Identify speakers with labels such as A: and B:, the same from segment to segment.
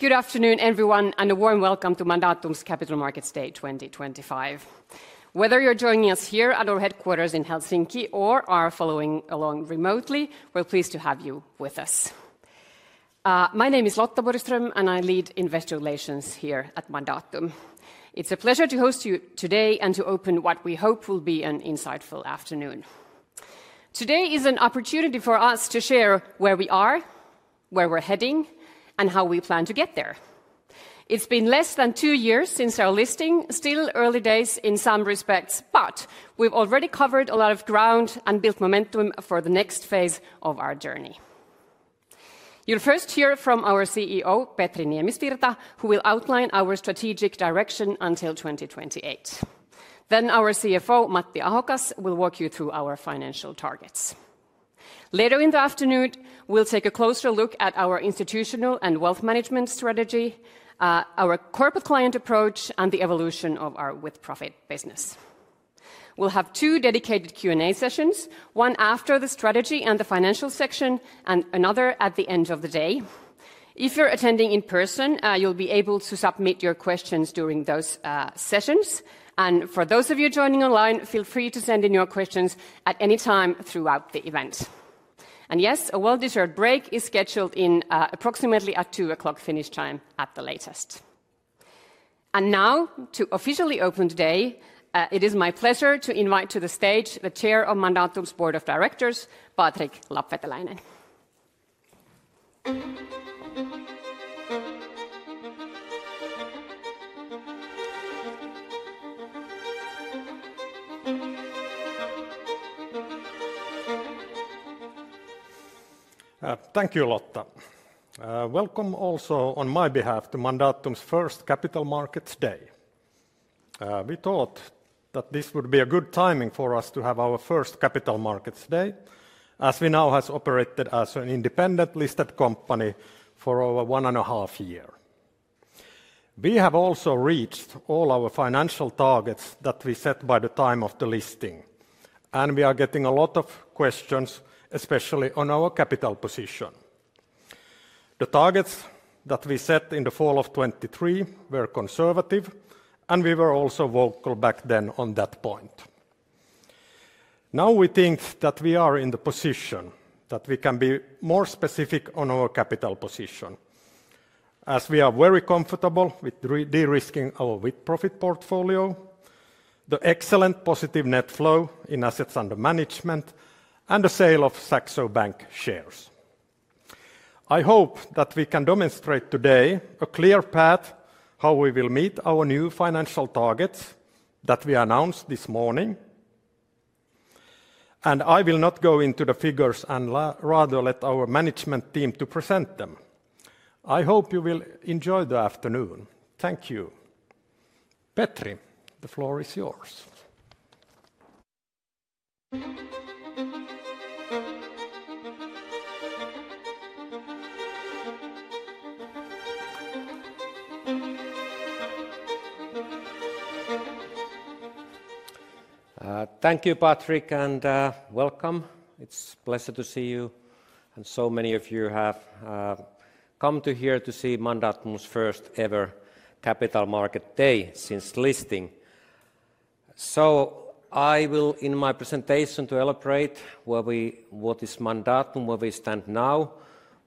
A: Good afternoon, everyone, and a warm welcome to Mandatum's Capital Markets Day 2025. Whether you're joining us here at our headquarters in Helsinki or are following along remotely, we're pleased to have you with us. My name is Lotta Borgström, and I lead investor relations here at Mandatum. It's a pleasure to host you today and to open what we hope will be an insightful afternoon. Today is an opportunity for us to share where we are, where we're heading, and how we plan to get there. It's been less than two years since our listing—still early days in some respects—but we've already covered a lot of ground and built momentum for the next phase of our journey. You'll first hear from our CEO, Petri Niemisvirta, who will outline our strategic direction until 2028. Then our CFO, Matti Ahokas, will walk you through our financial targets. Later in the afternoon, we'll take a closer look at our Institutional and Wealth Management strategy, our corporate client approach, and the evolution of our With-Profit Business. We'll have two dedicated Q&A sessions: one after the strategy and the financial section, and another at the end of the day. If you're attending in person, you'll be able to submit your questions during those sessions. For those of you joining online, feel free to send in your questions at any time throughout the event. Yes, a well-deserved break is scheduled in approximately at 2:00 P.M. Finnish time at the latest. Now, to officially open today, it is my pleasure to invite to the stage the Chair of Mandatum's Board of Directors, Patrick Lapveteläinen.
B: Thank you, Lotta. Welcome also on my behalf to Mandatum's First Capital Markets Day. We thought that this would be a good timing for us to have our first Capital Markets Day, as we now have operated as an independent listed company for over one and a half years. We have also reached all our financial targets that we set by the time of the listing, and we are getting a lot of questions, especially on our capital position. The targets that we set in the fall of 2023 were conservative, and we were also vocal back then on that point. Now we think that we are in the position that we can be more specific on our capital position, as we are very comfortable with de-risking our With-Profit Portfolio, the excellent positive net flow in assets under management, and the sale of Saxo Bank shares. I hope that we can demonstrate today a clear path how we will meet our new financial targets that we announced this morning, and I will not go into the figures and rather let our management team present them. I hope you will enjoy the afternoon. Thank you. Petri, the floor is yours.
C: Thank you, Patrick, and welcome. It's a pleasure to see you. So many of you have come here to see Mandatum's first-ever Capital Markets Day since listing. I will, in my presentation, elaborate on what Mandatum stands for now,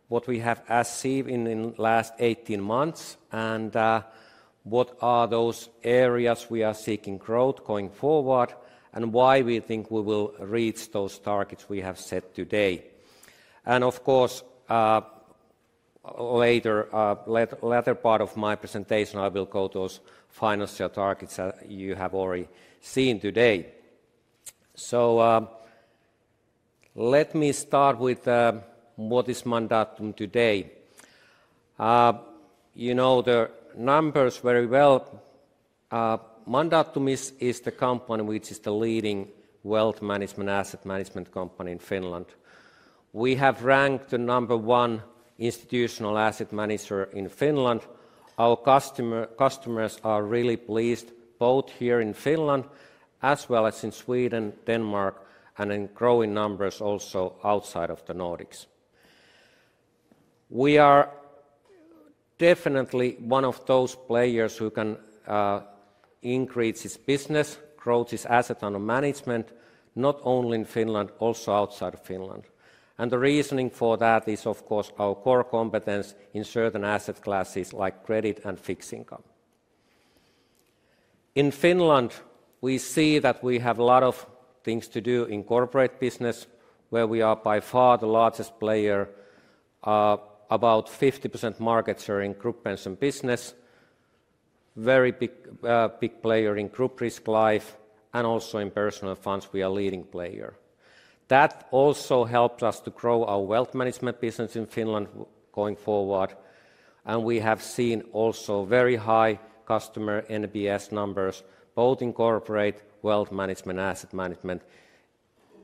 C: what we have achieved in the last 18 months, what are those areas we are seeking growth going forward, and why we think we will reach those targets we have set today. Of course, later, the latter part of my presentation, I will go to those financial targets that you have already seen today. Let me start with what Mandatum is today. You know the numbers very well. Mandatum is the company which is the leading Wealth Management Asset Management company in Finland. We have ranked the number one Institutional Asset Manager in Finland. Our customers are really pleased, both here in Finland as well as in Sweden, Denmark, and in growing numbers also outside of the Nordics. We are definitely one of those players who can increase its business, grow its assets under management, not only in Finland, also outside of Finland. The reasoning for that is, of course, our core competence in certain asset classes like credit and fixed income. In Finland, we see that we have a lot of things to do in Corporate Business, where we are by far the largest player. About 50% of the market share is in Group Pension Business, a very big player in Group Risk-Life, and also in Personnel Funds, we are a leading player. That also helps us to grow our Wealth Management Business in Finland going forward. We have seen also very high customer NPS numbers, both in Corporate Wealth Management and Asset Management,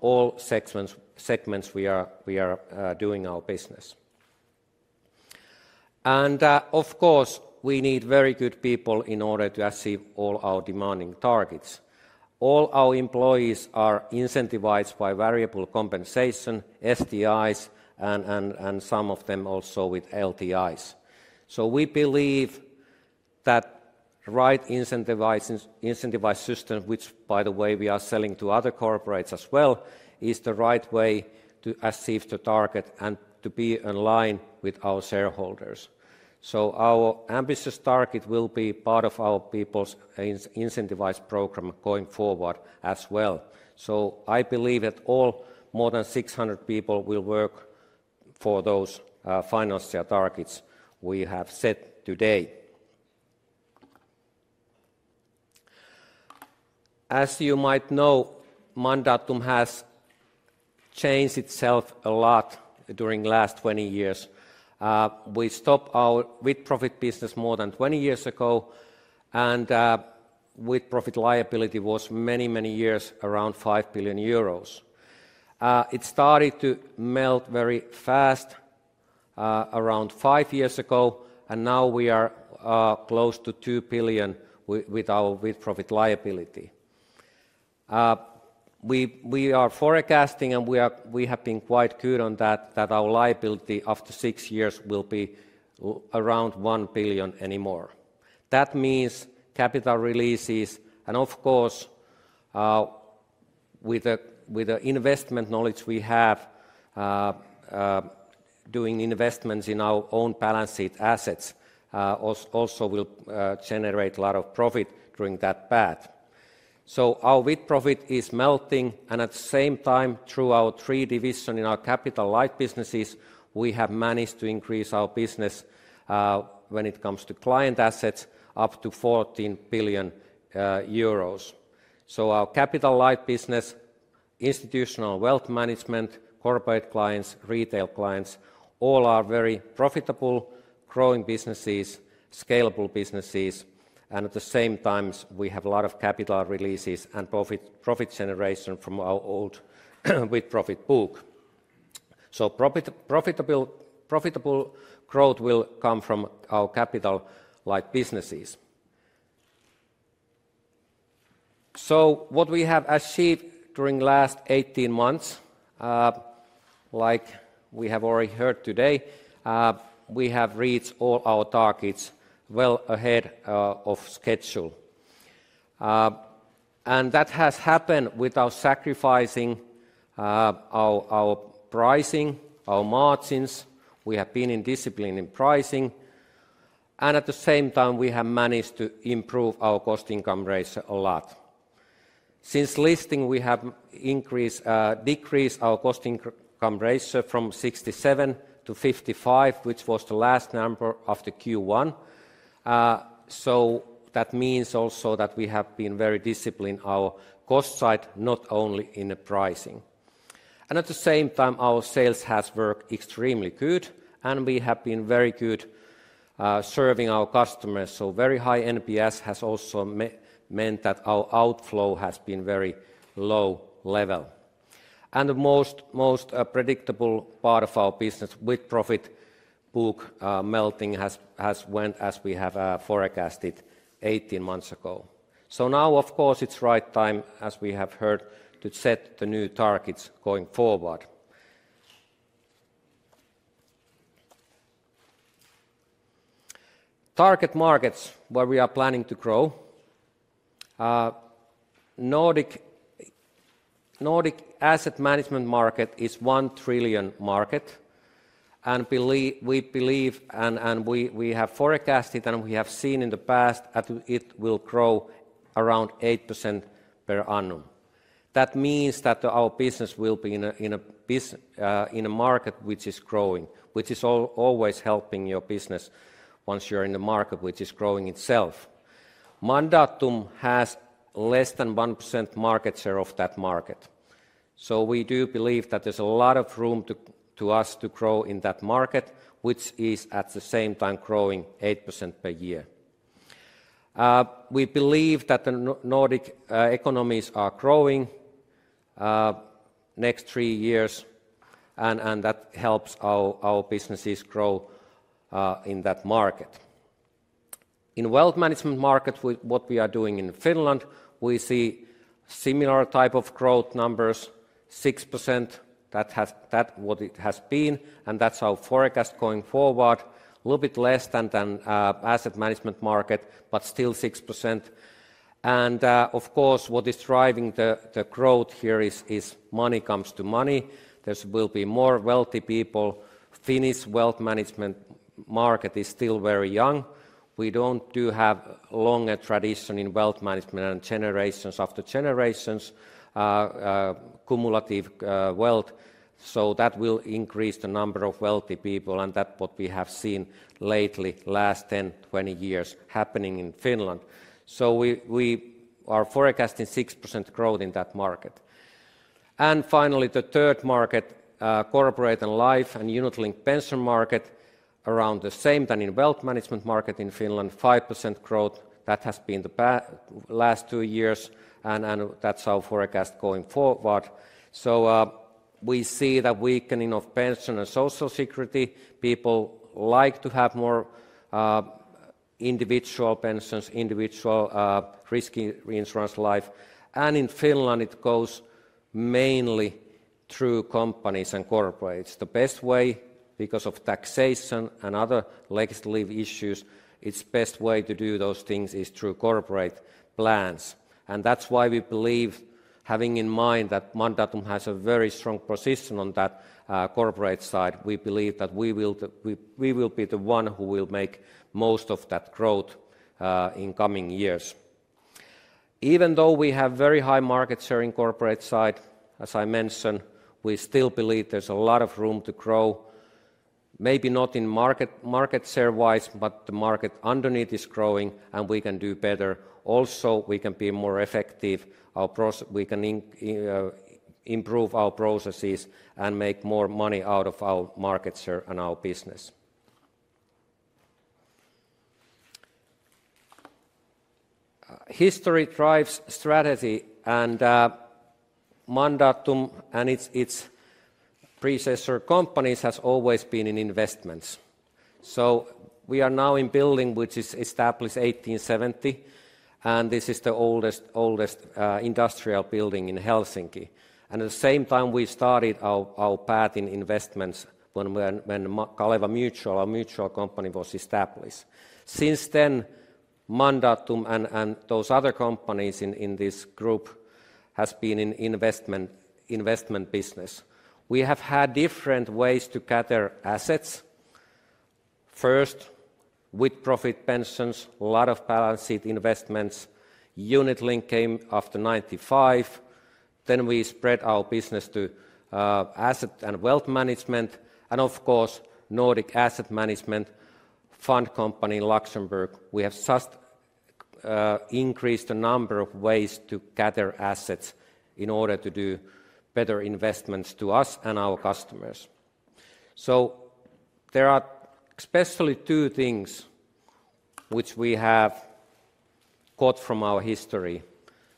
C: all segments where we are doing our business. Of course, we need very good people in order to achieve all our demanding targets. All our employees are incentivized by variable compensation, STIs, and some of them also with LTIs. We believe that the right incentivized system, which, by the way, we are selling to other corporates as well, is the right way to achieve the target and to be in line with our shareholders. Our ambitious target will be part of our people's incentivized program going forward as well. I believe that more than 600 people will work for those financial targets we have set today. As you might know, Mandatum has changed itself a lot during the last 20 years. We stopped our With-Profit Business more than 20 years ago, and With-Profit liability was many, many years around 5 billion euros. It started to melt very fast around five years ago, and now we are close to 2 billion with our With-Profit liability. We are forecasting, and we have been quite good on that, that our liability after six years will be around 1 billion anymore. That means capital releases, and of course, with the investment knowledge we have, doing investments in our own balance sheet assets also will generate a lot of profit during that path. Our With-Profit is melting, and at the same time, through our three divisions in our Capital-Light Businesses, we have managed to increase our business when it comes to client assets up to 14 billion euros. Our Capital-Light Business, Institutional Wealth Management, Corporate Clients, Retail Clients, all are very profitable, growing businesses, scalable businesses, and at the same time, we have a lot of capital releases and profit generation from our old With-Profit book. Profitable growth will come from our Capital-Light Businesses. What we have achieved during the last 18 months, like we have already heard today, we have reached all our targets well ahead of schedule. That has happened without sacrificing our pricing, our margins. We have been in discipline in pricing, and at the same time, we have managed to improve our cost income ratio a lot. Since listing, we have decreased our cost income ratio from 67% to 55%, which was the last number of the Q1. That means also that we have been very disciplined on our cost side, not only in the pricing. At the same time, our sales have worked extremely good, and we have been very good at serving our customers. Very high NPS has also meant that our outflow has been very low level. The most predictable part of our business, With-Profit book melting, has went as we have forecasted 18 months ago. Of course, it is the right time, as we have heard, to set the new targets going forward. Target markets where we are planning to grow. Nordic Asset Management market is a 1 trillion market, and we believe, and we have forecasted and we have seen in the past that it will grow around 8% per annum. That means that our business will be in a market which is growing, which is always helping your business once you are in the market which is growing itself. Mandatum has less than 1% market share of that market. We do believe that there is a lot of room for us to grow in that market, which is at the same time growing 8% per year. We believe that the Nordic economies are growing in the next three years, and that helps our businesses grow in that market. In wealth management markets, what we are doing in Finland, we see a similar type of growth numbers, 6%, that is what it has been, and that is our forecast going forward. A little bit less than the Asset Management market, but still 6%. Of course, what is driving the growth here is money comes to money. There will be more wealthy people. Finnish wealth management market is still very young. We do not have a long tradition in wealth management and generations after generations of cumulative wealth. That will increase the number of wealthy people, and that's what we have seen lately, the last 10-20 years, happening in Finland. We are forecasting 6% growth in that market. Finally, the third market, corporate and life and unit-linked pension market, around the same time in wealth management market in Finland, 5% growth. That has been the last two years, and that's our forecast going forward. We see the weakening of pension and social security. People like to have more individual pensions, individual risky insurance life. In Finland, it goes mainly through companies and corporates. The best way, because of taxation and other legislative issues, the best way to do those things is through corporate plans. That is why we believe, having in mind that Mandatum has a very strong position on that corporate side, we believe that we will be the one who will make most of that growth in coming years. Even though we have very high market share in the corporate side, as I mentioned, we still believe there is a lot of room to grow, maybe not in market share-wise, but the market underneath is growing, and we can do better. Also, we can be more effective. We can improve our processes and make more money out of our market share and our business. History drives strategy, and Mandatum and its predecessor companies have always been in investments. We are now in a building which was established in 1870, and this is the oldest industrial building in Helsinki. At the same time, we started our path in investments when Kaleva Mutual, our mutual company, was established. Since then, Mandatum and those other companies in this group have been in investment business. We have had different ways to gather assets. First, With-Profit pensions, a lot of balance sheet investments. Unit-linked came after 1995. We spread our business to asset and wealth management. Of course, Nordic Asset Management Fund Company in Luxembourg. We have just increased the number of ways to gather assets in order to do better investments to us and our customers. There are especially two things which we have caught from our history.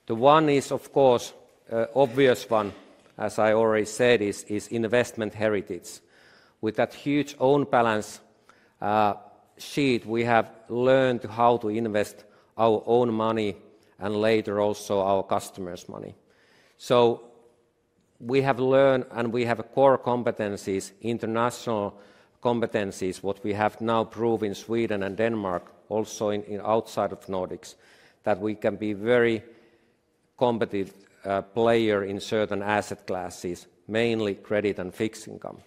C: The one is, of course, the obvious one, as I already said, is investment heritage. With that huge own balance sheet, we have learned how to invest our own money and later also our customers' money. We have learned, and we have core competencies, international competencies, what we have now proven in Sweden and Denmark, also outside of Nordics, that we can be a very competitive player in certain asset classes, mainly credit and fixed income.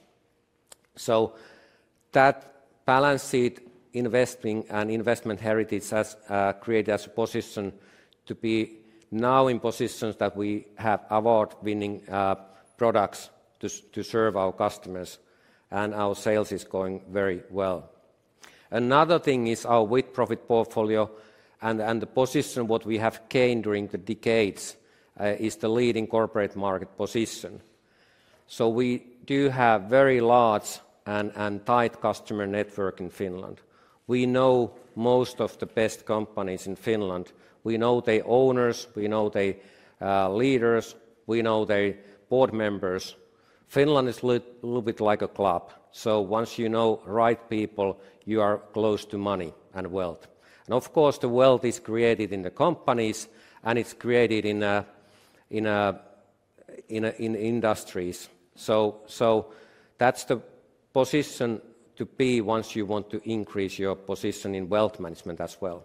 C: That balance sheet investing and investment heritage has created a position to be now in positions that we have award-winning products to serve our customers, and our sales are going very well. Another thing is our With-Profit Portfolio and the position what we have gained during the decades is the leading corporate market position. We do have a very large and tight customer network in Finland. We know most of the best companies in Finland. We know their owners. We know their leaders. We know their board members. Finland is a little bit like a club. Once you know the right people, you are close to money and wealth. Of course, the wealth is created in the companies, and it is created in industries. That is the position to be in once you want to increase your position in wealth management as well.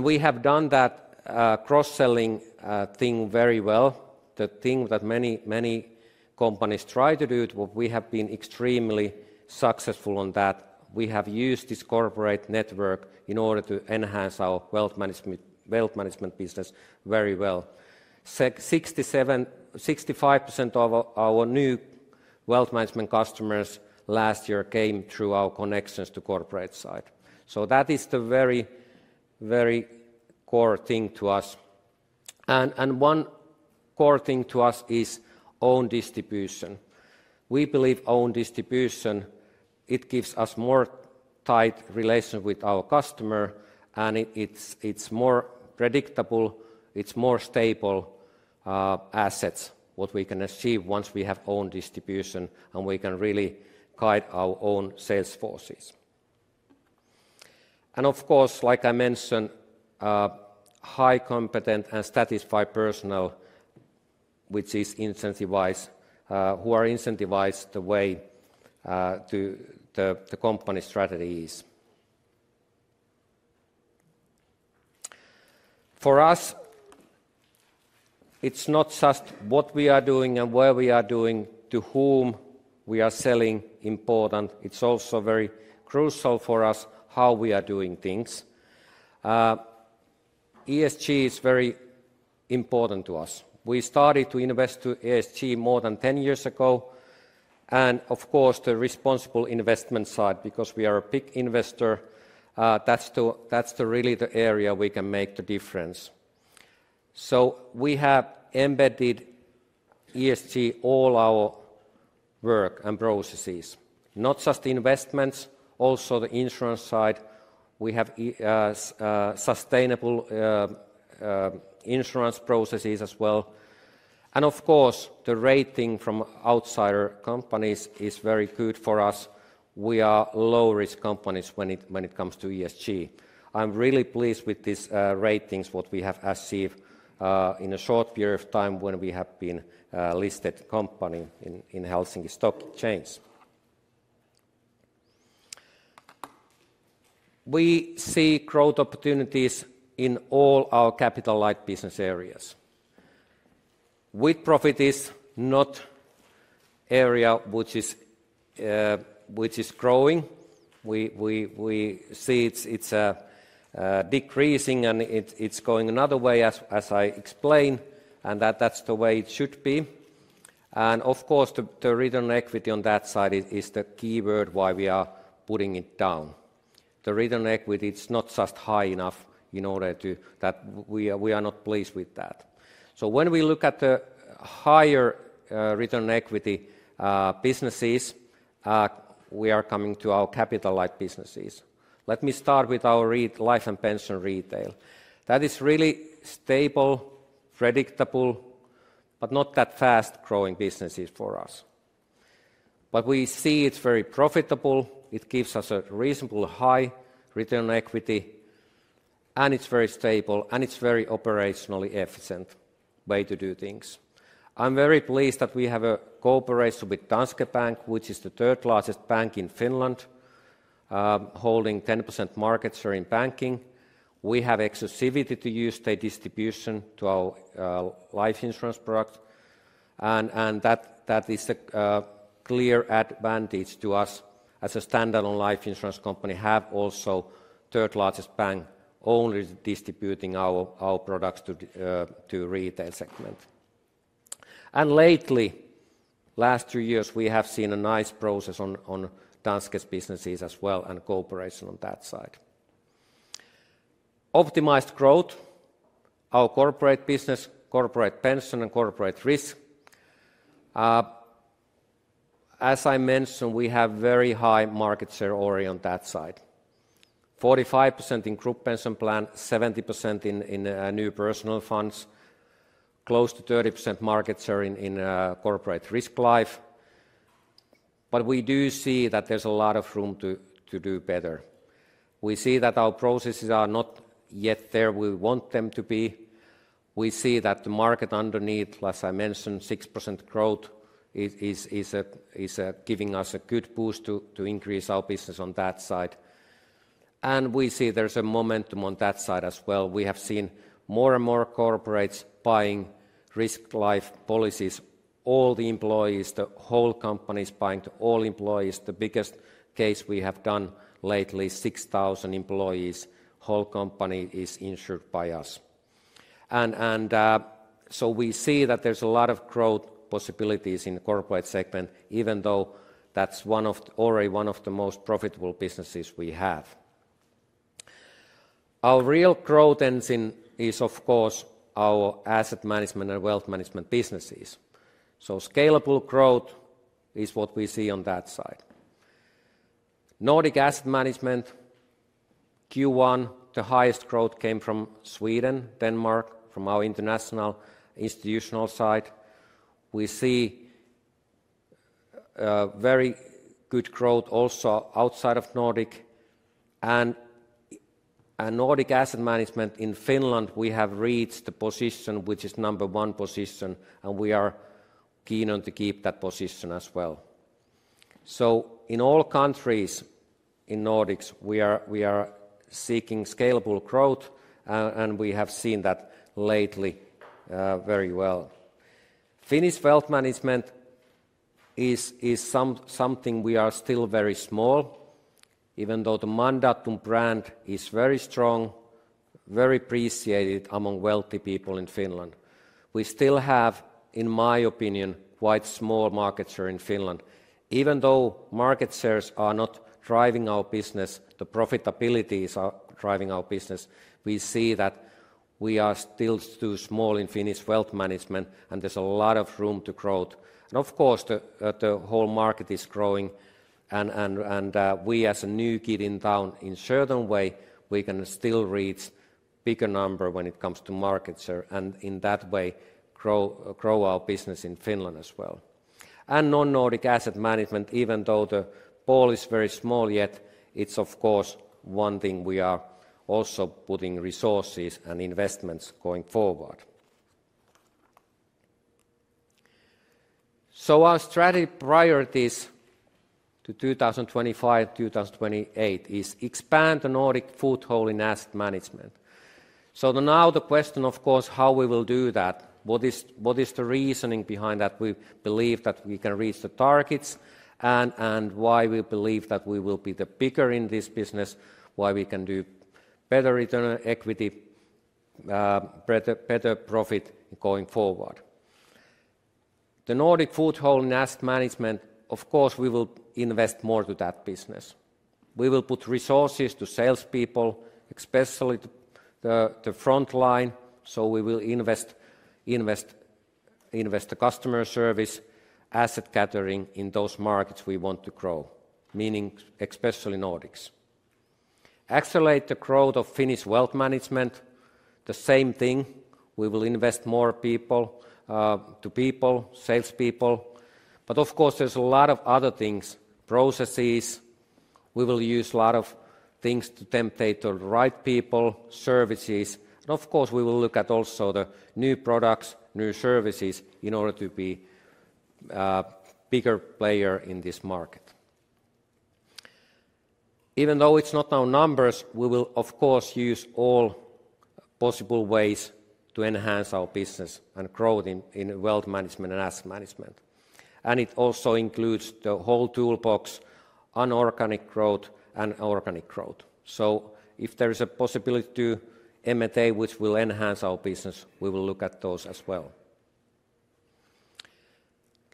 C: We have done that cross-selling thing very well. The thing that many companies try to do, we have been extremely successful on that. We have used this corporate network in order to enhance our wealth management business very well. 65% of our new wealth management customers last year came through our connections to the corporate side. That is the very, very core thing to us. One core thing to us is own distribution. We believe own distribution gives us a more tight relation with our customer, and it's more predictable, it's more stable assets what we can achieve once we have own distribution, and we can really guide our own sales forces. Of course, like I mentioned, high competence and satisfied personnel, which is incentivized, who are incentivized the way to the company strategies. For us, it's not just what we are doing and where we are doing, to whom we are selling important. It's also very crucial for us how we are doing things. ESG is very important to us. We started to invest in ESG more than 10 years ago. Of course, the responsible investment side, because we are a big investor, that's really the area we can make the difference. We have embedded ESG in all our work and processes, not just investments, also the insurance side. We have sustainable insurance processes as well. Of course, the rating from outsider companies is very good for us. We are low-risk companies when it comes to ESG. I'm really pleased with these ratings, what we have achieved in a short period of time when we have been a listed company in the Helsinki Stock Exchange. We see growth opportunities in all our Capital-Light Business areas. With-Profit is not an area which is growing. We see it's decreasing, and it's going another way, as I explained, and that's the way it should be. Of course, the return on equity on that side is the key word why we are putting it down. The return on equity is not just high enough in order to that we are not pleased with that. When we look at the higher return on equity businesses, we are coming to our Capital-Light Businesses. Let me start with our life and pension retail. That is really stable, predictable, but not that fast-growing businesses for us. We see it is very profitable. It gives us a reasonably high return on equity, and it is very stable, and it is a very operationally efficient way to do things. I am very pleased that we have a cooperation with Danske Bank, which is the third-largest bank in Finland, holding 10% market share in banking. We have exclusivity to use their distribution to our life insurance product. That is a clear advantage to us as a standalone life insurance company, to have also the third-largest bank only distributing our products to the Retail segment. Lately, the last two years, we have seen a nice process on Danske's businesses as well and cooperation on that side. Optimized growth, our Corporate Business, Corporate Pension, and Corporate Risk. As I mentioned, we have very high market share already on that side. 45% in group pension plan, 70% in new personnel funds, close to 30% market share in corporate risk-life. We do see that there is a lot of room to do better. We see that our processes are not yet where we want them to be. We see that the market underneath, as I mentioned, 6% growth is giving us a good boost to increase our business on that side. We see there is a momentum on that side as well. We have seen more and more corporates buying risk life policies, all the employees, the whole company is buying all employees. The biggest case we have done lately, 6,000 employees, the whole company is insured by us. We see that there's a lot of growth possibilities in the corporate segment, even though that's already one of the most profitable businesses we have. Our real growth engine is, of course, our Asset Management and Wealth Management Businesses. Scalable growth is what we see on that side. Nordic Asset Management, Q1, the highest growth came from Sweden, Denmark, from our international institutional side. We see very good growth also outside of Nordic. Nordic Asset Management in Finland, we have reached the position, which is number one position, and we are keen on to keep that position as well. In all countries in Nordics, we are seeking scalable growth, and we have seen that lately very well. Finnish Wealth Management is something we are still very small, even though the Mandatum brand is very strong, very appreciated among wealthy people in Finland. We still have, in my opinion, quite small market share in Finland. Even though market shares are not driving our business, the profitability is driving our business. We see that we are still too small in Finnish Wealth Management, and there is a lot of room to grow. Of course, the whole market is growing, and we as a new kid in town, in a certain way, we can still reach a bigger number when it comes to market share and in that way grow our business in Finland as well. Non-Nordic Asset Management, even though the pool is very small yet, is of course one thing we are also putting resources and investments into going forward. Our strategy priorities to 2025-2028 is to expand the Nordic foothold in Asset Management. Now the question, of course, is how we will do that. What is the reasoning behind that we believe that we can reach the targets and why we believe that we will be the bigger in this business, why we can do better return on equity, better profit going forward. The Nordic foothold in Asset Management, of course, we will invest more to that business. We will put resources to salespeople, especially the front line. We will invest in customer service, asset gathering in those markets we want to grow, meaning especially Nordics. Accelerate the growth of Finnish Wealth Management, the same thing. We will invest more to people, salespeople. Of course, there's a lot of other things, processes. We will use a lot of things to tempt the right people, services. Of course, we will look at also the new products, new services in order to be a bigger player in this market. Even though it's not our numbers, we will, of course, use all possible ways to enhance our business and growth in Wealth Management and Asset Management. It also includes the whole toolbox, unorganic growth and organic growth. If there is a possibility to M&A, which will enhance our business, we will look at those as well.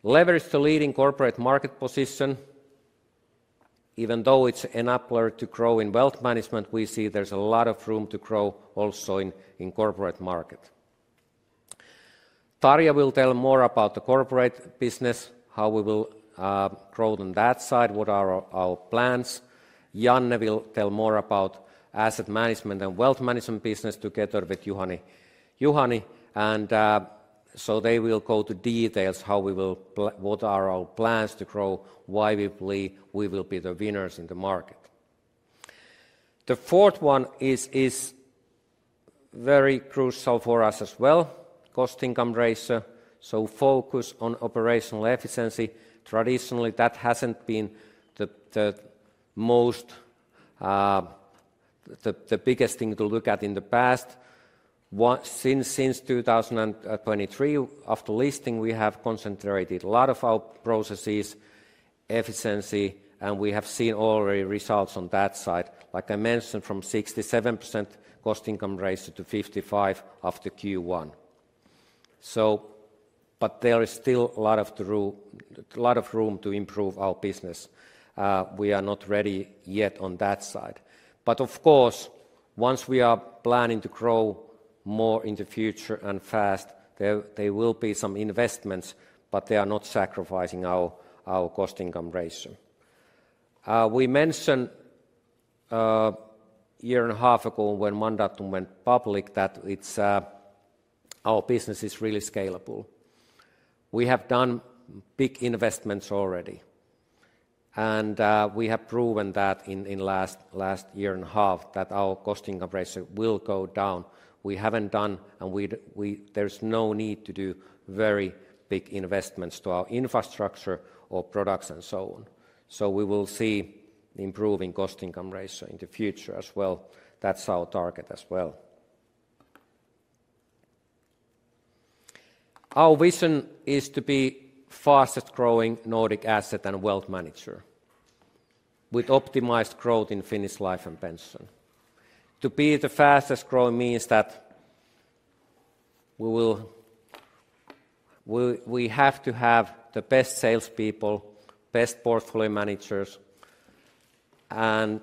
C: Leverage the leading corporate market position. Even though it's an upper to grow in wealth management, we see there's a lot of room to grow also in the corporate market. Tarja will tell more about the Corporate Business, how we will grow on that side, what are our plans. Janne will tell more about Asset Management and Wealth Management Business together with Juhani. They will go to details how we will, what are our plans to grow, why we believe we will be the winners in the market. The fourth one is very crucial for us as well, cost income ratio. Focus on operational efficiency. Traditionally, that has not been the biggest thing to look at in the past. Since 2023, after listing, we have concentrated a lot of our processes, efficiency, and we have seen already results on that side. Like I mentioned, from 67% cost income ratio to 55% after Q1. There is still a lot of room to improve our business. We are not ready yet on that side. Of course, once we are planning to grow more in the future and fast, there will be some investments, but they are not sacrificing our cost income ratio. We mentioned a year and a half ago when Mandatum went public that our business is really scalable. We have done big investments already. We have proven that in the last year and a half that our cost income ratio will go down. We have not done, and there is no need to do very big investments to our infrastructure or products and so on. We will see improving cost income ratio in the future as well. That is our target as well. Our vision is to be the fastest growing Nordic asset and wealth manager with optimized growth in Finnish life and pension. To be the fastest growing means that we have to have the best salespeople, best portfolio managers, and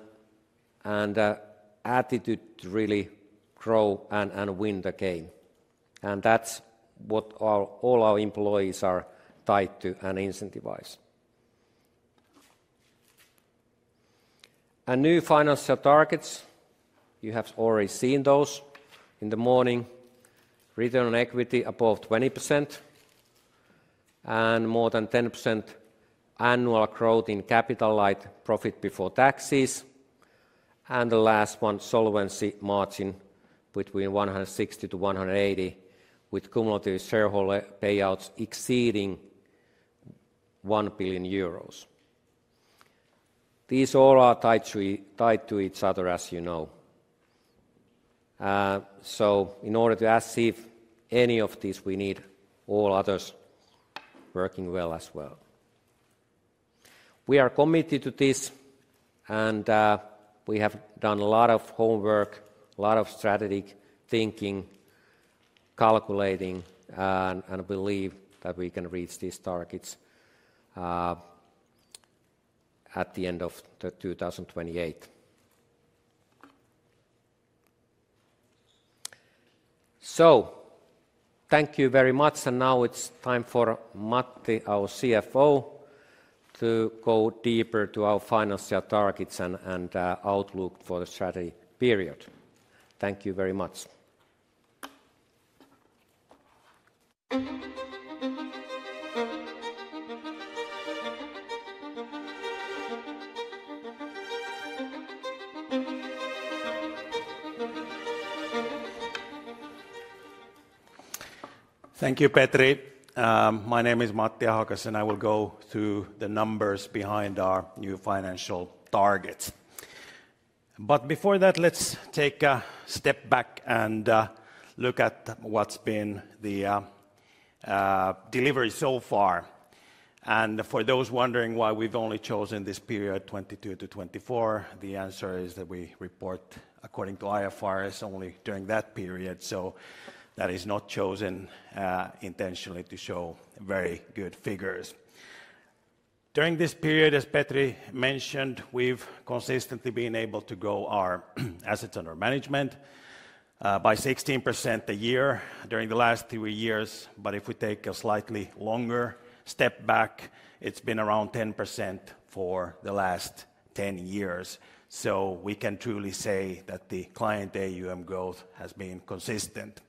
C: attitude to really grow and win the game. That is what all our employees are tied to and incentivized. And new financial targets. You have already seen those in the morning. Return on equity above 20% and more than 10% annual growth in Capital-Light Profit before taxes. The last one, solvency margin between 160%-180% with cumulative shareholder payouts exceeding 1 billion euros. These all are tied to each other, as you know. In order to achieve any of these, we need all others working well as well. We are committed to this, and we have done a lot of homework, a lot of strategic thinking, calculating, and believe that we can reach these targets at the end of 2028. Thank you very much. Now it is time for Matti, our CFO, to go deeper to our financial targets and outlook for the strategy period. Thank you very much.
D: Thank you, Petri. My name is Matti Ahokas, and I will go through the numbers behind our new financial targets. Before that, let's take a step back and look at what's been the delivery so far. For those wondering why we've only chosen this period, 2022 to 2024, the answer is that we report according to IFRS only during that period. That is not chosen intentionally to show very good figures. During this period, as Petri mentioned, we've consistently been able to grow our assets under management by 16% a year during the last three years. If we take a slightly longer step back, it's been around 10% for the last 10 years. We can truly say that the client AUM growth has been consistent.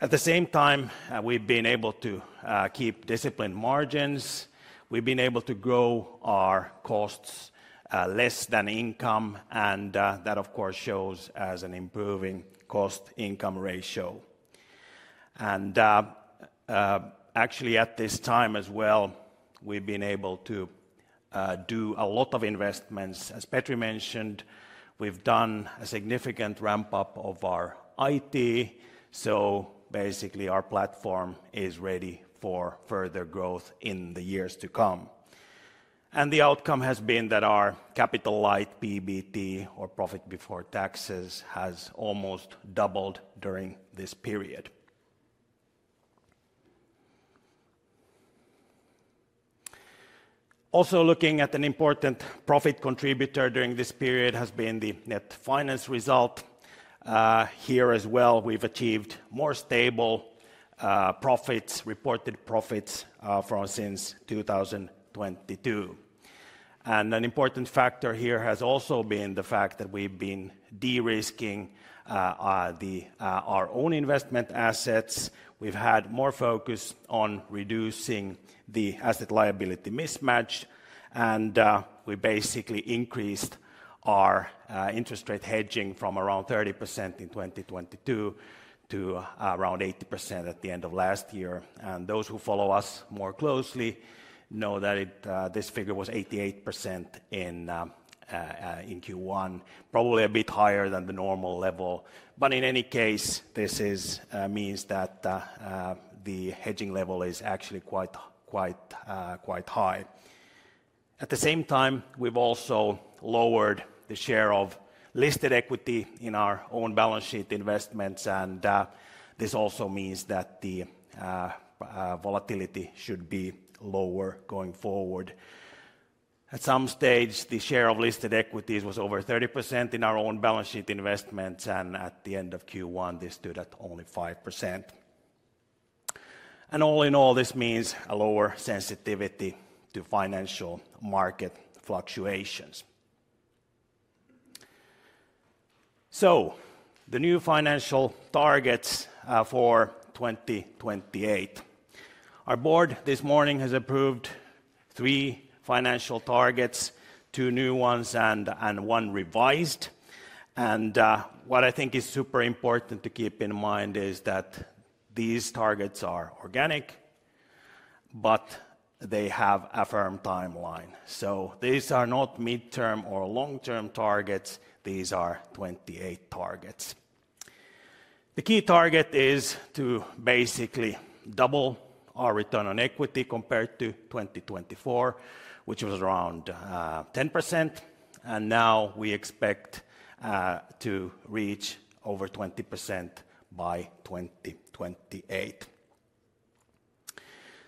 D: At the same time, we've been able to keep disciplined margins. We've been able to grow our costs less than income, and that, of course, shows as an improving cost income ratio. Actually, at this time as well, we've been able to do a lot of investments. As Petri mentioned, we've done a significant ramp-up of our IT. Basically, our platform is ready for further growth in the years to come. The outcome has been that our Capital-Light PBT, or profit before taxes, has almost doubled during this period. Also, looking at an important profit contributor during this period has been the net finance result. Here as well, we've achieved more stable profits, reported profits since 2022. An important factor here has also been the fact that we've been de-risking our own investment assets. We've had more focus on reducing the asset liability mismatch. We basically increased our interest rate hedging from around 30% in 2022 to around 80% at the end of last year. Those who follow us more closely know that this figure was 88% in Q1, probably a bit higher than the normal level. In any case, this means that the hedging level is actually quite high. At the same time, we've also lowered the share of listed equity in our own balance sheet investments. This also means that the volatility should be lower going forward. At some stage, the share of listed equities was over 30% in our own balance sheet investments. At the end of Q1, this stood at only 5%. All in all, this means a lower sensitivity to financial market fluctuations. The new financial targets for 2028. Our Board this morning has approved three financial targets, two new ones and one revised. What I think is super important to keep in mind is that these targets are organic, but they have a firm timeline. These are not midterm or long-term targets. These are 2028 targets. The key target is to basically double our return on equity compared to 2024, which was around 10%. Now we expect to reach over 20% by 2028.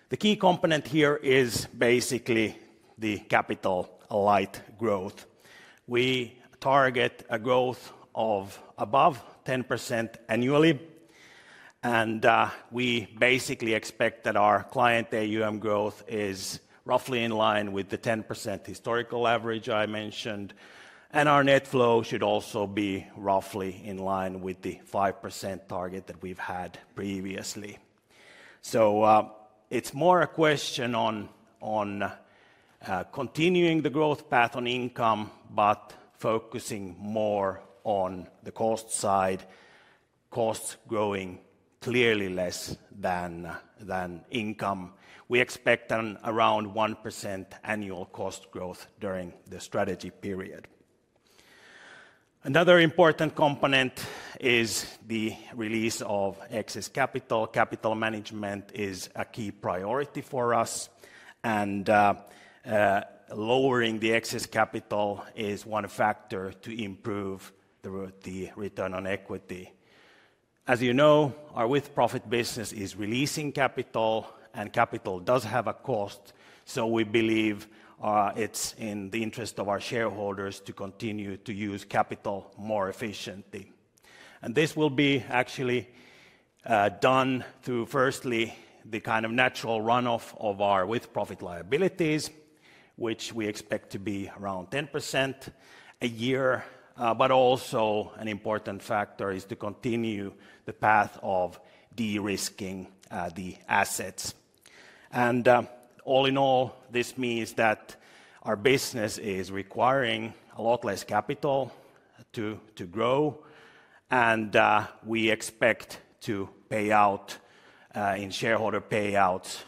D: The key component here is basically the Capital-Light growth. We target a growth of above 10% annually. We basically expect that our client AUM growth is roughly in line with the 10% historical average I mentioned. Our net flow should also be roughly in line with the 5% target that we've had previously. It is more a question on continuing the growth path on income, but focusing more on the cost side, costs growing clearly less than income. We expect around 1% annual cost growth during the strategy period. Another important component is the release of excess capital. Capital Management is a key priority for us. Lowering the excess capital is one factor to improve the return on equity. As you know, our With-Profit Business is releasing capital, and capital does have a cost. We believe it is in the interest of our shareholders to continue to use capital more efficiently. This will be actually done through, firstly, the kind of natural runoff of our With-Profit liabilities, which we expect to be around 10% a year. Also, an important factor is to continue the path of de-risking the assets. All in all, this means that our business is requiring a lot less capital to grow. We expect to pay out in shareholder payouts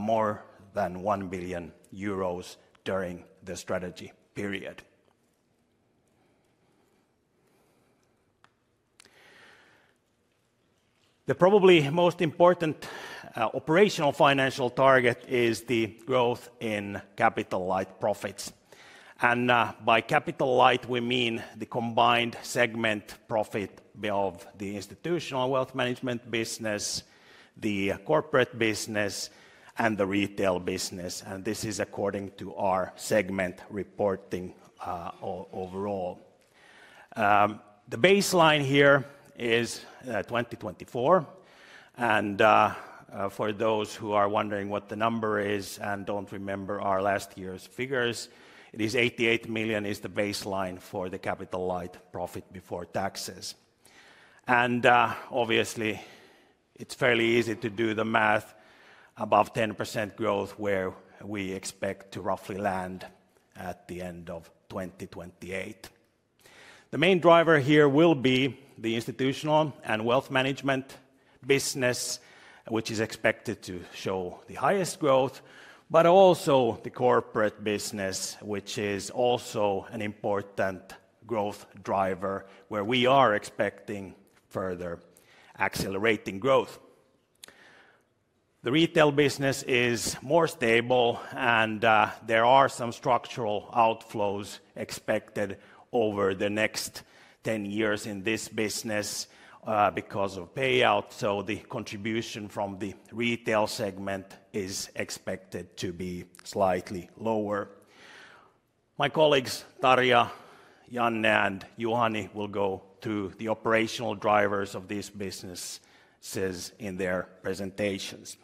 D: more than 1 billion euros during the strategy period. The probably most important operational financial target is the growth in Capital-Light Profits. By Capital-Light, we mean the combined segment profit of the Institutional Wealth Management Business, the Corporate Business, and the Retail Business. This is according to our segment reporting overall. The baseline here is 2024. For those who are wondering what the number is and do not remember our last year's figures, it is 88 million as the baseline for the Capital-Light Profit before taxes. Obviously, it is fairly easy to do the math above 10% growth where we expect to roughly land at the end of 2028. The main driver here will be the Institutional and Wealth Management Business, which is expected to show the highest growth, but also the Corporate Business, which is also an important growth driver where we are expecting further accelerating growth. The Retail Business is more stable, and there are some structural outflows expected over the next 10 years in this business because of payouts. The contribution from the Retail Segment is expected to be slightly lower. My colleagues, Tarja, Janne, and Juhani, will go to the operational drivers of these businesses in their presentations.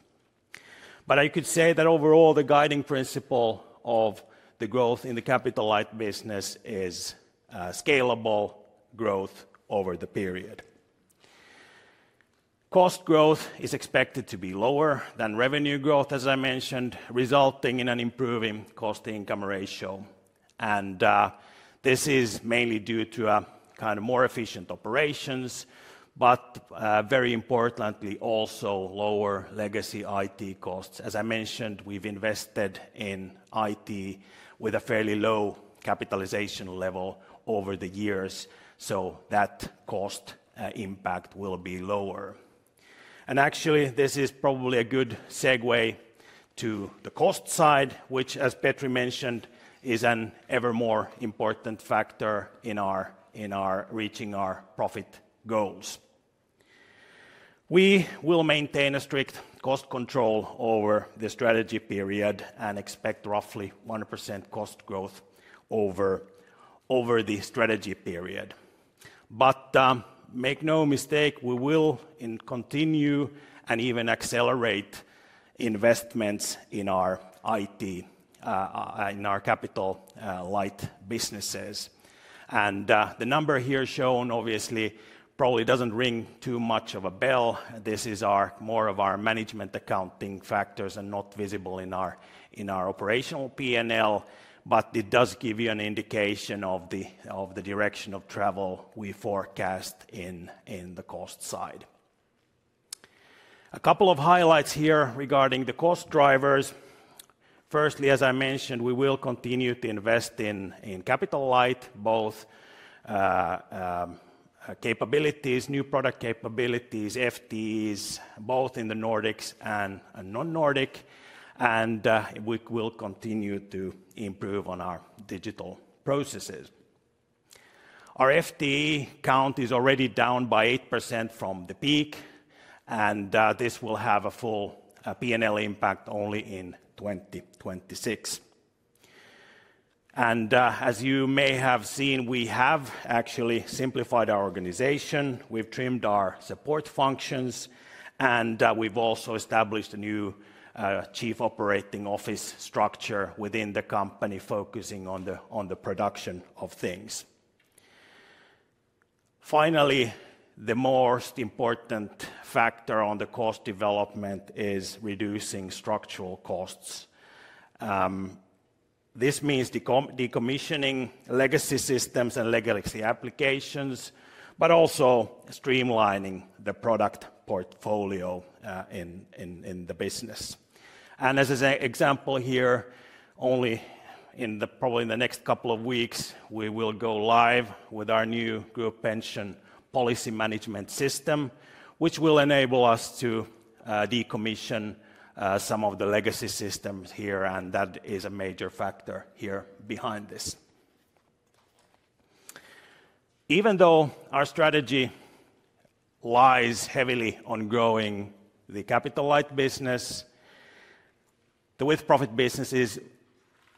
D: I could say that overall, the guiding principle of the growth in the Capital-Light Business is scalable growth over the period. Cost growth is expected to be lower than revenue growth, as I mentioned, resulting in an improving cost-to-income ratio. This is mainly due to kind of more efficient operations, but very importantly, also lower legacy IT costs. As I mentioned, we've invested in IT with a fairly low capitalization level over the years, so that cost impact will be lower. Actually, this is probably a good segue to the cost side, which, as Petri mentioned, is an ever more important factor in reaching our profit goals. We will maintain a strict cost control over the strategy period and expect roughly 1% cost growth over the strategy period. Make no mistake, we will continue and even accelerate investments in our Capital-Light Businesses. The number here shown, obviously, probably does not ring too much of a bell. This is more of our management accounting factors and not visible in our operational P&L, but it does give you an indication of the direction of travel we forecast in the cost side. A couple of highlights here regarding the cost drivers. Firstly, as I mentioned, we will continue to invest in Capital-Light, both capabilities, new product capabilities, FTEs, both in the Nordics and non-Nordic. We will continue to improve on our digital processes. Our FTE count is already down by 8% from the peak, and this will have a full P&L impact only in 2026. As you may have seen, we have actually simplified our organization. We've trimmed our support functions, and we've also established a new chief operating office structure within the company focusing on the production of things. Finally, the most important factor on the cost development is reducing structural costs. This means decommissioning legacy systems and legacy applications, but also streamlining the product portfolio in the business. As an example here, only in probably the next couple of weeks, we will go live with our new group pension policy management system, which will enable us to decommission some of the legacy systems here, and that is a major factor here behind this. Even though our strategy lies heavily on growing the Capital-Light Business, the With-Profit Business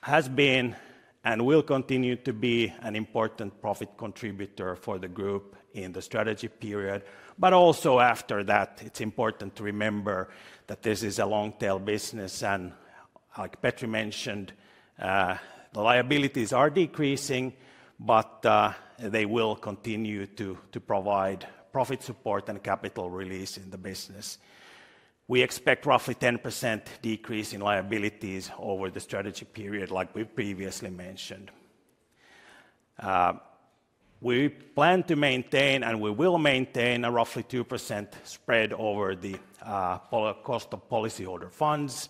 D: has been and will continue to be an important profit contributor for the group in the strategy period. It is also important to remember that this is a long-tail business. Like Petri mentioned, the liabilities are decreasing, but they will continue to provide profit support and capital release in the business. We expect roughly 10% decrease in liabilities over the strategy period, like we previously mentioned. We plan to maintain, and we will maintain, a roughly 2% spread over the cost of policyholder funds.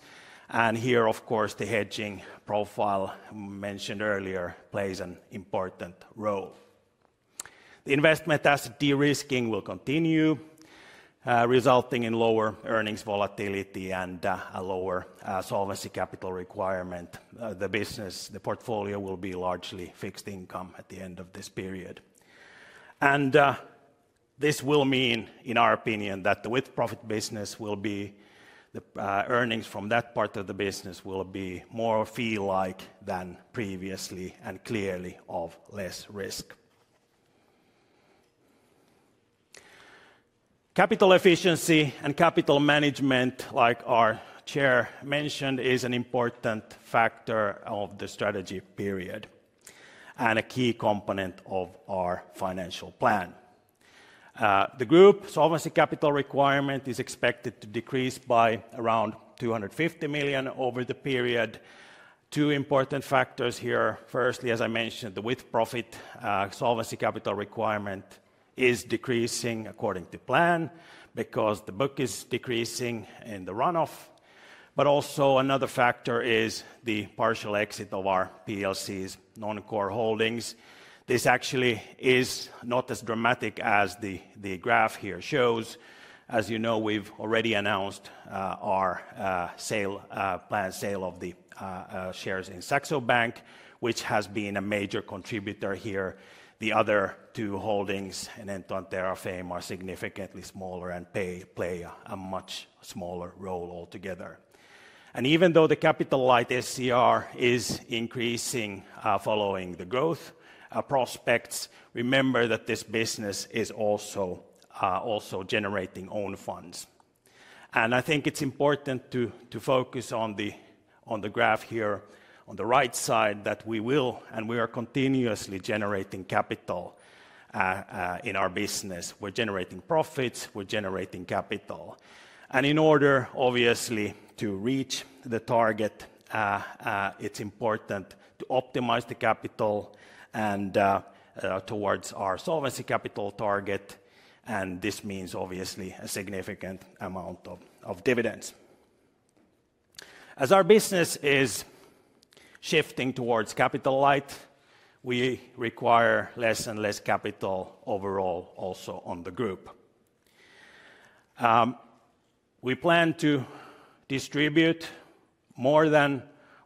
D: Here, of course, the hedging profile mentioned earlier plays an important role. The investment asset de-risking will continue, resulting in lower earnings volatility and a lower solvency capital requirement. The business, the portfolio will be largely fixed income at the end of this period. This will mean, in our opinion, that the With-Profit Business will be, the earnings from that part of the business will be more fee-like than previously and clearly of less risk. Capital Efficiency and Capital Management, like our Chair mentioned, is an important factor of the strategy period and a key component of our financial plan. The group Solvency Capital Requirement is expected to decrease by around 250 million over the period. Two important factors here. Firstly, as I mentioned, the With-Profit Solvency Capital Requirement is decreasing according to plan because the book is decreasing in the runoff. Also, another factor is the partial exit of our PLC's non-core holdings. This actually is not as dramatic as the graph here shows. As you know, we've already announced our planned sale of the shares in Saxo Bank, which has been a major contributor here. The other two holdings, Enento and Terrafame, are significantly smaller and play a much smaller role altogether. Even though the Capital-Light SCR is increasing following the growth prospects, remember that this business is also generating own funds. I think it's important to focus on the graph here on the right side that we will and we are continuously generating capital in our business. We're generating profits, we're generating capital. In order, obviously, to reach the target, it's important to optimize the capital towards our solvency capital target. This means, obviously, a significant amount of dividends. As our business is shifting towards Capital-Light, we require less and less capital overall also on the group. We plan to distribute more than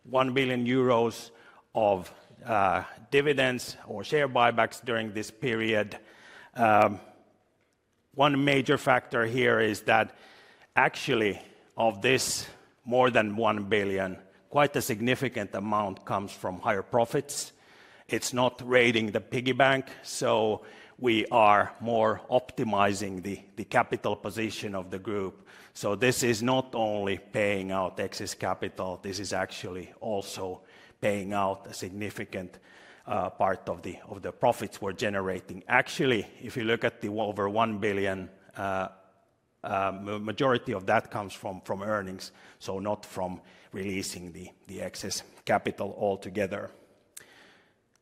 D: 1 billion euros of dividends or share buybacks during this period. One major factor here is that actually of this more than 1 billion, quite a significant amount comes from higher profits. It's not raiding the piggy bank, so we are more optimizing the capital position of the group. This is not only paying out excess capital, this is actually also paying out a significant part of the profits we're generating. Actually, if you look at the over 1 billion, the majority of that comes from earnings, so not from releasing the excess capital altogether.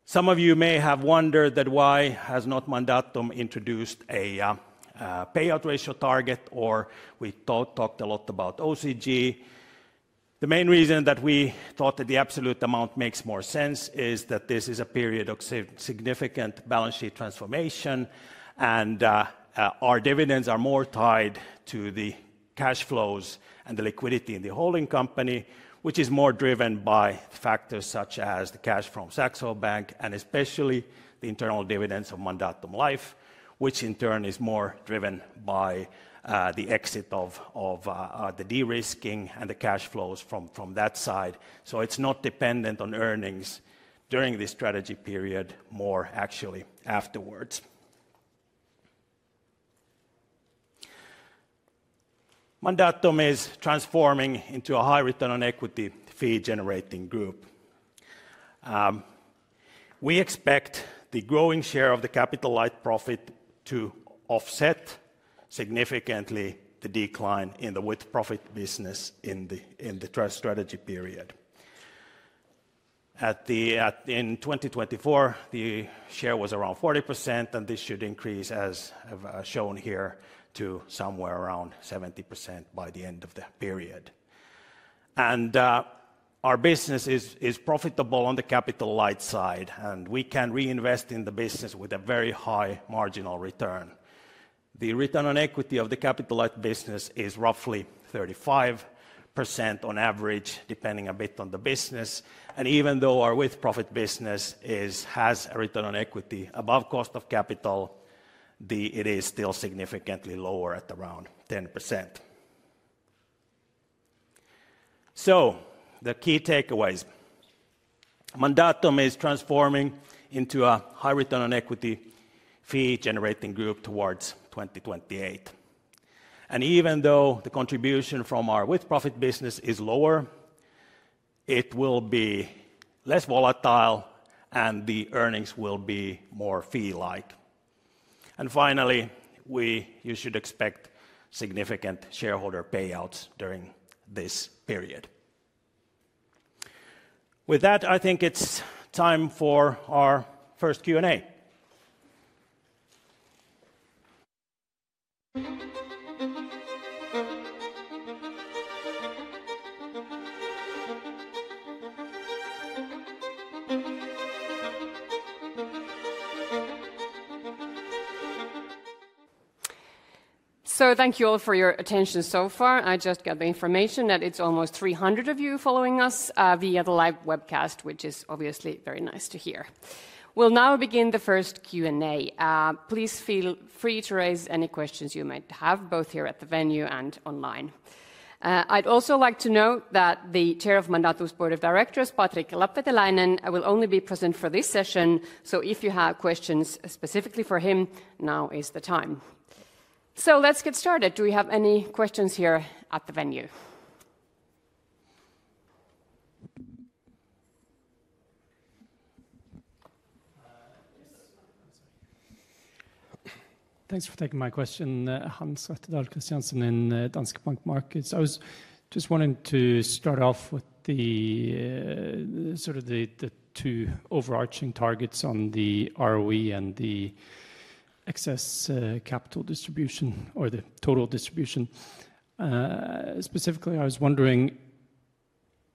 D: Some of you may have wondered that why has not Mandatum introduced a payout ratio target or we talked a lot about OCG. The main reason that we thought that the absolute amount makes more sense is that this is a period of significant balance sheet transformation and our dividends are more tied to the cash flows and the liquidity in the holding company, which is more driven by factors such as the cash from Saxo Bank and especially the internal dividends of Mandatum Life, which in turn is more driven by the exit of the de-risking and the cash flows from that side. It is not dependent on earnings during the strategy period, more actually afterwards. Mandatum is transforming into a high return on equity fee-generating group. We expect the growing share of the Capital-Light Profit to offset significantly the decline in the With-Profit Business in the strategy period. In 2024, the share was around 40% and this should increase, as shown here, to somewhere around 70% by the end of the period. Our business is profitable on the Capital-Light side and we can reinvest in the business with a very high marginal return. The return on equity of the Capital-Light Business is roughly 35% on average, depending a bit on the business. Even though our With-Profit Business has a return on equity above cost of capital, it is still significantly lower at around 10%. The key takeaways, Mandatum is transforming into a high return on equity fee-generating group towards 2028. Even though the contribution from our With-Profit Business is lower, it will be less volatile and the earnings will be more fee-like. Finally, you should expect significant shareholder payouts during this period. With that, I think it's time for our first Q&A.
A: Thank you all for your attention so far. I just got the information that it's almost 300 of you following us via the live webcast, which is obviously very nice to hear. We'll now begin the first Q&A. Please feel free to raise any questions you might have, both here at the venue and online. I'd also like to note that the Chair of Mandatum's Board of Directors, Patrick Lapveteläinen, will only be present for this session, so if you have questions specifically for him, now is the time. Let's get started. Do we have any questions here at the venue?
E: Thanks for taking my question, Hans Rettedal Christiansen in Danske Bank Markets. I was just wanting to start off with the sort of the two overarching targets on the ROE and the excess capital distribution or the total distribution. Specifically, I was wondering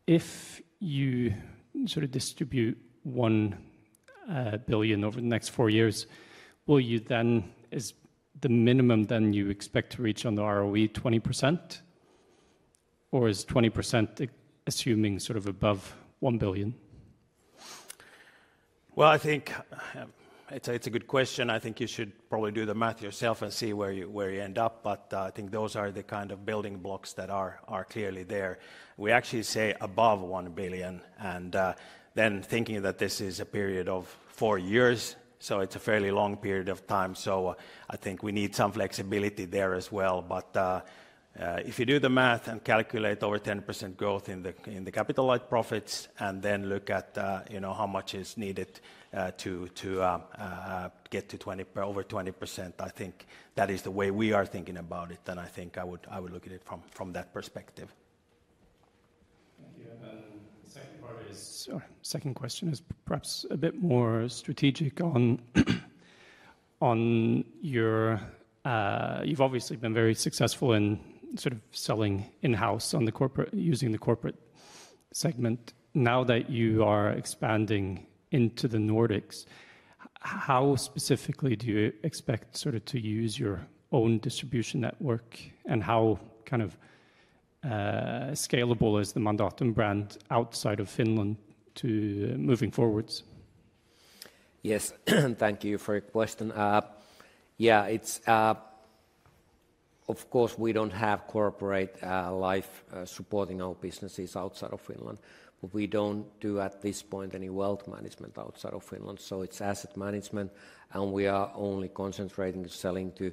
E: if you sort of distribute 1 billion over the next four years, will you then, is the minimum then you expect to reach on the ROE 20% or is 20% assuming sort of above 1 billion?
D: I think it's a good question. I think you should probably do the math yourself and see where you end up, but I think those are the kind of building blocks that are clearly there. We actually say above 1 billion and then thinking that this is a period of four years, so it's a fairly long period of time. I think we need some flexibility there as well. If you do the math and calculate over 10% growth in the Capital-Light Profits and then look at how much is needed to get to over 20%, I think that is the way we are thinking about it. I think I would look at it from that perspective.
E: Thank you. The second part is, sorry, second question is perhaps a bit more strategic on your, you've obviously been very successful in sort of selling in-house on the corporate, using the corporate segment. Now that you are expanding into the Nordics, how specifically do you expect sort of to use your own distribution network and how kind of scalable is the Mandatum brand outside of Finland moving forwards?
C: Yes, thank you for your question. Yeah, it's, of course, we don't have corporate life supporting our businesses outside of Finland, but we don't do at this point any wealth management outside of Finland. It is Asset Management and we are only concentrating selling to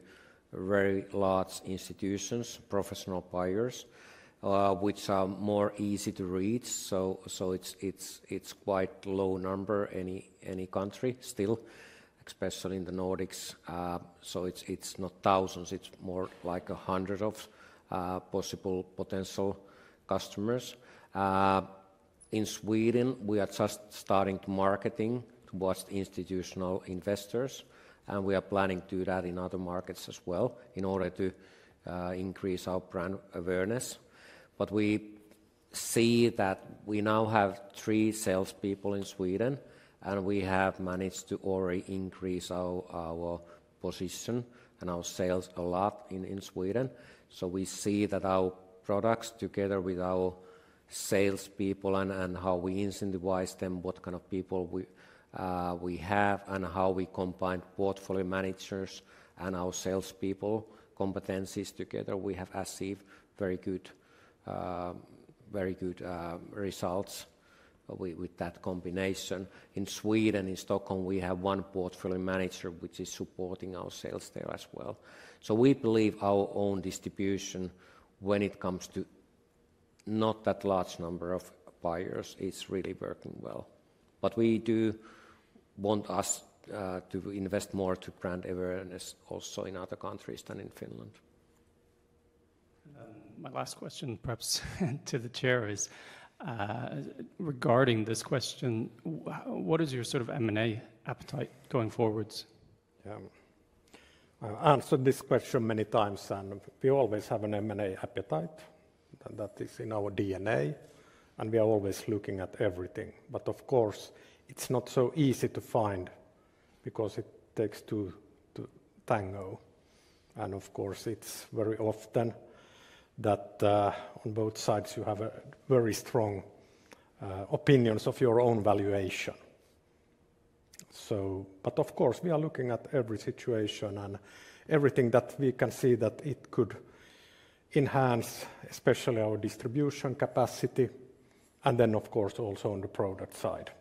C: very large institutions, professional buyers, which are more easy to reach. It is quite a low number any country still, especially in the Nordics. It's not thousands, it's more like a hundred of possible potential customers. In Sweden, we are just starting marketing to both institutional investors and we are planning to do that in other markets as well in order to increase our brand awareness. We see that we now have three salespeople in Sweden and we have managed to already increase our position and our sales a lot in Sweden. We see that our products together with our salespeople and how we incentivize them, what kind of people we have and how we combine portfolio managers and our salespeople competencies together, we have achieved very good results with that combination. In Sweden, in Stockholm, we have one portfolio manager which is supporting our sales there as well. We believe our own distribution when it comes to not that large number of buyers is really working well. We do want us to invest more to brand awareness also in other countries than in Finland.
E: My last question perhaps to the Chair is regarding this question, what is your sort of M&A appetite going forwards?
B: Yeah, I've answered this question many times and we always have an M&A appetite and that is in our DNA and we are always looking at everything. Of course, it's not so easy to find because it takes two to tango. Of course, it's very often that on both sides you have very strong opinions of your own valuation. Of course, we are looking at every situation and everything that we can see that it could enhance, especially our distribution capacity. Then of course, also on the product side,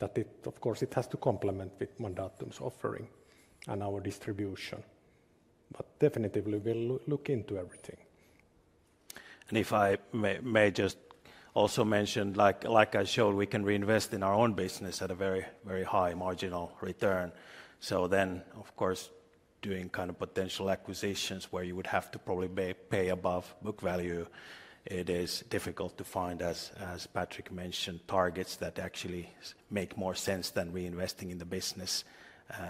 B: it has to complement with Mandatum's offering and our distribution. But definitely we'll look into everything.
D: If I may just also mention, like I showed, we can reinvest in our own business at a very, very high marginal return. Of course, doing kind of potential acquisitions where you would have to probably pay above book value, it is difficult to find, as Patrick mentioned, targets that actually make more sense than reinvesting in the business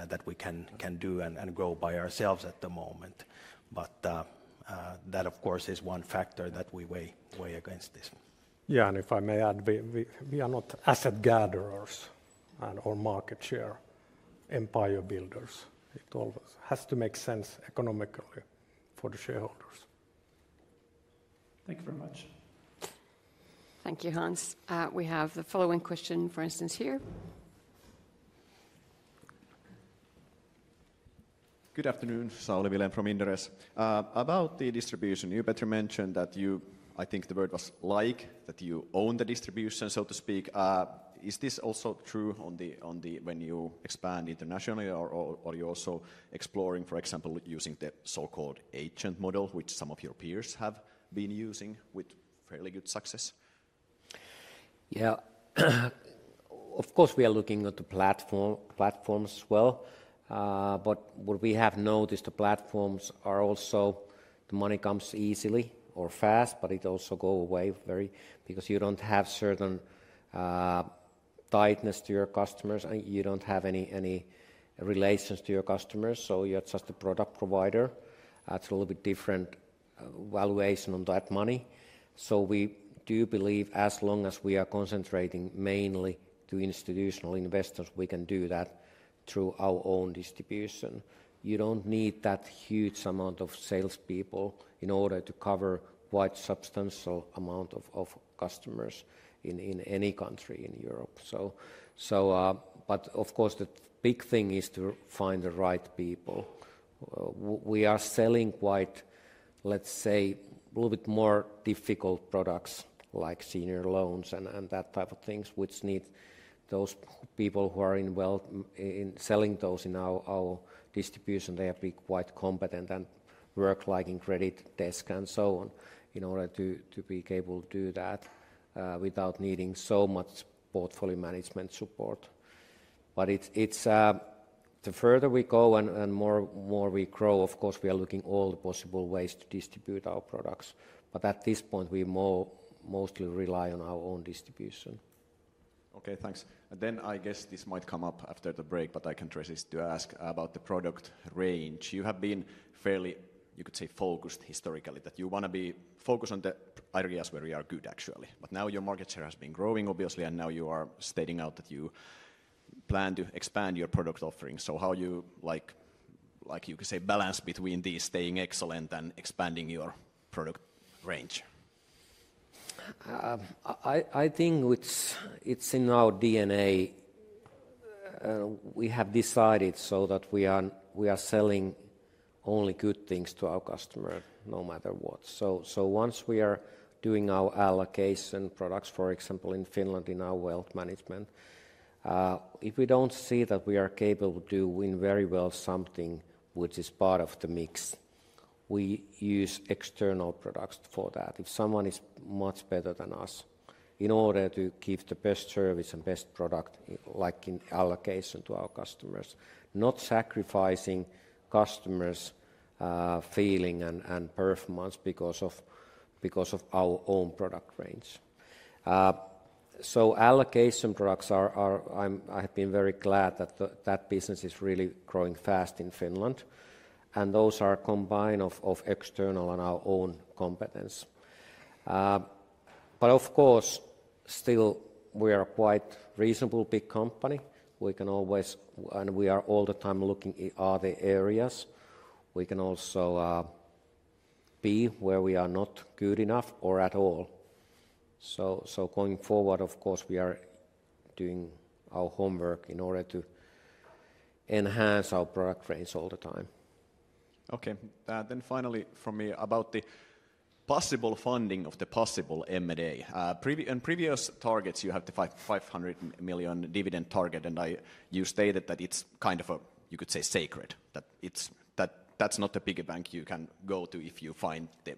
D: that we can do and grow by ourselves at the moment. That, of course, is one factor that we weigh against this.
B: Yeah, if I may add, we are not asset gatherers or market share empire builders. It always has to make sense economically for the shareholders.
E: Thank you very much.
A: Thank you, Hans. We have the following question, for instance, here.
F: Good afternoon, Sauli Vilén from Inderes. About the distribution, you better mention that you, I think the word was like, that you own the distribution, so to speak. Is this also true when you expand internationally or are you also exploring, for example, using the so-called agent model, which some of your peers have been using with fairly good success?
C: Yeah, of course, we are looking at the platforms as well. What we have noticed, the platforms are also, the money comes easily or fast, but it also goes away very because you do not have certain tightness to your customers and you do not have any relations to your customers. You are just a product provider. It is a little bit different valuation on that money. We do believe as long as we are concentrating mainly to institutional investors, we can do that through our own distribution. You do not need that huge amount of salespeople in order to cover quite substantial amount of customers in any country in Europe. Of course, the big thing is to find the right people. We are selling quite, let's say, a little bit more difficult products like senior loans and that type of things, which need those people who are in wealth in selling those in our distribution. They have to be quite competent and work like in credit desk and so on in order to be able to do that without needing so much portfolio management support. The further we go and the more we grow, of course, we are looking at all the possible ways to distribute our products. At this point, we mostly rely on our own distribution.
F: Okay, thanks. I guess this might come up after the break, but I can try to ask about the product range. You have been fairly, you could say, focused historically that you want to be focused on the areas where you are good, actually. Now your market share has been growing, obviously, and now you are stating out that you plan to expand your product offering. How do you, like you could say, balance between these staying excellent and expanding your product range?
C: I think it is in our DNA. We have decided so that we are selling only good things to our customers no matter what. Once we are doing our allocation products, for example, in Finland in our wealth management, if we do not see that we are capable to do very well something which is part of the mix, we use external products for that. If someone is much better than us in order to give the best service and best product, like in allocation to our customers, not sacrificing customers' feeling and performance because of our own product range. Allocation products, I have been very glad that that business is really growing fast in Finland. Those are combined of external and our own competence. Of course, still we are quite reasonable, big company. We can always, and we are all the time looking at other areas. We can also be where we are not good enough or at all. Going forward, of course, we are doing our homework in order to enhance our product range all the time.
F: Okay. Then finally for me about the possible funding of the possible M&A. In previous targets, you have the 500 million dividend target, and you stated that it's kind of a, you could say, sacred, that that's not a piggy bank you can go to if you find the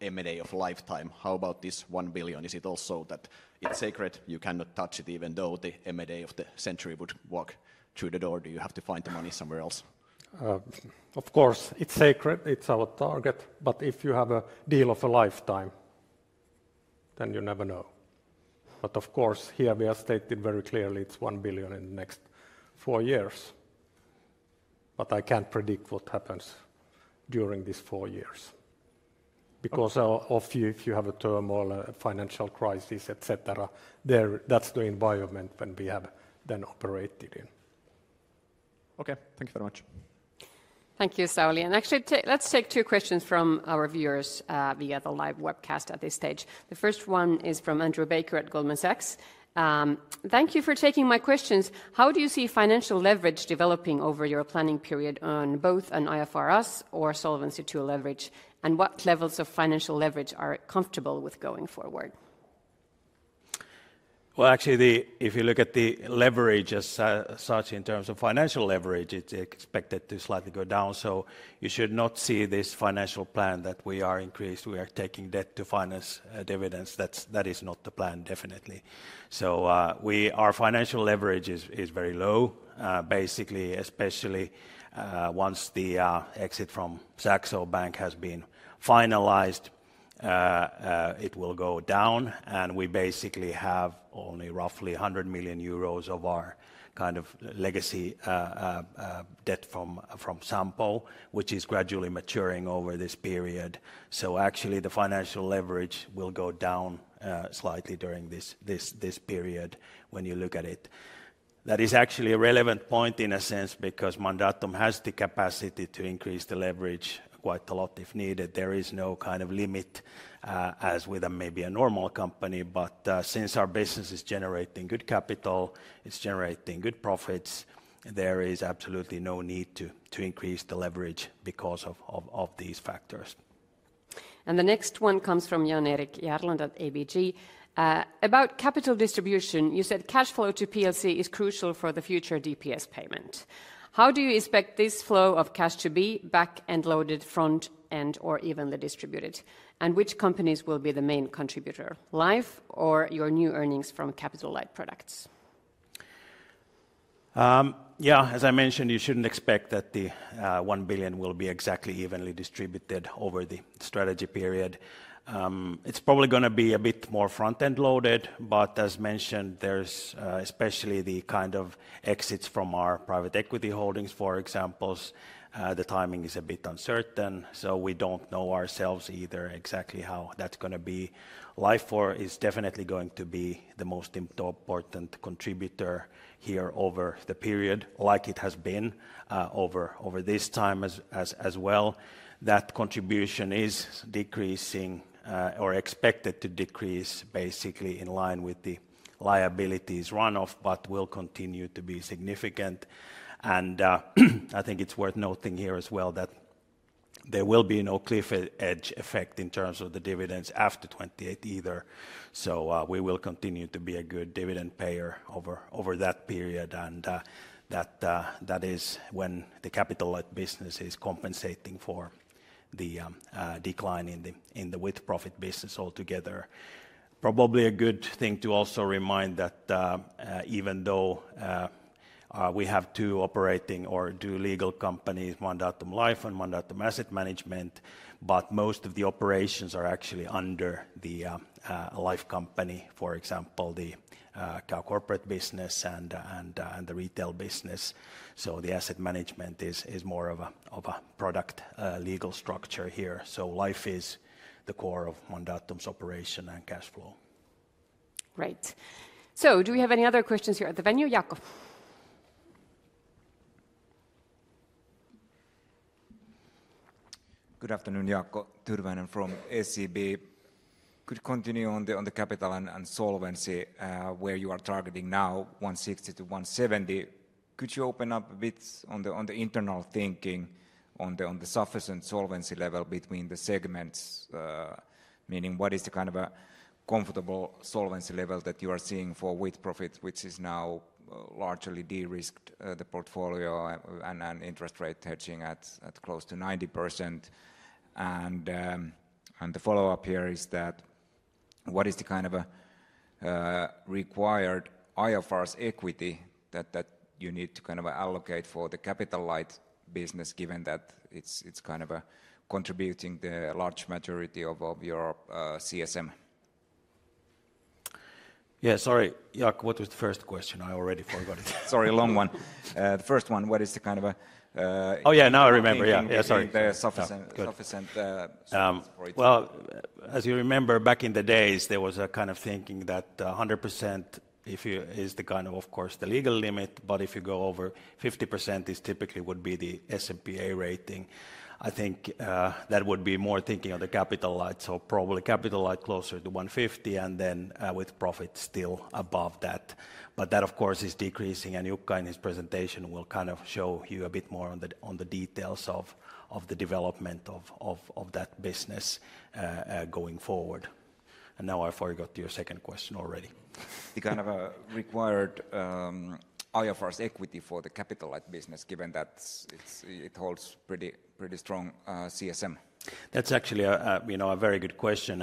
F: M&A of a lifetime. How about this 1 billion? Is it also that it's sacred? You cannot touch it even though the M&A of the century would walk through the door. Do you have to find the money somewhere else?
B: Of course, it's sacred. It's our target. If you have a deal of a lifetime, then you never know. Of course, here we are stating very clearly it's 1 billion in the next four years. I can't predict what happens during these four years because if you have a turmoil, a financial crisis, etc., that's the environment that we have then operated in.
F: Okay, thank you very much.
A: Thank you, Sauli. Actually, let's take two questions from our viewers via the live webcast at this stage. The first one is from Andrew Baker at Goldman Sachs. Thank you for taking my questions. How do you see financial leverage developing over your planning period on both an IFRS or Solvency II leverage, and what levels of financial leverage are you comfortable with going forward?
D: Actually, if you look at the leverage as such in terms of financial leverage, it is expected to slightly go down. You should not see this financial plan that we are increased. We are taking debt to finance dividends. That is not the plan, definitely. Our financial leverage is very low, basically, especially once the exit from Saxo Bank has been finalized, it will go down. We basically have only roughly 100 million euros of our kind of legacy debt from Sampo, which is gradually maturing over this period. Actually, the financial leverage will go down slightly during this period when you look at it. That is actually a relevant point in a sense because Mandatum has the capacity to increase the leverage quite a lot if needed. There is no kind of limit as with maybe a normal company. Since our business is generating good capital, it is generating good profits, there is absolutely no need to increase the leverage because of these factors.
A: The next one comes from Jan Erik Gjerland at ABG. About capital distribution, you said cash flow to PLC is crucial for the future DPS payment. How do you expect this flow of cash to be back and loaded front end or evenly distributed? Which companies will be the main contributor, life or your new earnings from Capital-Light products?
D: Yeah, as I mentioned, you shouldn't expect that the 1 billion will be exactly evenly distributed over the strategy period. It's probably going to be a bit more front end loaded, but as mentioned, there's especially the kind of exits from our private equity holdings, for example, the timing is a bit uncertain. We don't know ourselves either exactly how that's going to be. Life is definitely going to be the most important contributor here over the period, like it has been over this time as well. That contribution is decreasing or expected to decrease basically in line with the liabilities runoff, but will continue to be significant. I think it's worth noting here as well that there will be no cliff edge effect in terms of the dividends after 2028 either. We will continue to be a good dividend payer over that period. That is when the Capital-Light Business is compensating for the decline in the With-Profit Business altogether. Probably a good thing to also remind that even though we have two operating or two legal companies, Mandatum Life and Mandatum Asset Management, most of the operations are actually under the life company, for example, the Corporate Business and the Retail Business. The Asset Management is more of a product legal structure here. Life is the core of Mandatum's operation and cash flow.
A: Right. Do we have any other questions here at the venue? Jaakko.
G: Good afternoon, Jaakko Tyrväinen from SEB. Could continue on the capital and solvency where you are targeting now, 160%-170%. Could you open up a bit on the internal thinking on the sufficient solvency level between the segments, meaning what is the kind of a comfortable solvency level that you are seeing for With-Profit, which is now largely de-risked the portfolio and interest rate hedging at close to 90%? The follow-up here is that what is the kind of a required IFRS equity that you need to kind of allocate for the Capital-Light Business, given that it's kind of contributing the large majority of your CSM?
D: Yeah, sorry, Jaakko, what was the first question? I already forgot it.
G: Sorry, long one. The first one, what is the kind of a...
D: Oh yeah, now I remember. Yeah, yeah, sorry.
G: The sufficient solvency for it.
D: As you remember, back in the days, there was a kind of thinking that 100% is the kind of, of course, the legal limit, but if you go over 50%, it typically would be the S&P A rating. I think that would be more thinking of the Capital-Light, so probably Capital-Light closer to 150 and then With-Profit still above that. That, of course, is decreasing, and Jukka in his presentation will kind of show you a bit more on the details of the development of that business going forward. I forgot your second question already.
G: The kind of required IFRS equity for the Capital-Light Business, given that it holds pretty strong CSM?
D: That's actually a very good question.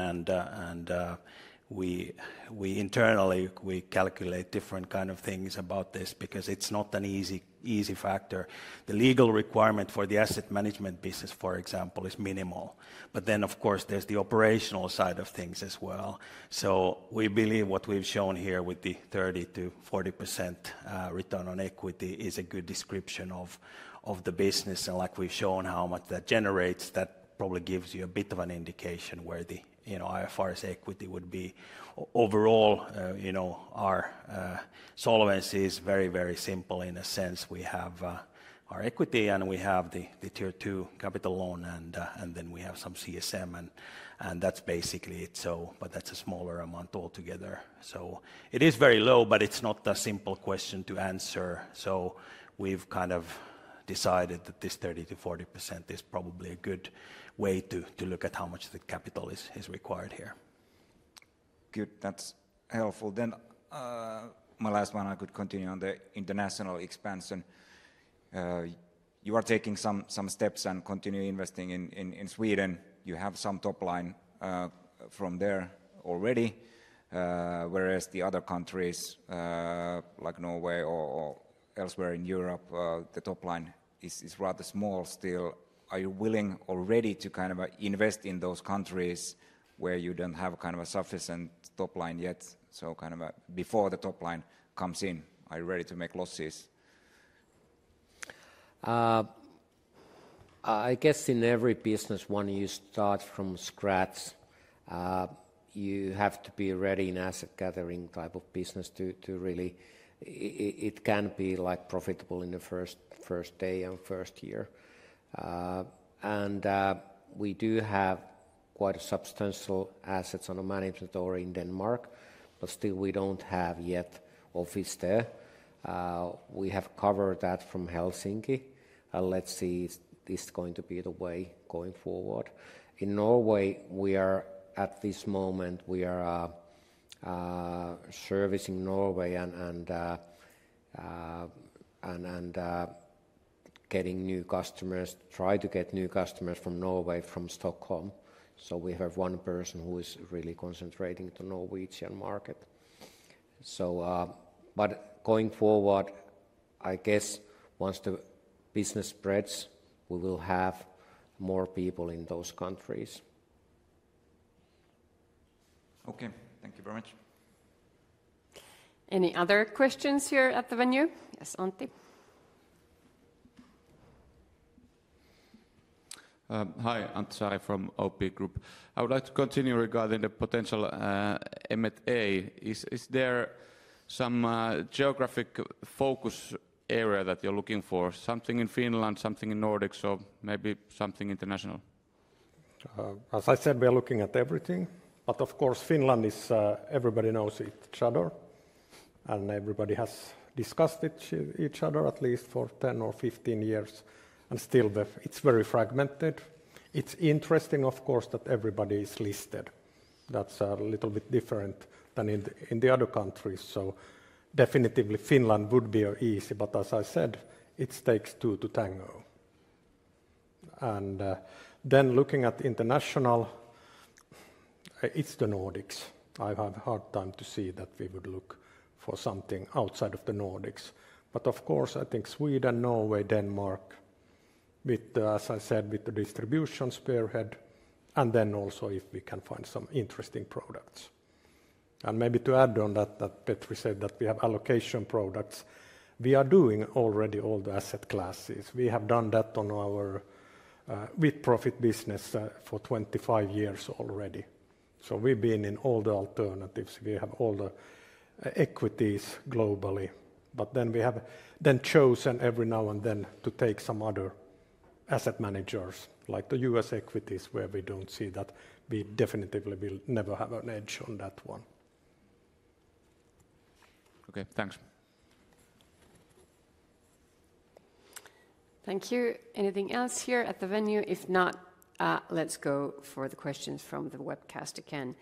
D: We internally, we calculate different kinds of things about this because it's not an easy factor. The legal requirement for the Asset Management Business, for example, is minimal. Of course, there's the operational side of things as well. We believe what we've shown here with the 30%-40% return on equity is a good description of the business. Like we've shown how much that generates, that probably gives you a bit of an indication where the IFRS equity would be. Overall, our solvency is very, very simple in a sense. We have our equity and we have the tier two capital loan, and then we have some CSM, and that's basically it. That's a smaller amount altogether. It is very low, but it's not a simple question to answer. We've kind of decided that this 30%-40% is probably a good way to look at how much the capital is required here.
G: Good, that's helpful. My last one, I could continue on the international expansion. You are taking some steps and continue investing in Sweden. You have some top line from there already, whereas the other countries like Norway or elsewhere in Europe, the top line is rather small still. Are you willing already to kind of invest in those countries where you do not have kind of a sufficient top line yet? Before the top line comes in, are you ready to make losses?
C: I guess in every business, when you start from scratch, you have to be ready in asset gathering type of business to really... It cannot be profitable in the first day and first year. We do have quite substantial assets under management over in Denmark, but still we do not have yet office there. We have covered that from Helsinki. Let's see if this is going to be the way going forward. In Norway, at this moment, we are servicing Norway and getting new customers, trying to get new customers from Norway, from Stockholm. We have one person who is really concentrating on the Norwegian market. Going forward, I guess once the business spreads, we will have more people in those countries.
G: Okay, thank you very much.
A: Any other questions here at the venue? Yes, Antti.
H: Hi, Antti Saari from OP Group. I would like to continue regarding the potential M&A. Is there some geographic focus area that you're looking for? Something in Finland, something in Nordics, or maybe something international?
B: As I said, we are looking at everything. Of course, Finland is, everybody knows each other. Everybody has discussed each other at least for 10 or 15 years. Still, it's very fragmented. It's interesting, of course, that everybody is listed. That's a little bit different than in the other countries. Definitely Finland would be easy, but as I said, it takes two to tango. Looking at international, it's the Nordics. I have a hard time to see that we would look for something outside of the Nordics. Of course, I think Sweden, Norway, Denmark, as I said, with the distribution spearhead. Also, if we can find some interesting products. Maybe to add on that, that Petri said that we have allocation products. We are doing already all the asset classes. We have done that on our With-Profit Business for 25 years already. We've been in all the alternatives. We have all the equities globally. But we have then chosen every now and then to take some other asset managers, like the U.S. equities, where we do not see that we definitively will never have an edge on that one.
H: Okay, thanks.
A: Thank you. Anything else here at the venue? If not, let's go for the questions from the webcast again.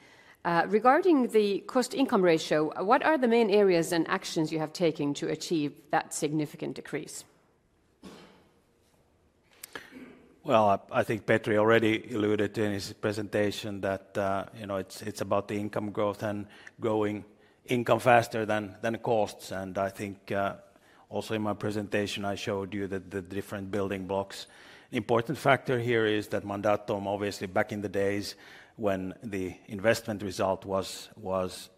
A: Regarding the cost income ratio, what are the main areas and actions you have taken to achieve that significant decrease?
D: I think Petri already alluded to in his presentation that it is about the income growth and growing income faster than costs. I think also in my presentation, I showed you the different building blocks. Important factor here is that Mandatum, obviously back in the days when the investment result was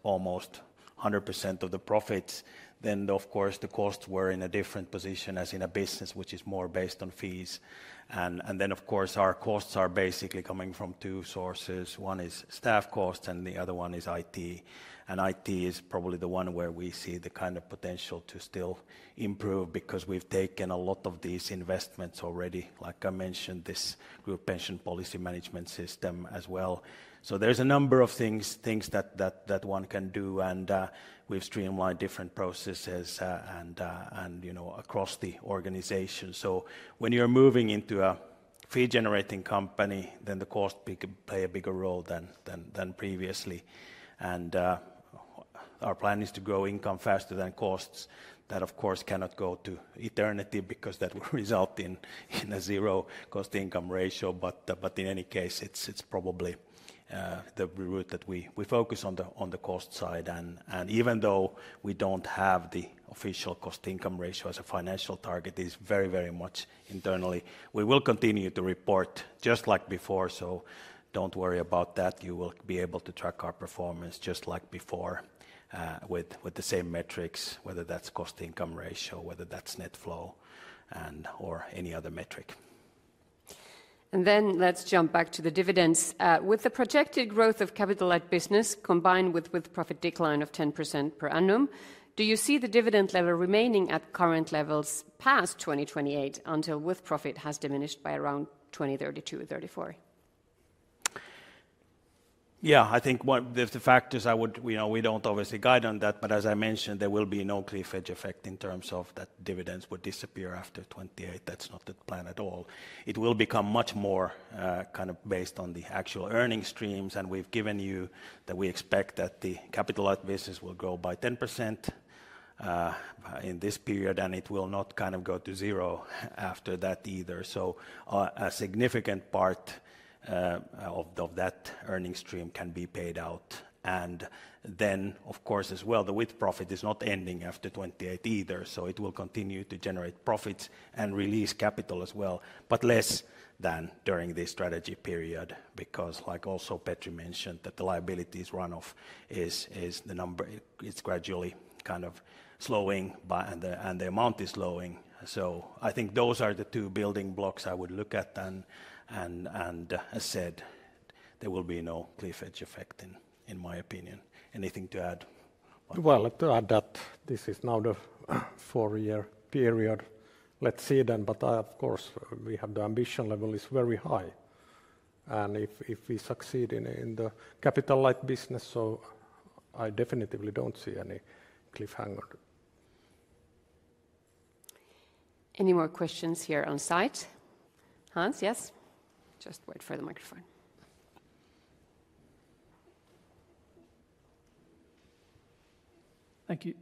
D: almost 100% of the profits, then of course the costs were in a different position as in a business, which is more based on fees. Of course our costs are basically coming from two sources. One is staff costs and the other one is IT. IT is probably the one where we see the kind of potential to still improve because we've taken a lot of these investments already, like I mentioned, this group pension policy management system as well. There's a number of things that one can do. We've streamlined different processes across the organization. When you're moving into a fee-generating company, then the cost can play a bigger role than previously. Our plan is to grow income faster than costs. That of course cannot go to eternity because that will result in a zero cost income ratio. In any case, it's probably the route that we focus on the cost side. Even though we don't have the official cost income ratio as a financial target, it is very, very much internally. We will continue to report just like before. Don't worry about that. You will be able to track our performance just like before with the same metrics, whether that's cost income ratio, whether that's net flow, or any other metric.
A: Let's jump back to the dividends. With the projected growth of Capital-Light Business combined with With-Profit decline of 10% per annum, do you see the dividend level remaining at current levels past 2028 until With-Profit has diminished by around 2032-2034?
D: Yeah, I think the fact is we do not obviously guide on that, but as I mentioned, there will be no cliff edge effect in terms of that dividends would disappear after 2028. That is not the plan at all. It will become much more kind of based on the actual earning streams. We have given you that we expect that the Capital-Light Business will grow by 10% in this period. It will not kind of go to zero after that either. A significant part of that earning stream can be paid out. Of course, as well, the With-Profit is not ending after 2028 either. It will continue to generate profits and release capital as well, but less than during this strategy period. Like also Petri mentioned, the liabilities runoff is the number, it is gradually kind of slowing and the amount is slowing. I think those are the two building blocks I would look at. As I said, there will be no cliff edge effect in my opinion. Anything to add?
B: To add that this is now the four-year period. Let's see then. Of course, we have the ambition level is very high. If we succeed in the Capital-Light Business, I definitively do not see any cliffhanger.
A: Any more questions here on site? Hans, yes. Just wait for the microphone.
E: Thank you.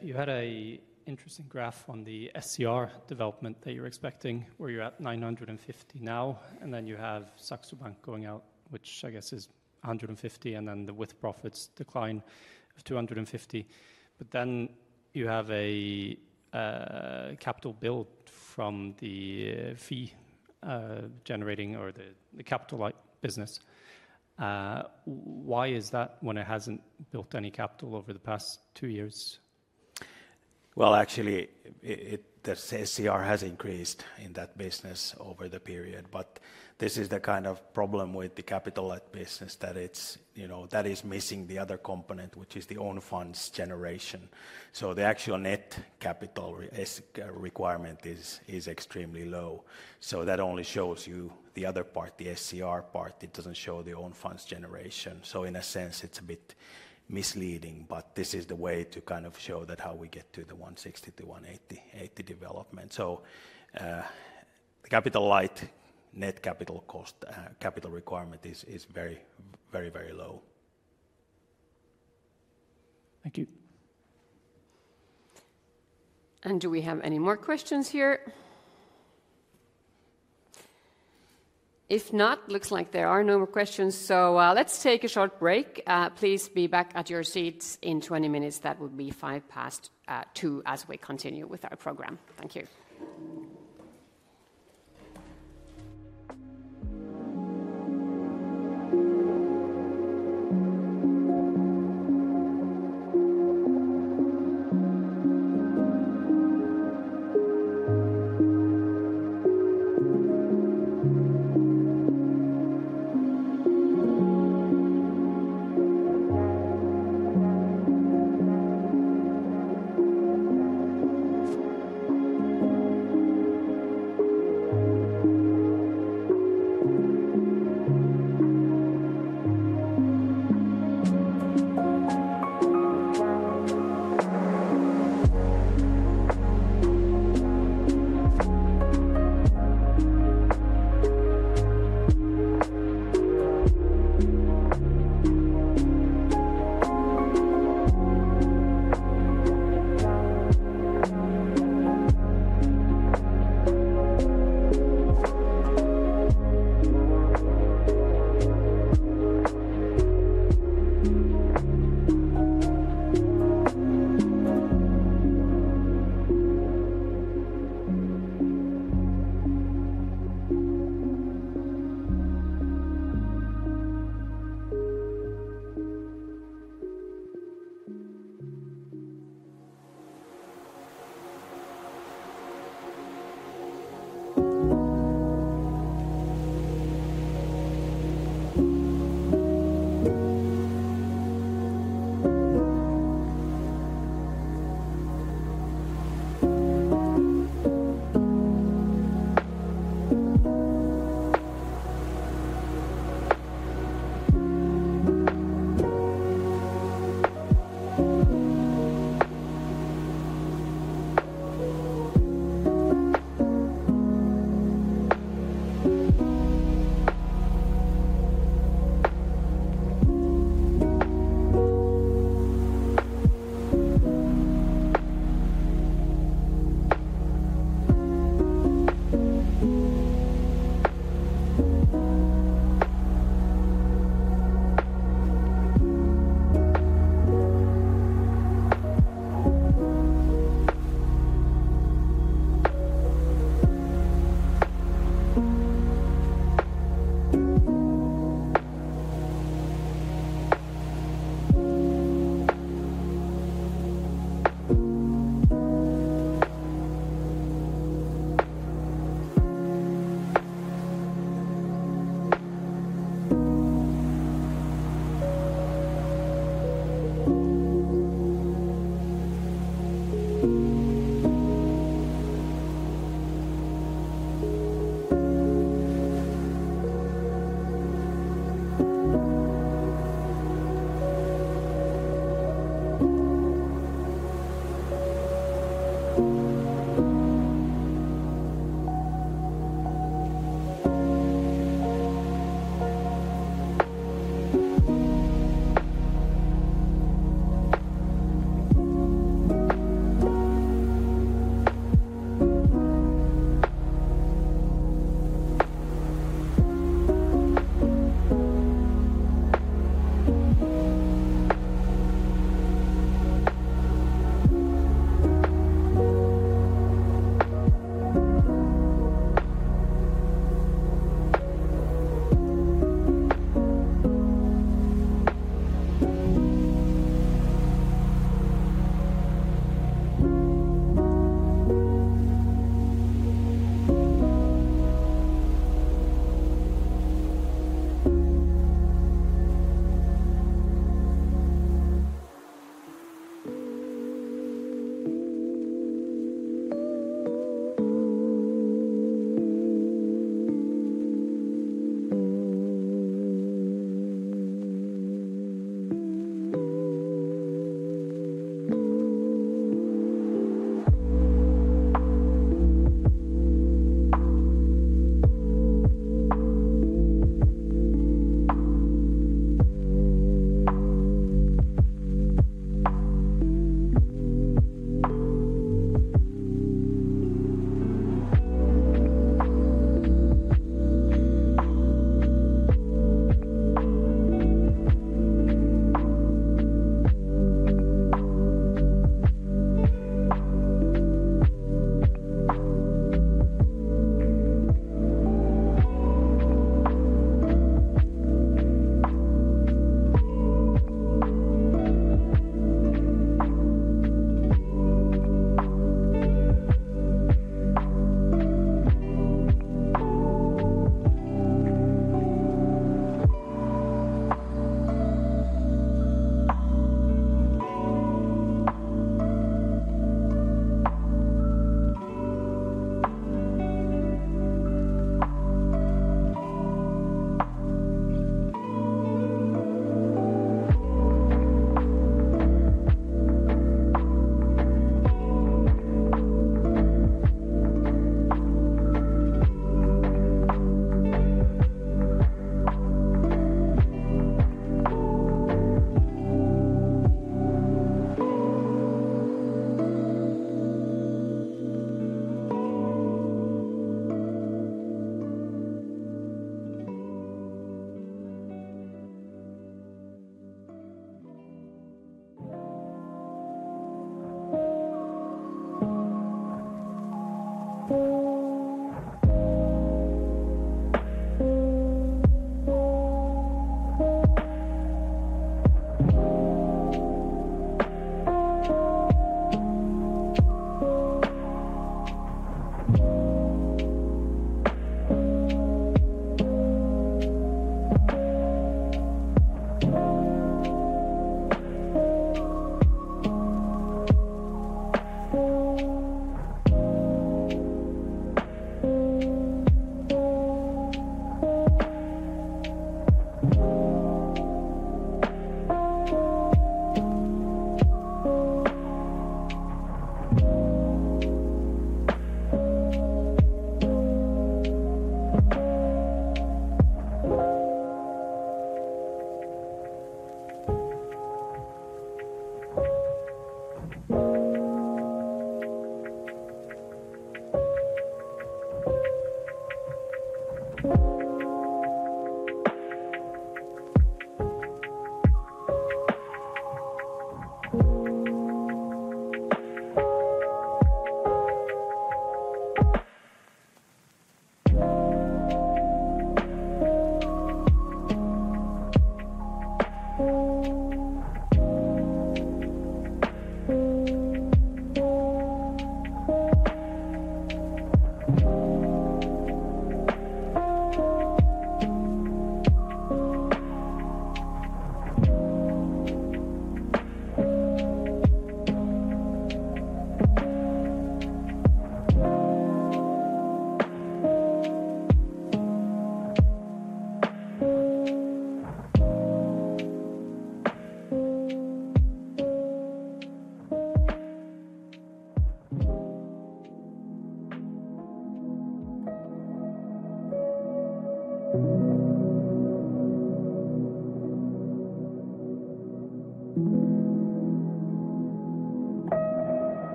E: You had an interesting graph on the SCR development that you're expecting where you're at 950 million now. Then you have Saxo Bank going out, which I guess is 150 million. Then the With-Profit decline of 250 million. Then you have a capital built from the fee-generating or the Capital-Light Business. Why is that when it has not built any capital over the past two years?
D: Actually, the SCR has increased in that business over the period. This is the kind of problem with the Capital-Light Business that is missing the other component, which is the own funds generation. The actual net capital requirement is extremely low. That only shows you the other part, the SCR part. It does not show the own funds generation. In a sense, it is a bit misleading. This is the way to show how we get to the 160%-180% development. The Capital-Light, net capital cost, capital requirement is very, very, very low.
E: Thank you.
A: Do we have any more questions here? If not, looks like there are no more questions. Let's take a short break. Please be back at your seats in 20 minutes. That would be five past two as we continue with our program. Thank you.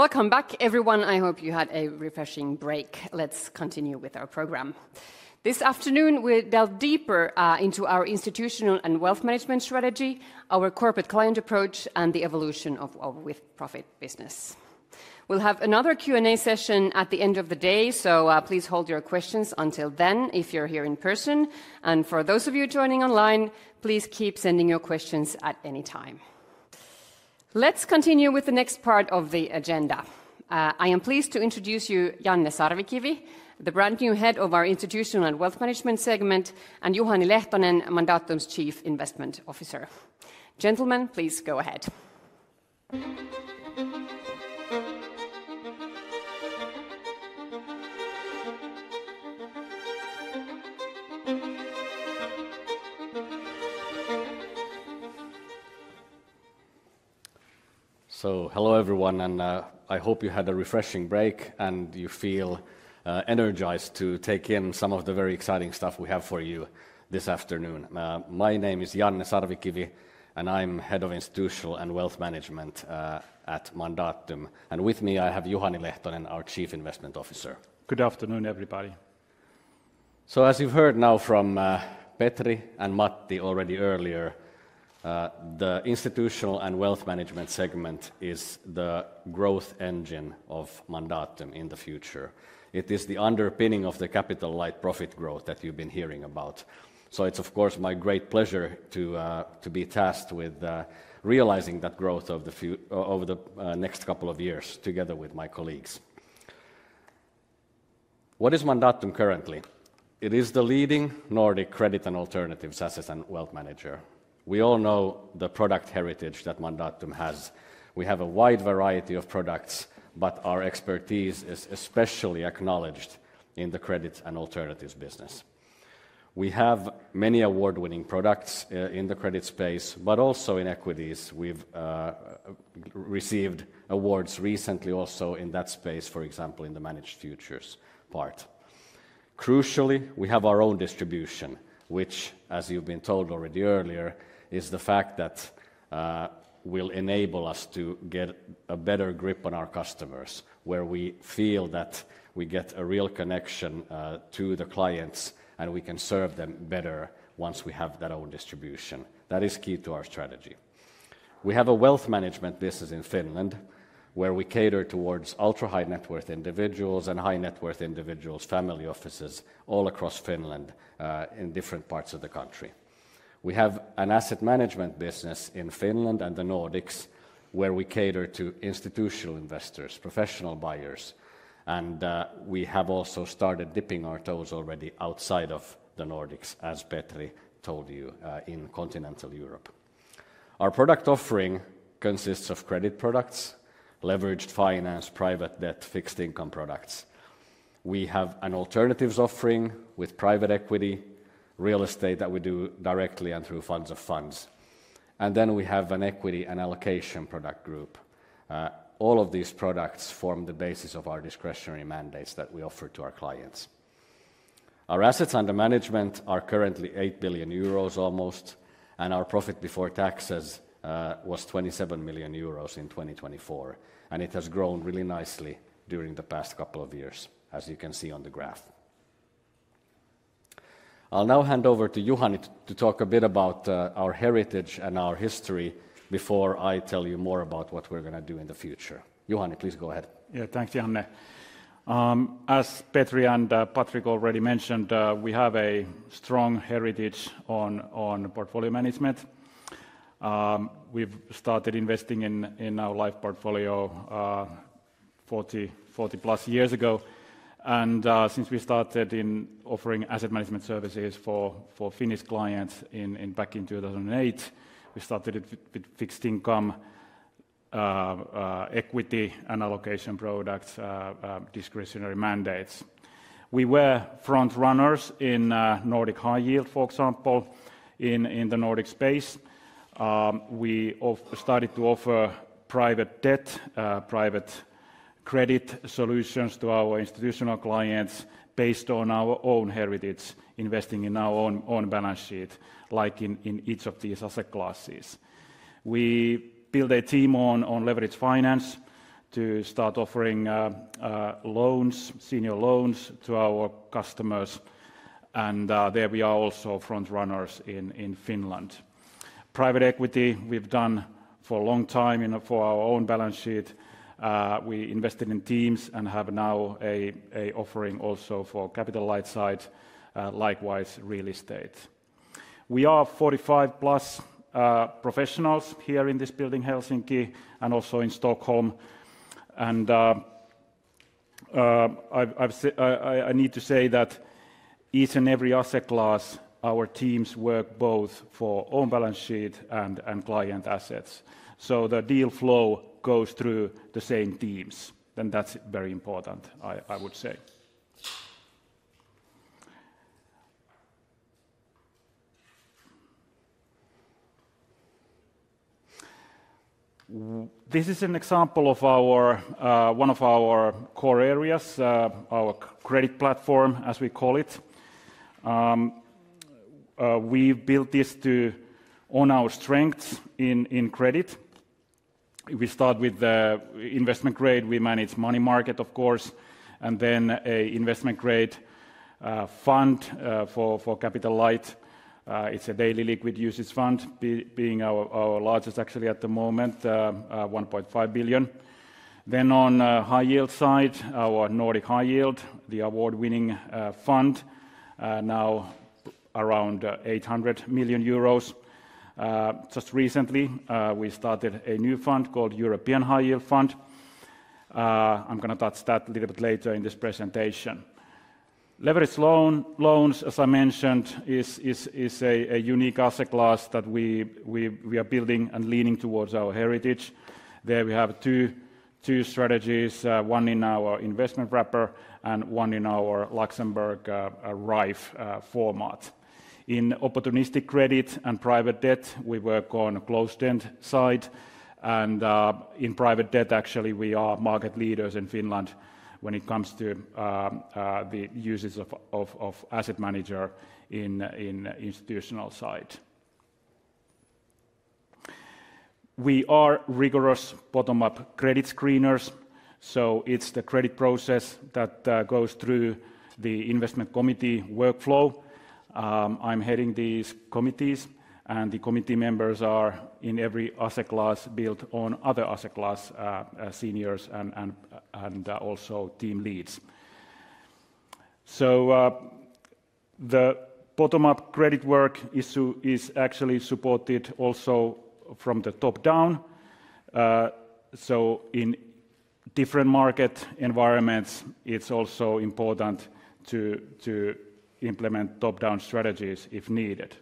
A: Welcome back, everyone. I hope you had a refreshing break. Let's continue with our program. This afternoon, we'll delve deeper into our Institutional and Wealth Management strategy, our corporate client approach, and the evolution of our With-Profit Business. We'll have another Q&A session at the end of the day, so please hold your questions until then if you're here in person. For those of you joining online, please keep sending your questions at any time. Let's continue with the next part of the agenda. I am pleased to introduce you, Janne Sarvikivi, the brand new head of our Institutional and Wealth Management segment, and Juhani Lehtonen, Mandatum's Chief Investment Officer. Gentlemen, please go ahead.
I: Hello, everyone, and I hope you had a refreshing break and you feel energized to take in some of the very exciting stuff we have for you this afternoon. My name is Janne Sarvikivi, and I'm Head of Institutional and Wealth Management at Mandatum. With me, I have Juhani Lehtonen, our Chief Investment Officer.
J: Good afternoon, everybody.
I: As you've heard now from Petri and Matti already earlier, the Institutional and Wealth Management segment is the growth engine of Mandatum in the future. It is the underpinning of the Capital-Light Profit growth that you've been hearing about. It's, of course, my great pleasure to be tasked with realizing that growth over the next couple of years together with my colleagues. What is Mandatum currently? It is the leading Nordic credit and alternative assets and wealth manager. We all know the product heritage that Mandatum has. We have a wide variety of products, but our expertise is especially acknowledged in the credit and alternatives business. We have many award-winning products in the credit space, but also in equities. We've received awards recently also in that space, for example, in the managed futures part. Crucially, we have our own distribution, which, as you've been told already earlier, is the fact that will enable us to get a better grip on our customers, where we feel that we get a real connection to the clients and we can serve them better once we have that own distribution. That is key to our strategy. We have a wealth management business in Finland where we cater towards ultra-high net worth individuals and high net worth individuals, family offices all across Finland in different parts of the country. We have an Asset Management Business in Finland and the Nordics where we cater to institutional investors, professional buyers, and we have also started dipping our toes already outside of the Nordics, as Petri told you, in continental Europe. Our product offering consists of credit products, leveraged finance, private debt, fixed income products. We have an alternatives offering with private equity, real estate that we do directly and through funds of funds. We have an equity and allocation product group. All of these products form the basis of our discretionary mandates that we offer to our clients. Our assets under management are currently 8 billion euros almost, and our profit before taxes was 27 million euros in 2024, and it has grown really nicely during the past couple of years, as you can see on the graph. I'll now hand over to Juhani to talk a bit about our heritage and our history before I tell you more about what we're going to do in the future. Juhani, please go ahead.
J: Yeah, thanks, Janne. As Petri and Patrick already mentioned, we have a strong heritage on portfolio management. We've started investing in our Life portfolio 40+ years ago. Since we started in offering Asset Management services for Finnish clients back in 2008, we started with fixed income, equity, and allocation products, discretionary mandates. We were front runners in Nordic High Yield, for example, in the Nordic space. We started to offer private debt, private credit solutions to our institutional clients based on our own heritage, investing in our own balance sheet, like in each of these asset classes. We built a team on leveraged finance to start offering loans, senior loans to our customers, and there we are also front runners in Finland. Private equity, we've done for a long time for our own balance sheet. We invested in teams and have now an offering also for Capital-Light side, likewise real estate. We are 45+ professionals here in this building, Helsinki, and also in Stockholm. I need to say that each and every asset class, our teams work both for own balance sheet and client assets. The deal flow goes through the same teams, and that's very important, I would say. This is an example of one of our core areas, our credit platform, as we call it. We've built this to own our strengths in credit. We start with the investment grade. We manage money market, of course, and then an investment grade fund for Capital-Light. It is a daily liquid UCITS fund, being our largest actually at the moment, 1.5 billion. On the high yield side, our Nordic High Yield, the award-winning fund, now around 800 million euros. Just recently, we started a new fund called European High Yield Fund. I am going to touch that a little bit later in this presentation. Leveraged loans, as I mentioned, is a unique asset class that we are building and leaning towards our heritage. There we have two strategies, one in our investment wrapper and one in our Luxembourg RAIF format. In opportunistic credit and private debt, we work on the closed-end side, and in private debt, actually, we are market leaders in Finland when it comes to the uses of Asset Manager in the Institutional side. We are rigorous bottom-up credit screeners, so it's the credit process that goes through the investment committee workflow. I'm heading these committees, and the committee members are in every asset class built on other asset class seniors and also team leads. The bottom-up credit work is actually supported also from the top down. In different market environments, it's also important to implement top-down strategies if needed.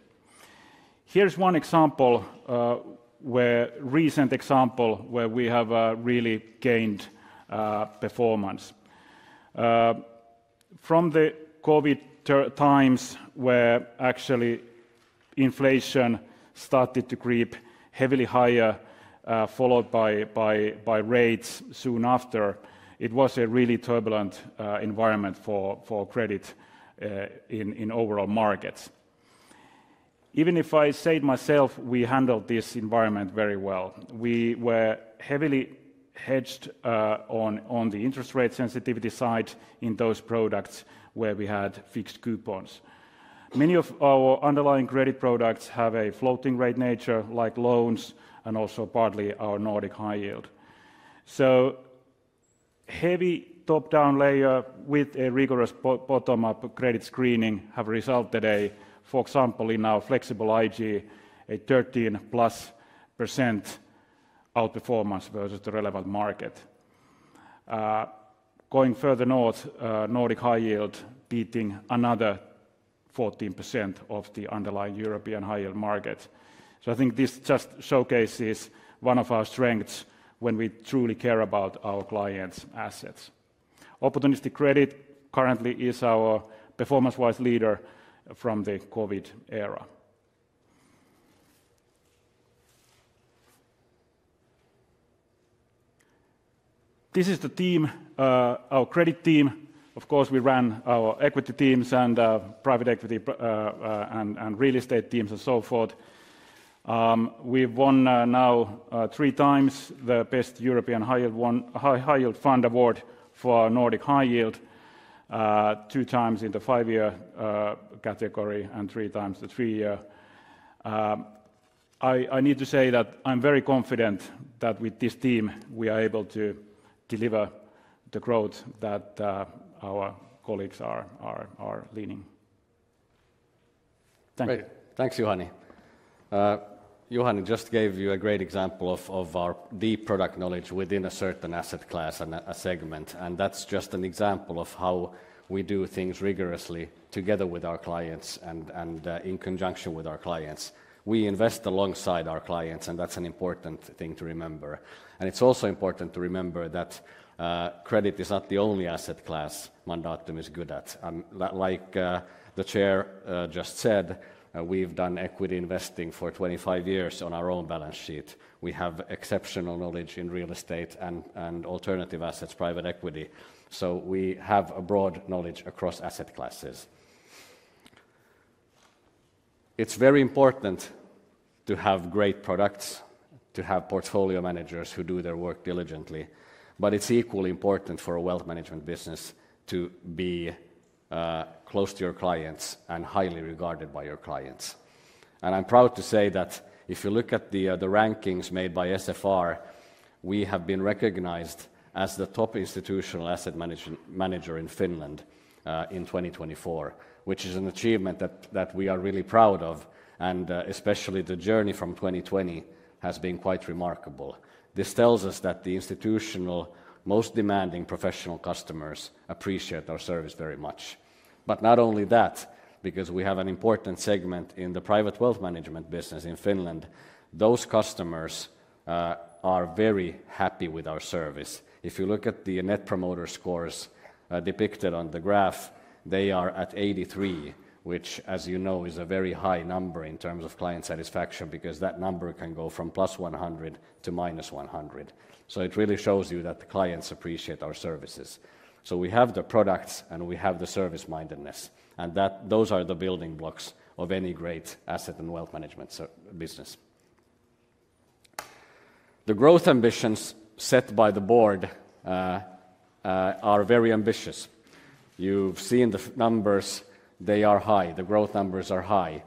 J: Here's one example, a recent example where we have really gained performance. From the COVID times where actually inflation started to creep heavily higher, followed by rates soon after, it was a really turbulent environment for credit in overall markets. Even if I say to myself, we handled this environment very well. We were heavily hedged on the interest rate sensitivity side in those products where we had fixed coupons. Many of our underlying credit products have a floating rate nature, like loans and also partly our Nordic High Yield. Heavy top-down layer with a rigorous bottom-up credit screening have resulted today, for example, in our flexible IG, a 13% plus outperformance versus the relevant market. Going further north, Nordic High Yield beating another 14% of the underlying European high yield market. I think this just showcases one of our strengths when we truly care about our clients' assets. Opportunistic credit currently is our performance-wise leader from the COVID era. This is the team, our credit team. Of course, we ran our equity teams and private equity and real estate teams and so forth. We've won now three times the Best European High Yield Fund award for Nordic High Yield, two times in the five-year category and three times the three-year. I need to say that I'm very confident that with this team, we are able to deliver the growth that our colleagues are leaning. Thank you.
I: Thanks, Juhani. Juhani just gave you a great example of our deep product knowledge within a certain asset class and a segment, and that's just an example of how we do things rigorously together with our clients and in conjunction with our clients. We invest alongside our clients, and that's an important thing to remember. It's also important to remember that credit is not the only asset class Mandatum is good at. Like the Chair just said, we've done equity investing for 25 years on our own balance sheet. We have exceptional knowledge in real estate and alternative assets, private equity. We have a broad knowledge across asset classes. It's very important to have great products, to have portfolio managers who do their work diligently, but it's equally important for a wealth management business to be close to your clients and highly regarded by your clients. I'm proud to say that if you look at the rankings made by SFR, we have been recognized as the Top Institutional Asset Manager in Finland, which is an achievement that we are really proud of, and especially the journey from 2020 has been quite remarkable. This tells us that the institutional most demanding professional customers appreciate our service very much. Not only that, because we have an important segment in the Private Wealth Management Business in Finland, those customers are very happy with our service. If you look at the net promoter scores depicted on the graph, they are at 83, which, as you know, is a very high number in terms of client satisfaction because that number can go from +100 to -100. It really shows you that the clients appreciate our services. We have the products and we have the service-mindedness, and those are the building blocks of any great asset and wealth management business. The growth ambitions set by the board are very ambitious. You have seen the numbers. They are high. The growth numbers are high,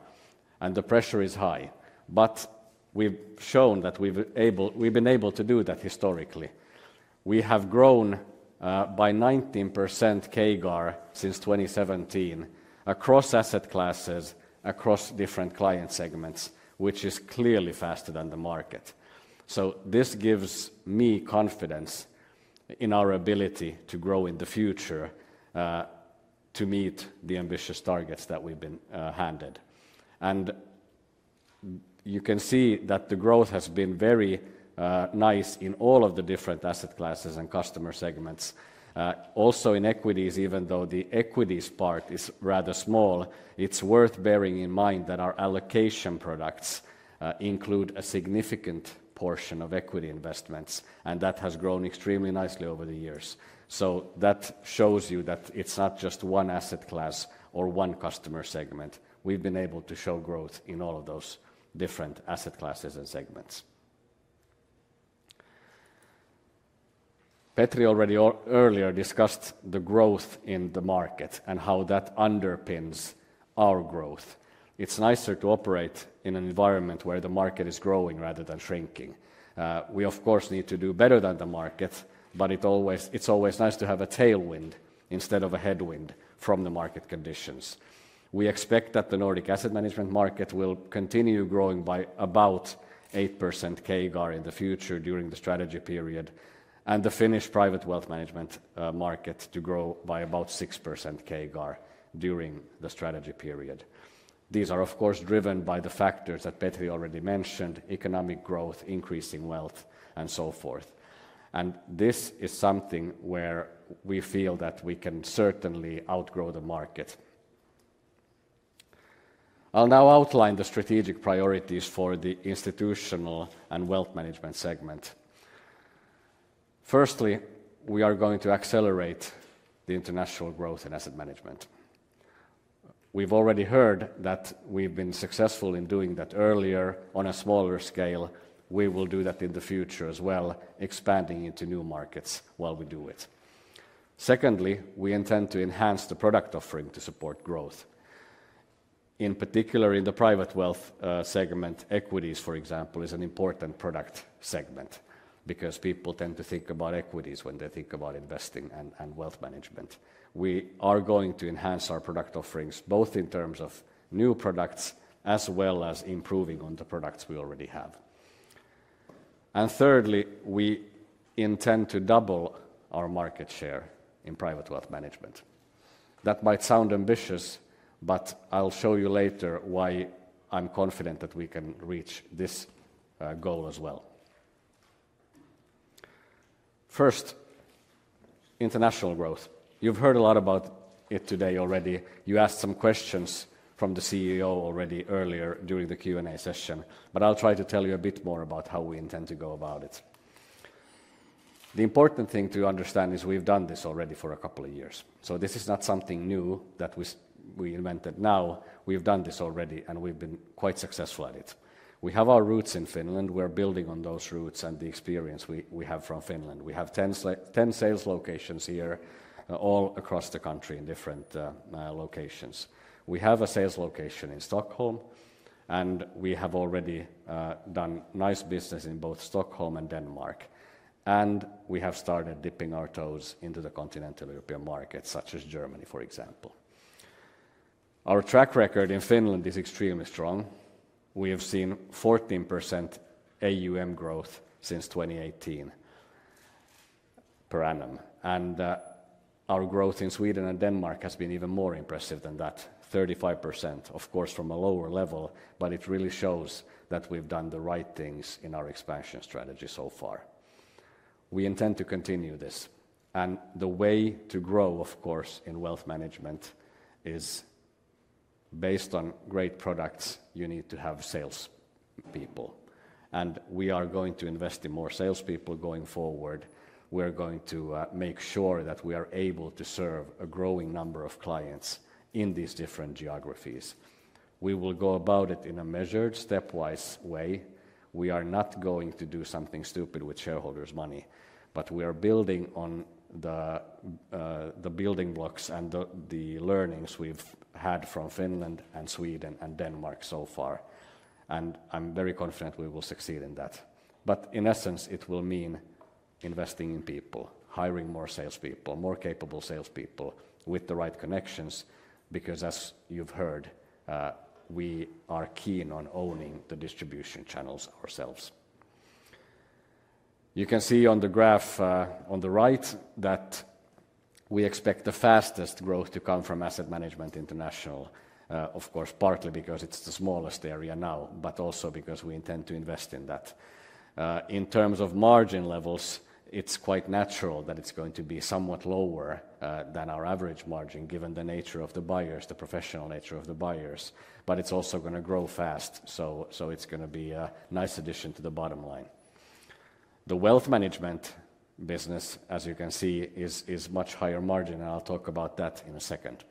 I: and the pressure is high. We have shown that we have been able to do that historically. We have grown by 19% CAGR since 2017 across asset classes, across different client segments, which is clearly faster than the market. This gives me confidence in our ability to grow in the future to meet the ambitious targets that we've been handed. You can see that the growth has been very nice in all of the different asset classes and customer segments. Also in equities, even though the equities part is rather small, it's worth bearing in mind that our allocation products include a significant portion of equity investments, and that has grown extremely nicely over the years. That shows you that it's not just one asset class or one customer segment. We've been able to show growth in all of those different asset classes and segments. Petri already earlier discussed the growth in the market and how that underpins our growth. It's nicer to operate in an environment where the market is growing rather than shrinking. We, of course, need to do better than the market, but it's always nice to have a tailwind instead of a headwind from the market conditions. We expect that the Nordic Asset Management market will continue growing by about 8% CAGR in the future during the strategy period, and the Finnish Private Wealth Management market to grow by about 6% CAGR during the strategy period. These are, of course, driven by the factors that Petri already mentioned: economic growth, increasing wealth, and so forth. This is something where we feel that we can certainly outgrow the market. I'll now outline the strategic priorities for the Institutional and Wealth Management segment. Firstly, we are going to accelerate the international growth in Asset Management. We've already heard that we've been successful in doing that earlier on a smaller scale. We will do that in the future as well, expanding into new markets while we do it. Secondly, we intend to enhance the product offering to support growth. In particular, in the Private Wealth segment, equities, for example, is an important product segment because people tend to think about equities when they think about investing and wealth management. We are going to enhance our product offerings both in terms of new products as well as improving on the products we already have. Thirdly, we intend to double our market share in Private Wealth Management. That might sound ambitious, but I'll show you later why I'm confident that we can reach this goal as well. First, international growth. You've heard a lot about it today already. You asked some questions from the CEO already earlier during the Q&A session, but I'll try to tell you a bit more about how we intend to go about it. The important thing to understand is we've done this already for a couple of years. This is not something new that we invented. We've done this already, and we've been quite successful at it. We have our roots in Finland. We're building on those roots and the experience we have from Finland. We have 10 sales locations here all across the country in different locations. We have a sales location in Stockholm, and we have already done nice business in both Stockholm and Denmark. We have started dipping our toes into the continental European markets, such as Germany, for example. Our track record in Finland is extremely strong. We have seen 14% AUM growth since 2018 per annum. Our growth in Sweden and Denmark has been even more impressive than that, 35%, of course, from a lower level, but it really shows that we've done the right things in our expansion strategy so far. We intend to continue this. The way to grow, of course, in wealth management is based on great products. You need to have salespeople. We are going to invest in more salespeople going forward. We're going to make sure that we are able to serve a growing number of clients in these different geographies. We will go about it in a measured, stepwise way. We are not going to do something stupid with shareholders' money, but we are building on the building blocks and the learnings we've had from Finland and Sweden and Denmark so far. I am very confident we will succeed in that. In essence, it will mean investing in people, hiring more salespeople, more capable salespeople with the right connections, because as you have heard, we are keen on owning the distribution channels ourselves. You can see on the graph on the right that we expect the fastest growth to come from Asset Management International, of course, partly because it is the smallest area now, but also because we intend to invest in that. In terms of margin levels, it is quite natural that it is going to be somewhat lower than our average margin given the nature of the buyers, the professional nature of the buyers, but it is also going to grow fast. It is going to be a nice addition to the bottom line. The Wealth Management Business, as you can see, is much higher margin, and I will talk about that in a second.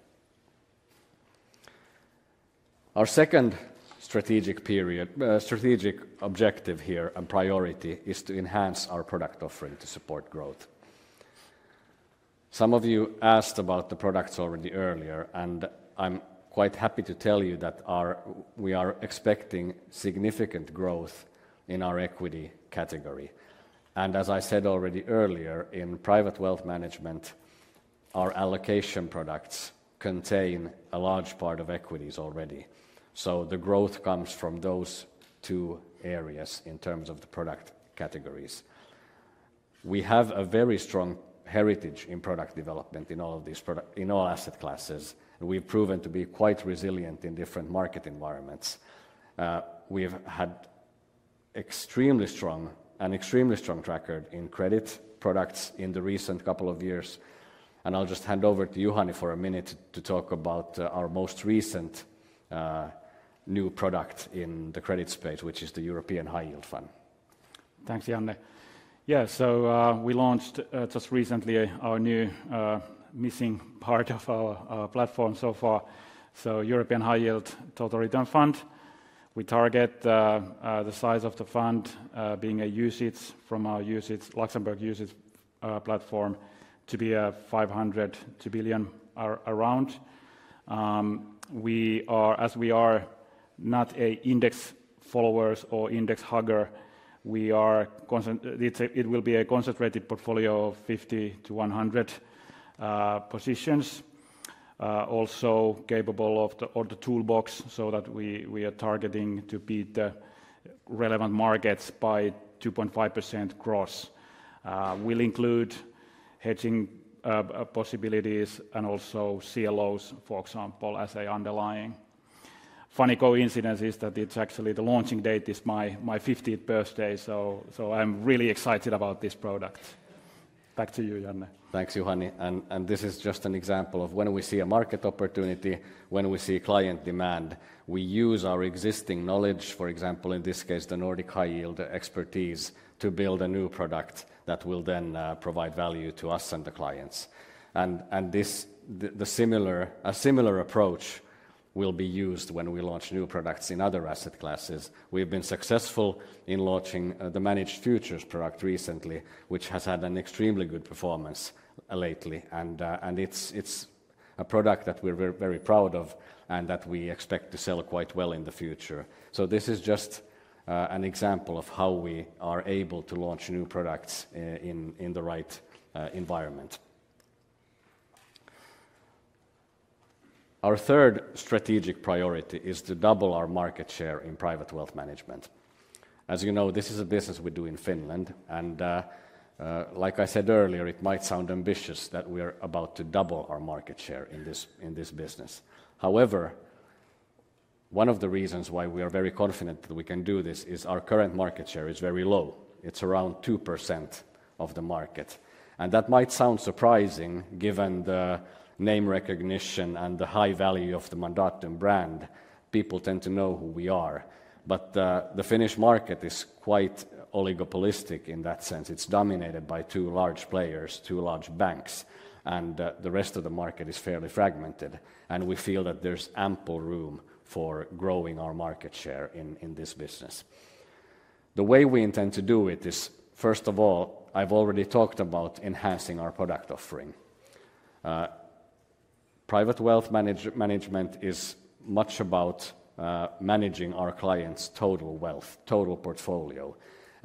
I: Our second strategic objective here and priority is to enhance our product offering to support growth. Some of you asked about the products already earlier, and I'm quite happy to tell you that we are expecting significant growth in our equity category. As I said already earlier, in Private Wealth Management, our allocation products contain a large part of equities already. The growth comes from those two areas in terms of the product categories. We have a very strong heritage in product development in all of these products, in all asset classes, and we've proven to be quite resilient in different market environments. We've had an extremely strong track record in credit products in the recent couple of years. I'll just hand over to Juhani for a minute to talk about our most recent new product in the credit space, which is the European High Yield Fund.
J: Thanks, Janne. Yeah, so we launched just recently our new missing part of our platform so far, so European High Yield Total Return Fund. We target the size of the fund being a UCITS from our UCITS Luxembourg UCITS platform to be 500 million to 1 billion around. As we are not index followers or index hugger, it will be a concentrated portfolio of 50-100 positions, also capable of the toolbox so that we are targeting to beat the relevant markets by 2.5% gross. We'll include hedging possibilities and also CLOs, for example, as an underlying. Funny coincidence is that it's actually the launching date is my 50th birthday, so I'm really excited about this product. Back to you, Janne.
I: Thanks, Juhani. This is just an example of when we see a market opportunity, when we see client demand, we use our existing knowledge, for example, in this case, the Nordic High Yield expertise, to build a new product that will then provide value to us and the clients. A similar approach will be used when we launch new products in other asset classes. We've been successful in launching the managed futures product recently, which has had an extremely good performance lately. It's a product that we're very proud of and that we expect to sell quite well in the future. This is just an example of how we are able to launch new products in the right environment. Our third strategic priority is to double our market share in Private Wealth Management. As you know, this is a business we do in Finland. Like I said earlier, it might sound ambitious that we're about to double our market share in this business. However, one of the reasons why we are very confident that we can do this is our current market share is very low. It's around 2% of the market. That might sound surprising given the name recognition and the high value of the Mandatum brand. People tend to know who we are. The Finnish market is quite oligopolistic in that sense. It's dominated by two large players, two large banks, and the rest of the market is fairly fragmented. We feel that there's ample room for growing our market share in this business. The way we intend to do it is, first of all, I've already talked about enhancing our product offering. Private Wealth Management is much about managing our clients' total wealth, total portfolio.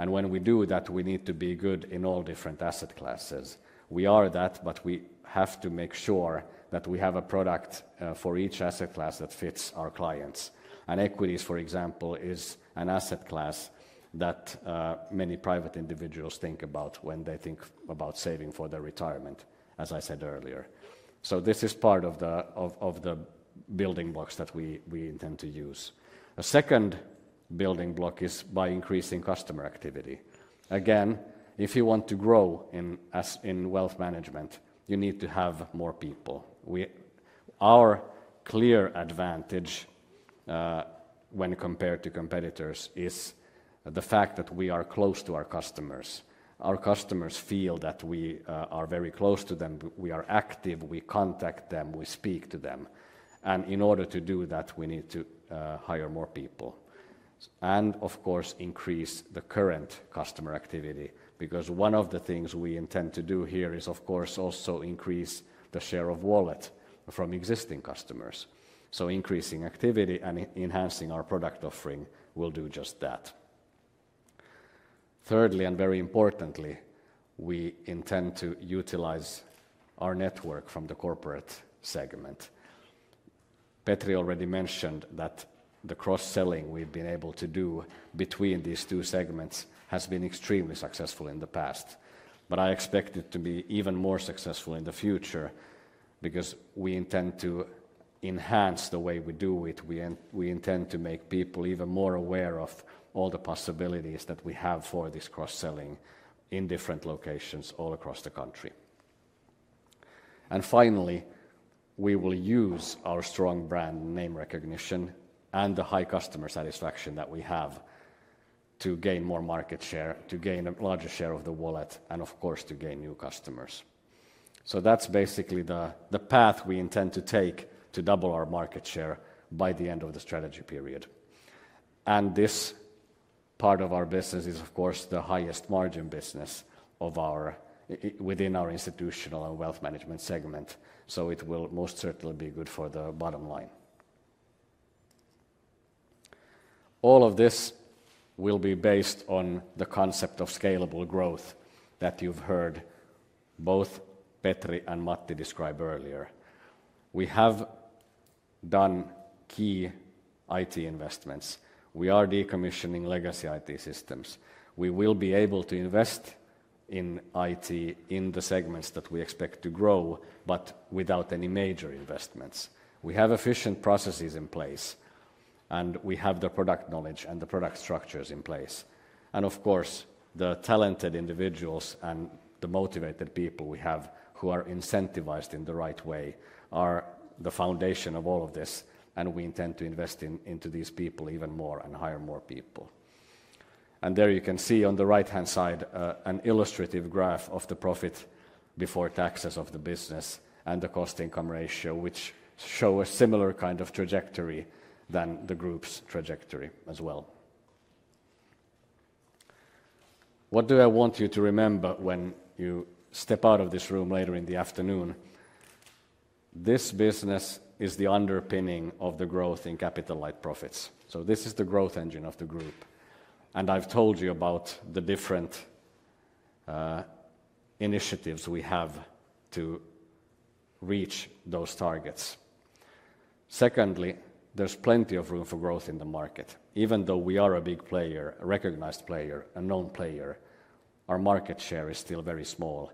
I: When we do that, we need to be good in all different asset classes. We are that, but we have to make sure that we have a product for each asset class that fits our clients. Equities, for example, is an asset class that many private individuals think about when they think about saving for their retirement, as I said earlier. This is part of the building blocks that we intend to use. A second building block is by increasing customer activity. Again, if you want to grow in wealth management, you need to have more people. Our clear advantage when compared to competitors is the fact that we are close to our customers. Our customers feel that we are very close to them. We are active. We contact them. We speak to them. In order to do that, we need to hire more people and, of course, increase the current customer activity because one of the things we intend to do here is, of course, also increase the share of wallet from existing customers. Increasing activity and enhancing our product offering will do just that. Thirdly, and very importantly, we intend to utilize our network from the corporate segment. Petri already mentioned that the cross-selling we've been able to do between these two segments has been extremely successful in the past, but I expect it to be even more successful in the future because we intend to enhance the way we do it. We intend to make people even more aware of all the possibilities that we have for this cross-selling in different locations all across the country. Finally, we will use our strong brand name recognition and the high customer satisfaction that we have to gain more market share, to gain a larger share of the wallet, and, of course, to gain new customers. That is basically the path we intend to take to double our market share by the end of the strategy period. This part of our business is, of course, the highest margin business within our Institutional and Wealth Management segment. It will most certainly be good for the bottom line. All of this will be based on the concept of scalable growth that you have heard both Petri and Matti describe earlier. We have done key IT investments. We are decommissioning legacy IT systems. We will be able to invest in IT in the segments that we expect to grow, but without any major investments. We have efficient processes in place, and we have the product knowledge and the product structures in place. Of course, the talented individuals and the motivated people we have who are incentivized in the right way are the foundation of all of this, and we intend to invest into these people even more and hire more people. There you can see on the right-hand side an illustrative graph of the profit before taxes of the business and the cost-income ratio, which show a similar kind of trajectory than the group's trajectory as well. What do I want you to remember when you step out of this room later in the afternoon? This business is the underpinning of the growth in Capital-Light Profits. This is the growth engine of the group. I have told you about the different initiatives we have to reach those targets. Secondly, there's plenty of room for growth in the market. Even though we are a big player, a recognized player, a known player, our market share is still very small.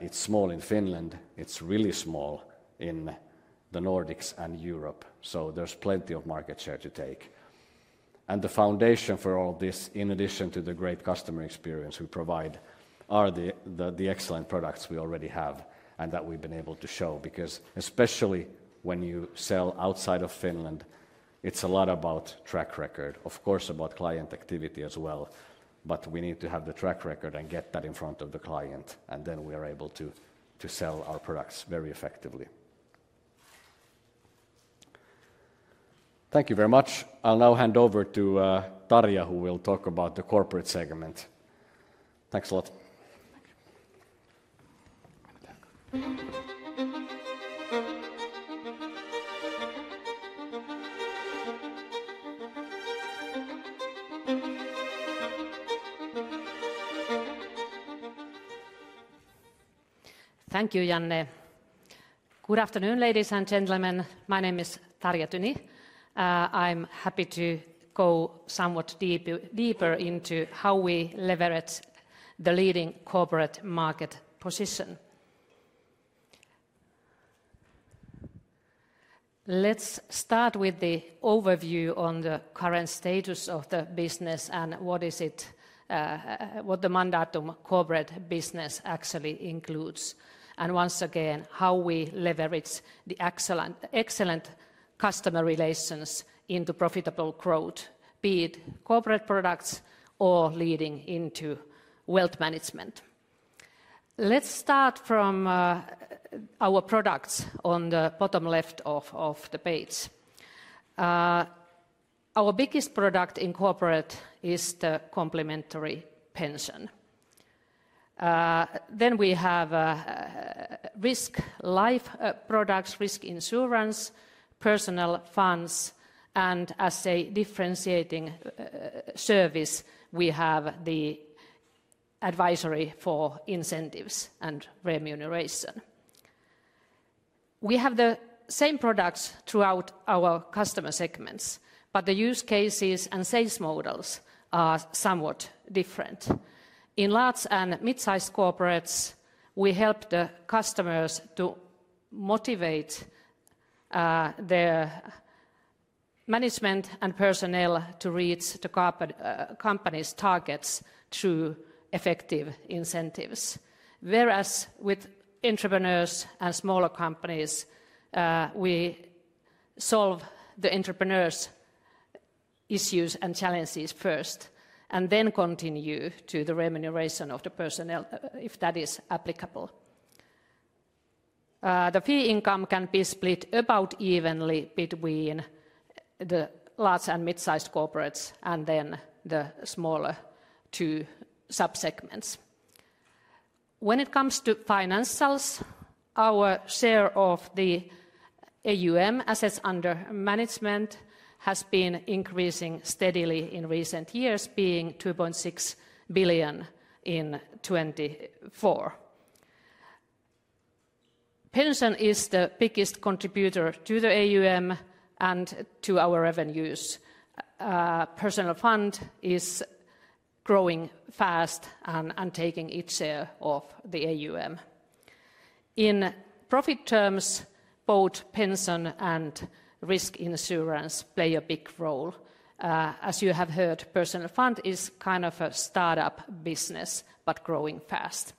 I: It's small in Finland. It's really small in the Nordics and Europe. There is plenty of market share to take. The foundation for all this, in addition to the great customer experience we provide, are the excellent products we already have and that we've been able to show. Because especially when you sell outside of Finland, it's a lot about track record, of course, about client activity as well. We need to have the track record and get that in front of the client, and then we are able to sell our products very effectively. Thank you very much. I'll now hand over to Tarja, who will talk about the corporate segment. Thanks a lot.
K: Thank you, Janne. Good afternoon, ladies and gentlemen. My name is Tarja Tyni. I'm happy to go somewhat deeper into how we leverage the leading corporate market position. Let's start with the overview on the current status of the business and what the Mandatum Corporate Business actually includes. Once again, how we leverage the excellent customer relations into profitable growth, be it corporate products or leading into Wealth Management. Let's start from our products on the bottom left of the page. Our biggest product in corporate is the complimentary pension. Then we have risk-life products, risk insurance, personnel funds, and as a differentiating service, we have the advisory for incentives and remuneration. We have the same products throughout our customer segments, but the use cases and sales models are somewhat different. In large and mid-sized corporates, we help the customers to motivate their management and personnel to reach the company's targets through effective incentives. Whereas with entrepreneurs and smaller companies, we solve the entrepreneurs' issues and challenges first and then continue to the remuneration of the personnel, if that is applicable. The fee income can be split about evenly between the large and mid-sized corporates and then the smaller two subsegments. When it comes to financials, our share of the AUM, assets under management, has been increasing steadily in recent years, being 2.6 billion in 2024. Pension is the biggest contributor to the AUM and to our revenues. Personnel Fund is growing fast and taking its share of the AUM. In profit terms, both Pension and Risk Insurance play a big role. As you have heard, Personnel Fund is kind of a startup business, but growing fast.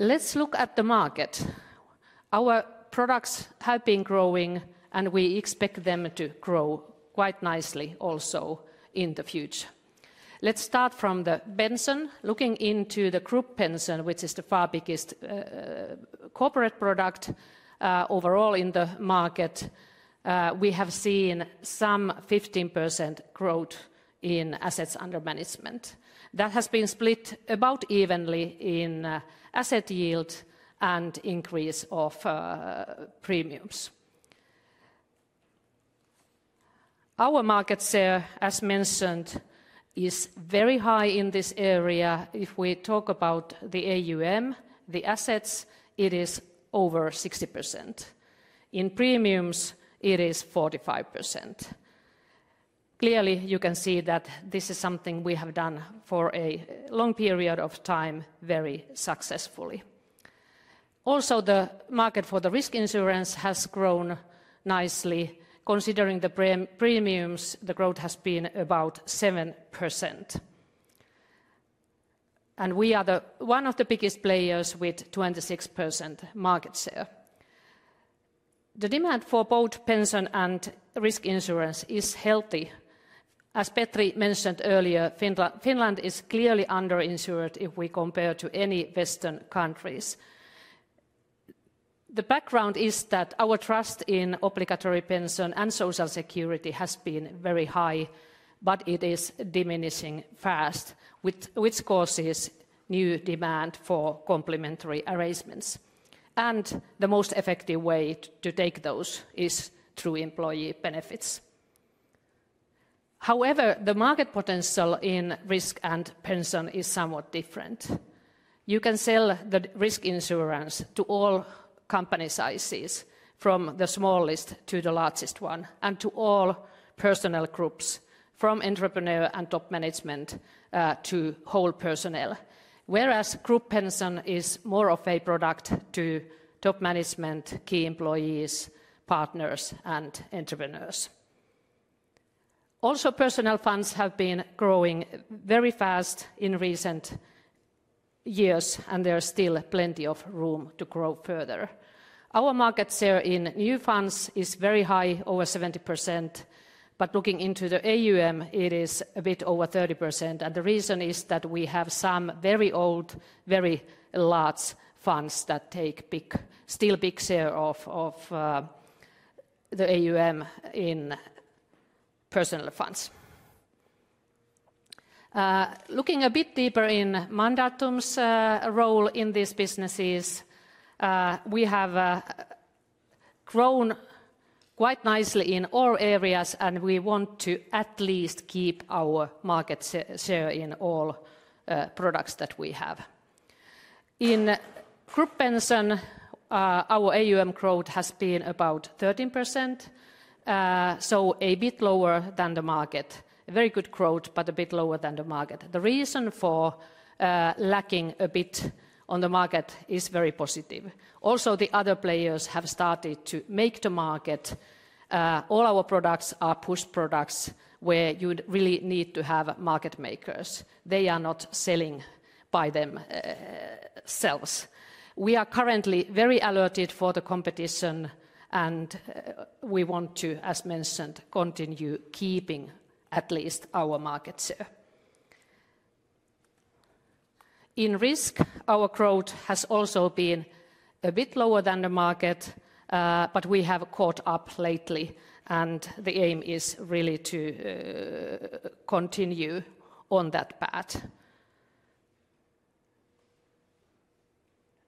K: Let's look at the market. Our products have been growing, and we expect them to grow quite nicely also in the future. Let's start from the pension, looking into the group pension, which is the far biggest corporate product overall in the market. We have seen some 15% growth in assets under management. That has been split about evenly in asset yield and increase of premiums. Our market share, as mentioned, is very high in this area. If we talk about the AUM, the assets, it is over 60%. In premiums, it is 45%. Clearly, you can see that this is something we have done for a long period of time very successfully. Also, the market for the risk insurance has grown nicely. Considering the premiums, the growth has been about 7%. We are one of the biggest players with 26% market share. The demand for both pension and risk insurance is healthy. As Petri mentioned earlier, Finland is clearly underinsured if we compare to any Western countries. The background is that our trust in obligatory pension and social security has been very high, but it is diminishing fast, which causes new demand for complimentary arrangements. The most effective way to take those is through employee benefits. However, the market potential in risk and pension is somewhat different. You can sell the risk insurance to all company sizes, from the smallest to the largest one, and to all personal groups, from entrepreneur and top management to whole personnel. Whereas group pension is more of a product to top management, key employees, partners, and entrepreneurs. Also, Personnel funds have been growing very fast in recent years, and there's still plenty of room to grow further. Our market share in new funds is very high, over 70%, but looking into the AUM, it is a bit over 30%. The reason is that we have some very old, very large funds that take still a big share of the AUM in personnel funds. Looking a bit deeper in Mandatum's role in these businesses, we have grown quite nicely in all areas, and we want to at least keep our market share in all products that we have. In group pension, our AUM growth has been about 13%, so a bit lower than the market. A very good growth, but a bit lower than the market. The reason for lacking a bit on the market is very positive. Also, the other players have started to make the market. All our products are push products where you really need to have market makers. They are not selling by themselves. We are currently very alerted for the competition, and we want to, as mentioned, continue keeping at least our market share. In risk, our growth has also been a bit lower than the market, but we have caught up lately, and the aim is really to continue on that path.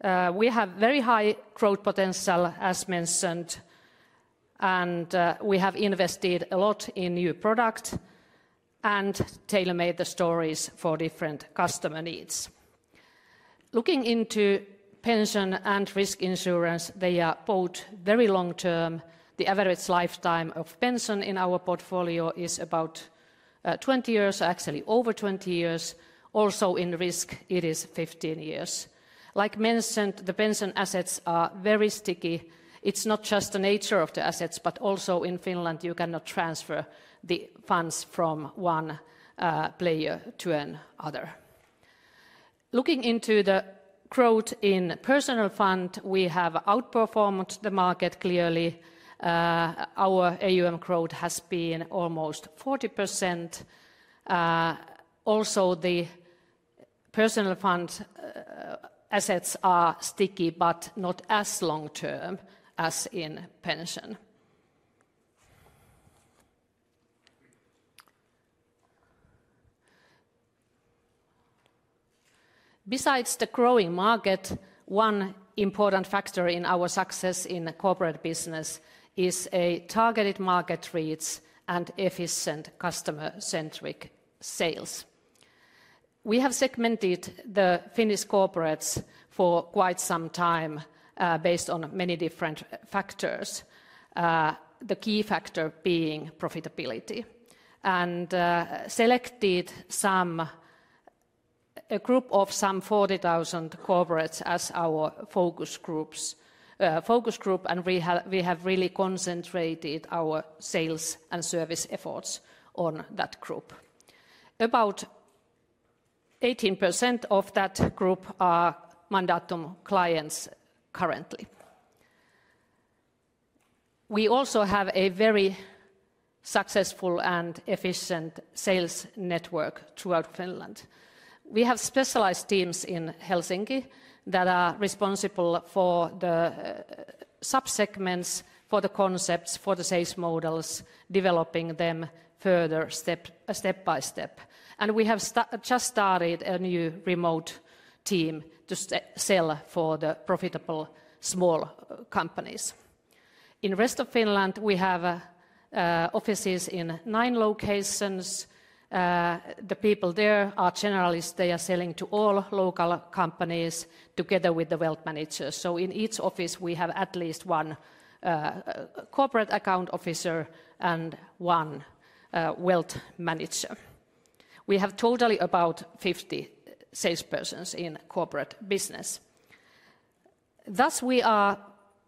K: We have very high growth potential, as mentioned, and we have invested a lot in new products and tailor-made the stories for different customer needs. Looking into pension and risk insurance, they are both very long-term. The average lifetime of pension in our portfolio is about 20 years, actually over 20 years. Also, in risk, it is 15 years. Like mentioned, the pension assets are very sticky. It's not just the nature of the assets, but also in Finland, you cannot transfer the funds from one player to another. Looking into the growth in Personnel Fund, we have outperformed the market clearly. Our AUM growth has been almost 40%. Also, the Personnel Fund assets are sticky, but not as long-term as in pension. Besides the growing market, one important factor in our success in the Corporate Business is targeted market reach and efficient customer-centric sales. We have segmented the Finnish corporates for quite some time based on many different factors, the key factor being profitability. We selected a group of some 40,000 corporates as our focus group, and we have really concentrated our sales and service efforts on that group. About 18% of that group are Mandatum clients currently. We also have a very successful and efficient sales network throughout Finland. We have specialized teams in Helsinki that are responsible for the subsegments, for the concepts, for the sales models, developing them further step by step. We have just started a new remote team to sell for the profitable small companies. In the rest of Finland, we have offices in nine locations. The people there are generalists. They are selling to all local companies together with the wealth managers. In each office, we have at least one corporate account officer and one wealth manager. We have totally about 50 salespersons in Corporate Business. Thus, we are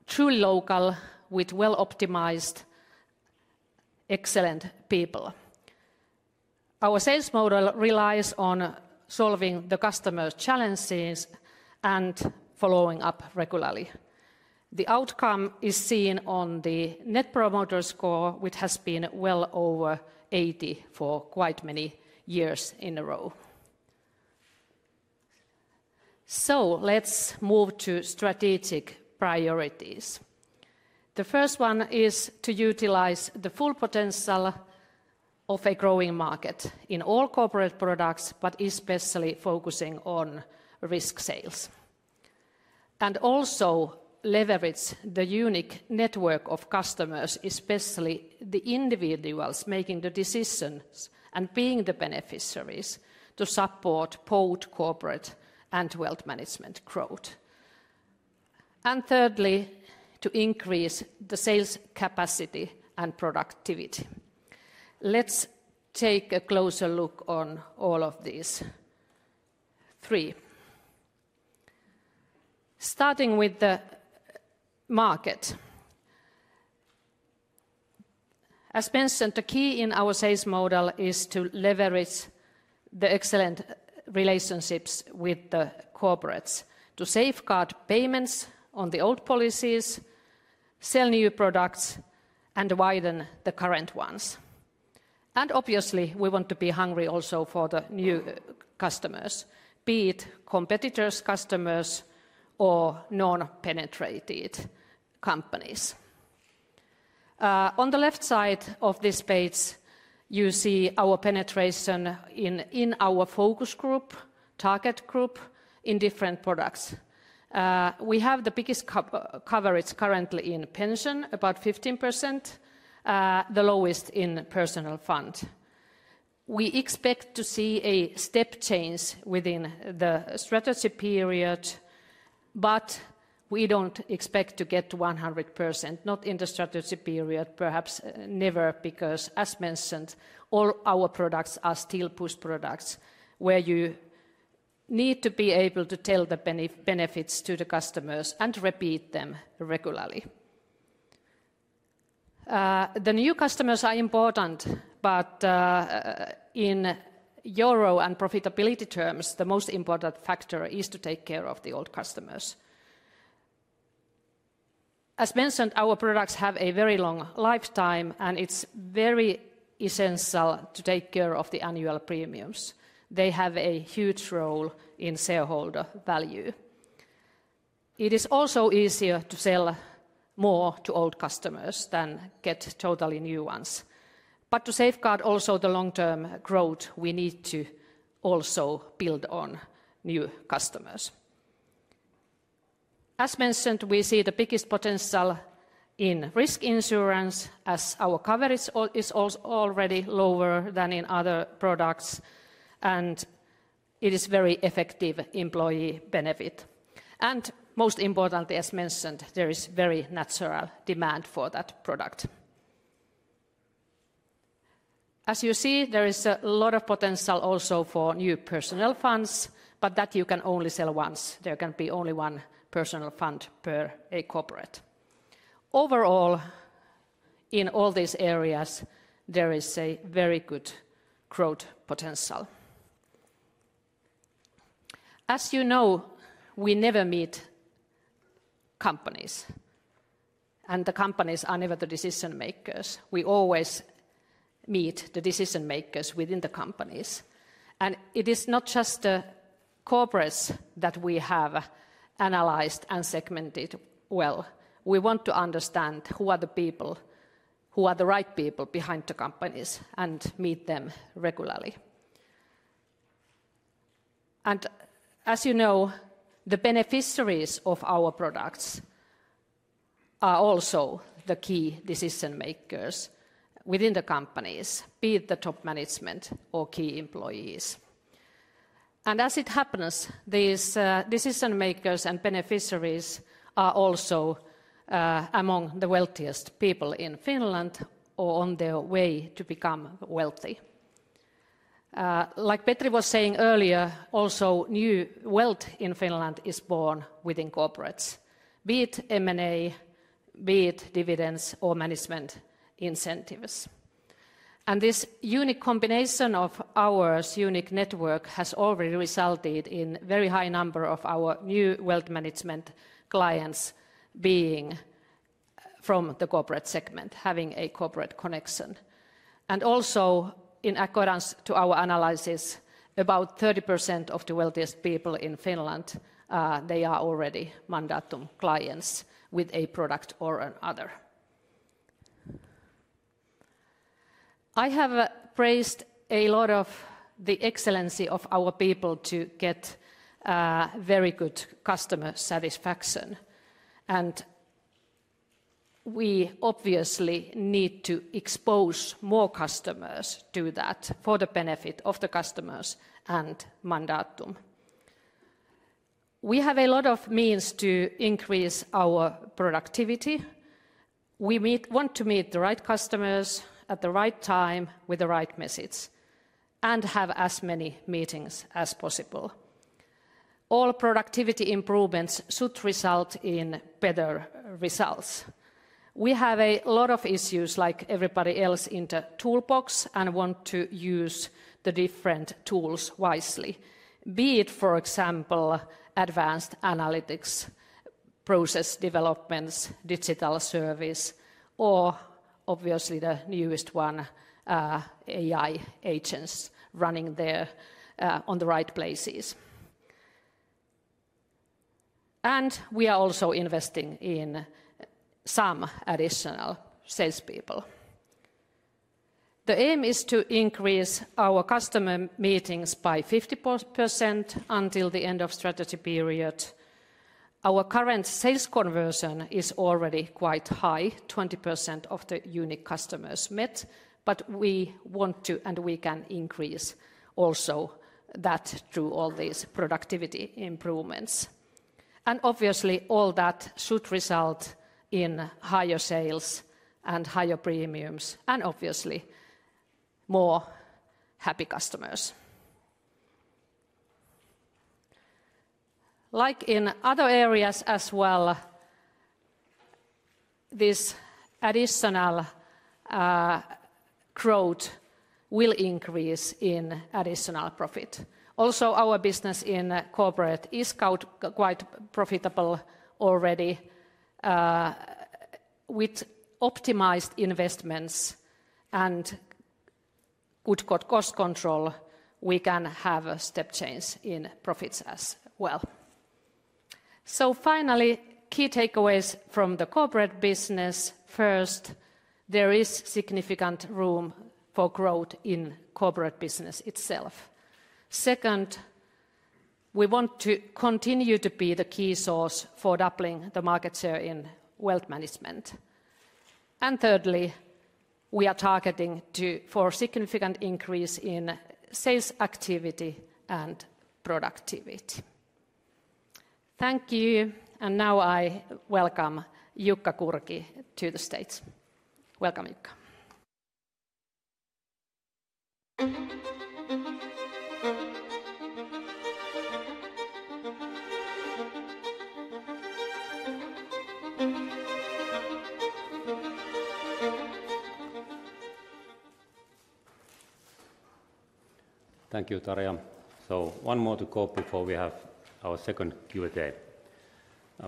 K: truly local with well-optimized, excellent people. Our sales model relies on solving the customer's challenges and following up regularly. The outcome is seen on the Net Promoter Score, which has been well over 80% for quite many years in a row. Let's move to strategic priorities. The first one is to utilize the full potential of a growing market in all corporate products, but especially focusing on risk sales. Also leverage the unique network of customers, especially the individuals making the decisions and being the beneficiaries to support both corporate and wealth management growth. Thirdly, to increase the sales capacity and productivity. Let's take a closer look on all of these three. Starting with the market. As mentioned, the key in our sales model is to leverage the excellent relationships with the corporates to safeguard payments on the old policies, sell new products, and widen the current ones. Obviously, we want to be hungry also for the new customers, be it competitors' customers or non-penetrated companies. On the left side of this page, you see our penetration in our focus group, target group, in different products. We have the biggest coverage currently in Pension, about 15%, the lowest in Personnel Fund. We expect to see a step change within the strategy period, but we do not expect to get 100%, not in the strategy period, perhaps never, because, as mentioned, all our products are still push products where you need to be able to tell the benefits to the customers and repeat them regularly. The new customers are important, but in EUR and profitability terms, the most important factor is to take care of the old customers. As mentioned, our products have a very long lifetime, and it is very essential to take care of the annual premiums. They have a huge role in shareholder value. It is also easier to sell more to old customers than get totally new ones. To safeguard also the long-term growth, we need to also build on new customers. As mentioned, we see the biggest potential in risk insurance, as our coverage is already lower than in other products, and it is a very effective employee benefit. Most importantly, as mentioned, there is very natural demand for that product. As you see, there is a lot of potential also for new personnel funds, but that you can only sell once. There can be only one personnel fund per a corporate. Overall, in all these areas, there is a very good growth potential. As you know, we never meet companies, and the companies are never the decision makers. We always meet the decision makers within the companies. It is not just the corporates that we have analyzed and segmented well. We want to understand who are the people, who are the right people behind the companies, and meet them regularly. As you know, the beneficiaries of our products are also the key decision makers within the companies, be it the top management or key employees. As it happens, these decision makers and beneficiaries are also among the wealthiest people in Finland or on their way to become wealthy. Like Petri was saying earlier, also new wealth in Finland is born within corporates, be it M&A, be it dividends or management incentives. This unique combination of our unique network has already resulted in a very high number of our new wealth management clients being from the corporate segment, having a corporate connection. Also, in accordance to our analysis, about 30% of the wealthiest people in Finland, they are already Mandatum clients with a product or another. I have praised a lot of the excellency of our people to get very good customer satisfaction. We obviously need to expose more customers to that for the benefit of the customers and Mandatum. We have a lot of means to increase our productivity. We want to meet the right customers at the right time with the right message and have as many meetings as possible. All productivity improvements should result in better results. We have a lot of issues like everybody else in the toolbox and want to use the different tools wisely, be it, for example, advanced analytics, process developments, digital service, or obviously the newest one, AI agents running there on the right places. We are also investing in some additional salespeople. The aim is to increase our customer meetings by 50% until the end of the strategy period. Our current sales conversion is already quite high, 20% of the unique customers met, but we want to and we can increase also that through all these productivity improvements. Obviously, all that should result in higher sales and higher premiums and obviously more happy customers. Like in other areas as well, this additional growth will increase in additional profit. Also, our business in corporate is quite profitable already. With optimized investments and good cost control, we can have a step change in profits as well. Finally, key takeaways from the Corporate Business. First, there is significant room for growth in Corporate Business itself. Second, we want to continue to be the key source for doubling the market share in wealth management. Thirdly, we are targeting for a significant increase in sales activity and productivity. Thank you. Now I welcome Jukka Kurki to the stage. Welcome, Jukka.
L: Thank you, Tarja. So one more to go before we have our second Q&A.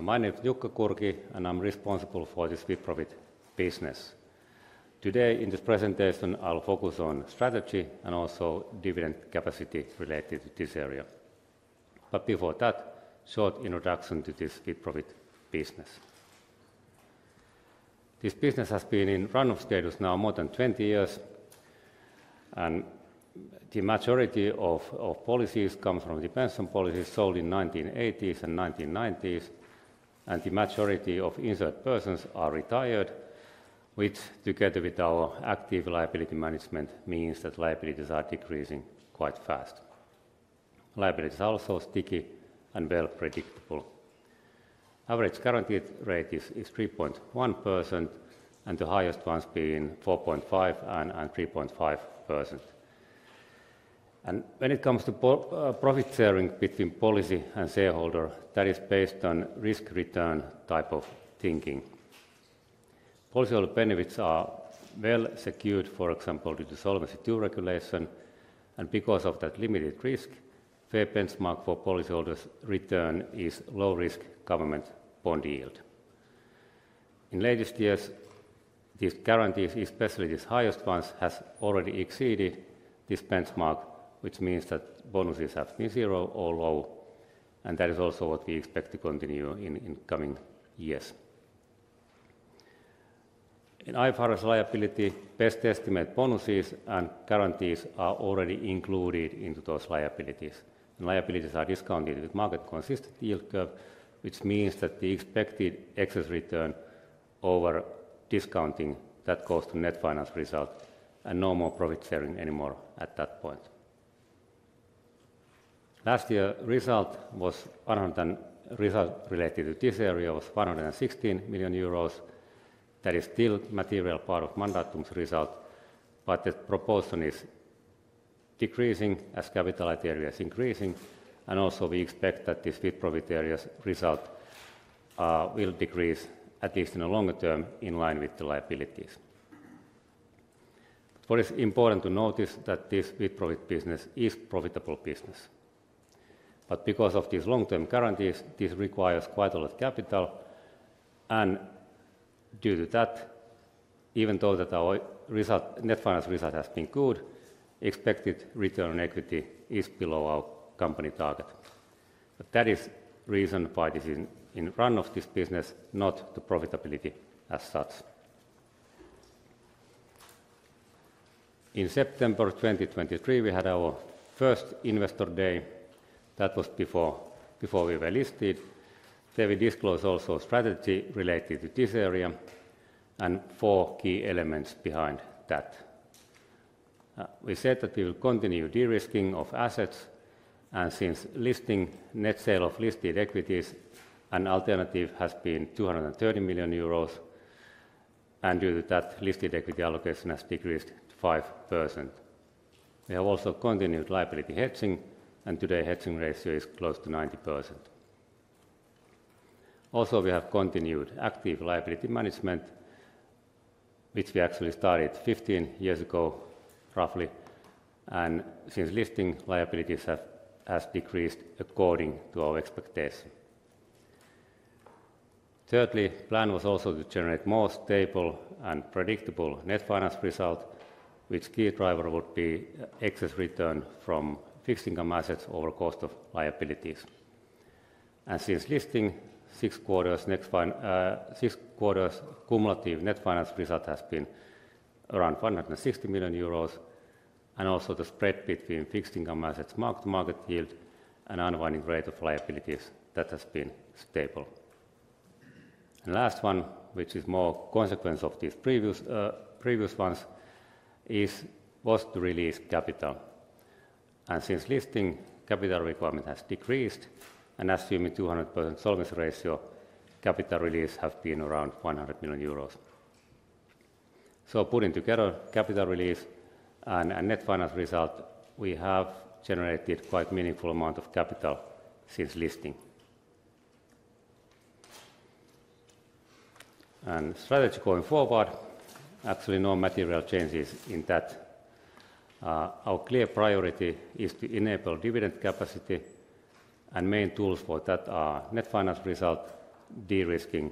L: My name is Jukka Kurki, and I'm responsible for this With-Profit Business. Today, in this presentation, I'll focus on strategy and also dividend capacity related to this area. Before that, short introduction to this With-Profit Business. This business has been in run-off status now more than 20 years, and the majority of policies come from the pension policies sold in the 1980s and 1990s. The majority of insured persons are retired, which together with our active liability management means that liabilities are decreasing quite fast. Liabilities are also sticky and well predictable. Average guaranteed rate is 3.1%, and the highest ones being 4.5% and 3.5%. When it comes to profit sharing between policy and shareholder, that is based on risk-return type of thinking. Policyholder benefits are well secured, for example, due to Solvency II regulation. Because of that limited risk, fair benchmark for policyholders' return is low-risk government bond yield. In latest years, these guarantees, especially these highest ones, have already exceeded this benchmark, which means that bonuses have been zero or low. That is also what we expect to continue in coming years. In IFRS liability, best estimate bonuses and guarantees are already included into those liabilities. Liabilities are discounted with market-consistent yield curve, which means that the expected excess return over discounting that goes to net finance result and no more profit sharing anymore at that point. Last year, result was 100 and result related to this area was 116 million euros. That is still a material part of Mandatum's result, but the proportion is decreasing as Capital-Light area is increasing. We also expect that this With-Profit area result will decrease at least in the longer term in line with the liabilities. It is important to notice that this With-Profit Business is a profitable business. Because of these long-term guarantees, this requires quite a lot of capital. Due to that, even though our net finance result has been good, expected return on equity is below our company target. That is the reason why this is in run-off, this business, not the profitability as such. In September 2023, we had our first investor day. That was before we were listed. There we disclosed also strategy related to this area and four key elements behind that. We said that we will continue de-risking of assets. Since listing, net sale of listed equities and alternative has been 230 million euros. Due to that, listed equity allocation has decreased to 5%. We have also continued liability hedging, and today hedging ratio is close to 90%. Also, we have continued active liability management, which we actually started 15 years ago roughly. Since listing, liabilities have decreased according to our expectation. Thirdly, the plan was also to generate more stable and predictable net finance result, which key driver would be excess return from fixed income assets over cost of liabilities. Since listing, six quarters cumulative net finance result has been around 160 million euros. Also, the spread between fixed income assets, marked market yield, and unwinding rate of liabilities has been stable. The last one, which is more consequence of these previous ones, was to release capital. Since listing, capital requirement has decreased. Assuming 200% solvency ratio, capital release has been around 100 million euros. Putting together capital release and net finance result, we have generated quite a meaningful amount of capital since listing. Strategy going forward, actually no material changes in that. Our clear priority is to enable dividend capacity. Main tools for that are net finance result, de-risking,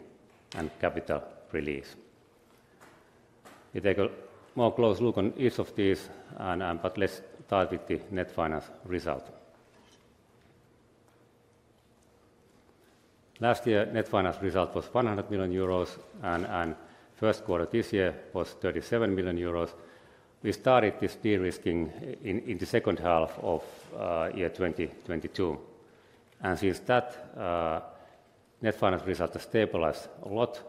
L: and capital release. We take a more close look on each of these, but less targeted net finance result. Last year, net finance result was 100 million euros, and first quarter this year was 37 million euros. We started this de-risking in the second half of year 2022. Since that, net finance result has stabilized a lot.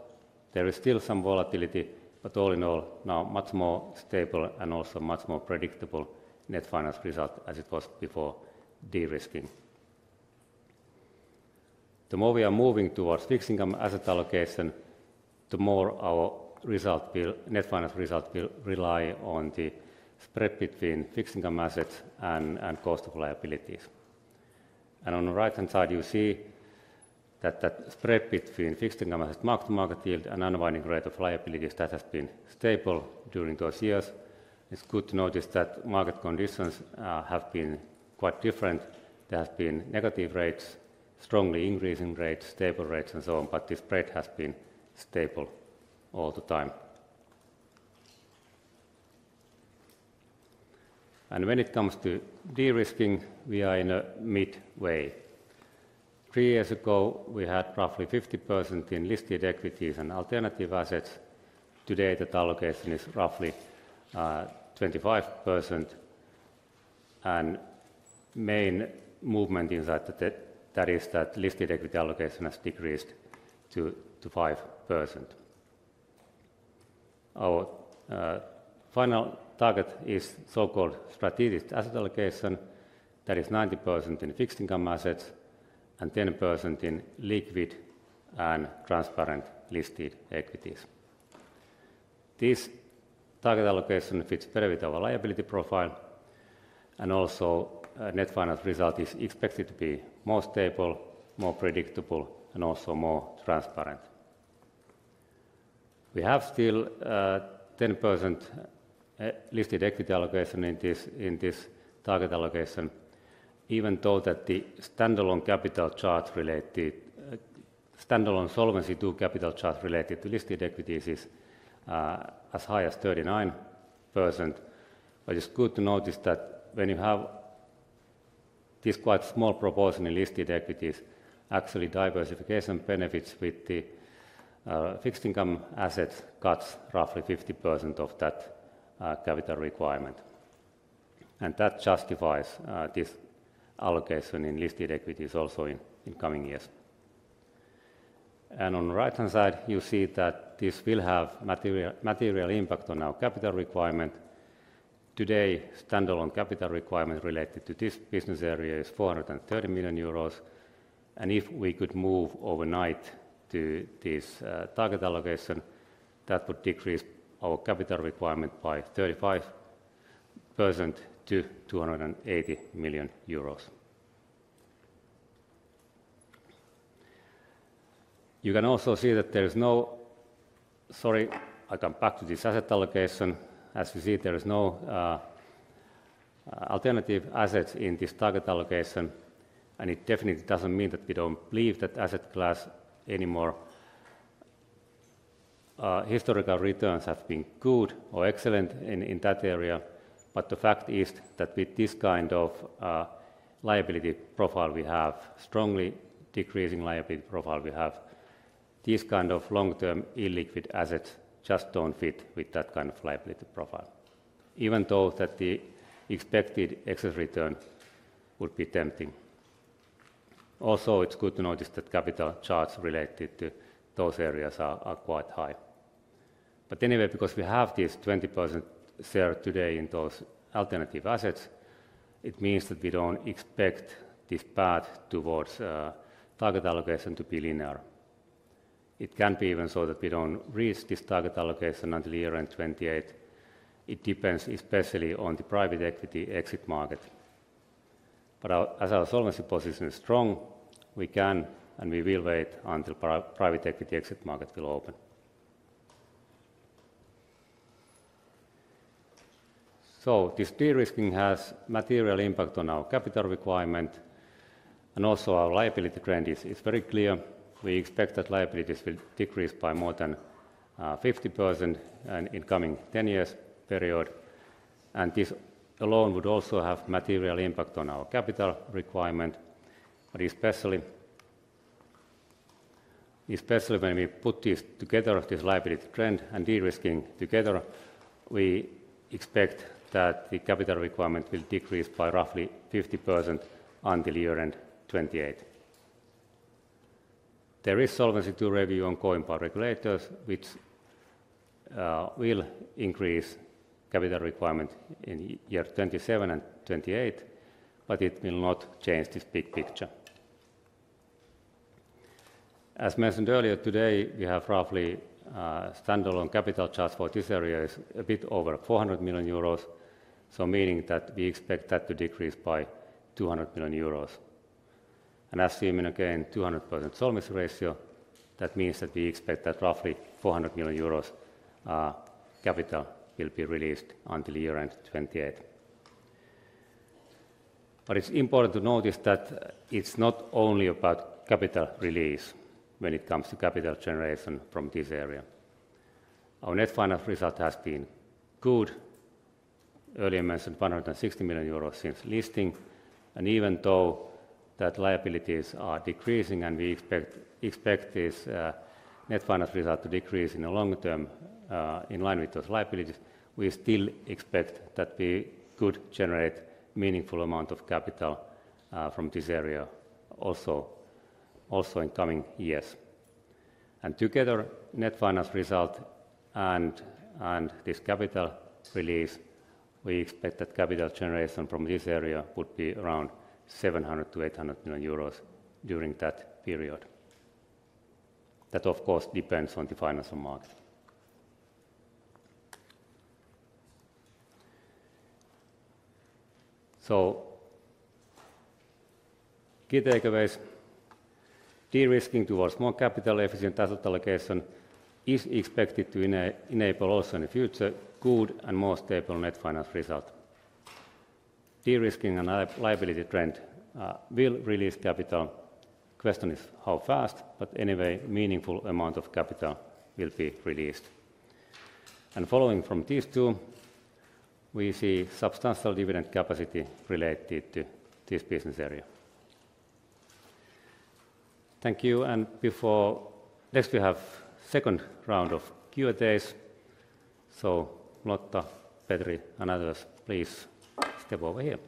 L: There is still some volatility, but all in all, now much more stable and also much more predictable net finance result as it was before de-risking. The more we are moving towards fixed income asset allocation, the more our net finance result will rely on the spread between fixed income assets and cost of liabilities. On the right-hand side, you see that that spread between fixed income assets, marked market yield, and unwinding rate of liabilities has been stable during those years. It is good to notice that market conditions have been quite different. There have been negative rates, strongly increasing rates, stable rates, and so on, but the spread has been stable all the time. When it comes to de-risking, we are in a midway. Three years ago, we had roughly 50% in listed equities and alternative assets. Today, that allocation is roughly 25%. The main movement inside that is that listed equity allocation has decreased to 5%. Our final target is so-called strategic asset allocation. That is 90% in fixed-income assets and 10% in liquid and transparent listed equities. This target allocation fits very well with our liability profile. Also, net finance result is expected to be more stable, more predictable, and also more transparent. We have still 10% listed equity allocation in this target allocation, even though the standalone capital charge related, standalone Solvency II capital charge related to listed equities is as high as 39%. It is good to notice that when you have this quite small proportion in listed equities, actually diversification benefits with the fixed income assets cuts roughly 50% of that c requirement. That justifies this allocation in listed equities also in coming years. On the right-hand side, you see that this will have material impact on our capital requirement. Today, standalone capital requirement related to this business area is 430 million euros. If we could move overnight to this target allocation, that would decrease our capital requirement by 35% to EUR 280 million. You can also see that there is no, sorry, I come back to this asset allocation. As you see, there is no alternative assets in this target allocation. It definitely does not mean that we do not believe that asset class anymore. Historical returns have been good or excellent in that area. The fact is that with this kind of liability profile we have, strongly decreasing liability profile we have, these kind of long-term illiquid assets just do not fit with that kind of liability profile, even though the expected excess return would be tempting. Also, it is good to notice that capital charges related to those areas are quite high. Anyway, because we have this 20% share today in those alternative assets, it means that we do not expect this path towards target allocation to be linear. It can be even so that we do not reach this target allocation until year end 2028. It depends especially on the private equity exit market. As our solvency position is strong, we can and we will wait until private equity exit market will open. This de-risking has material impact on our capital requirement. Also, our liability trend is very clear. We expect that liabilities will decrease by more than 50% in the coming 10 years period. This alone would also have material impact on our capital requirement. Especially when we put this together, this liability trend and de-risking together, we expect that the capital requirement will decrease by roughly 50% until year end 2028. There is Solvency II review on coin power regulators, which will increase capital requirement in year 2027 and 2028, but it will not change this big picture. As mentioned earlier today, we have roughly standalone capital charts for this area is a bit over 400 million euros. So meaning that we expect that to decrease by 200 million euros. As seen again, 200% solvency ratio, that means that we expect that roughly 400 million euros capital will be released until year end 2028. It is important to notice that it is not only about capital release when it comes to capital generation from this area. Our net finance result has been good, earlier mentioned 160 million euros since listing. Even though liabilities are decreasing and we expect this net finance result to decrease in the long term in line with those liabilities, we still expect that we could generate a meaningful amount of capital from this area also in coming years. Together, net finance result and this capital release, we expect that capital generation from this area would be around 700 million-800 million euros during that period. That, of course, depends on the financial market. Key takeaways: De-risking towards more capital efficient asset allocation is expected to enable also in the future good and more stable net finance result. De-risking and liability trend will release capital. The question is how fast, but anyway, a meaningful amount of capital will be released. Following from these two, we see substantial dividend capacity related to this business area. Thank you. Before next, we have second round of Q&As. Lotta, Petri, and others, please step over here.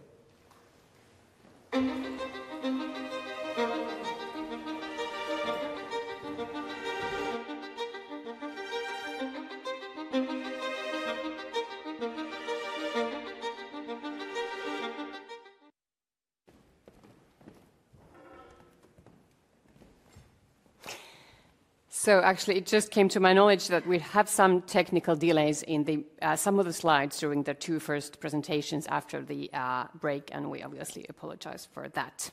A: It just came to my knowledge that we have some technical delays in some of the slides during the two first presentations after the break. We obviously apologize for that.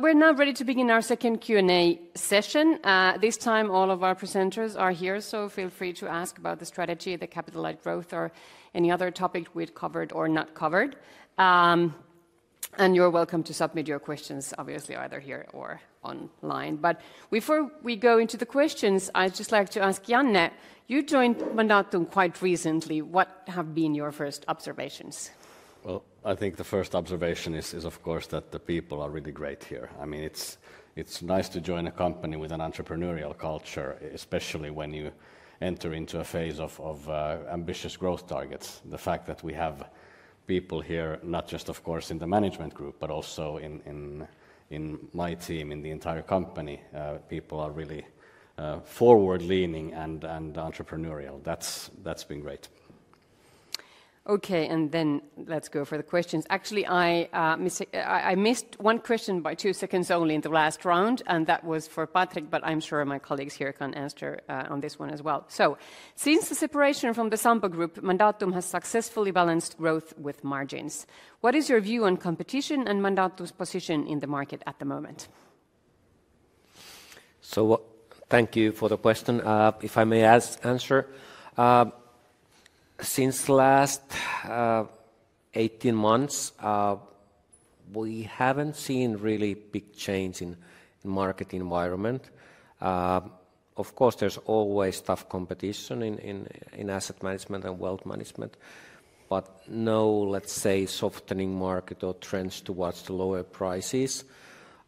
A: We are now ready to begin our second Q&A session. This time, all of our presenters are here, so feel free to ask about the strategy, the capital growth, or any other topic we have covered or not covered. You are welcome to submit your questions, obviously, either here or online. Before we go into the questions, I would just like to ask Janne, you joined Mandatum quite recently. What have been your first observations?
I: I think the first observation is, of course, that the people are really great here. I mean, it's nice to join a company with an entrepreneurial culture, especially when you enter into a phase of ambitious growth targets. The fact that we have people here, not just, of course, in the management group, but also in my team, in the entire company, people are really forward-leaning and entrepreneurial. That's been great.
A: Okay. And then let's go for the questions. Actually, I missed one question by two seconds only in the last round, and that was for Patrick, but I'm sure my colleagues here can answer on this one as well. Since the separation from the Sampo Group, Mandatum has successfully balanced growth with margins. What is your view on competition and Mandatum's position in the market at the moment?
C: Thank you for the question. If I may answer, since the last 18 months, we haven't seen really big change in the market environment. Of course, there's always tough competition in Asset Management and Wealth Management, but no, let's say, softening market or trends towards the lower prices.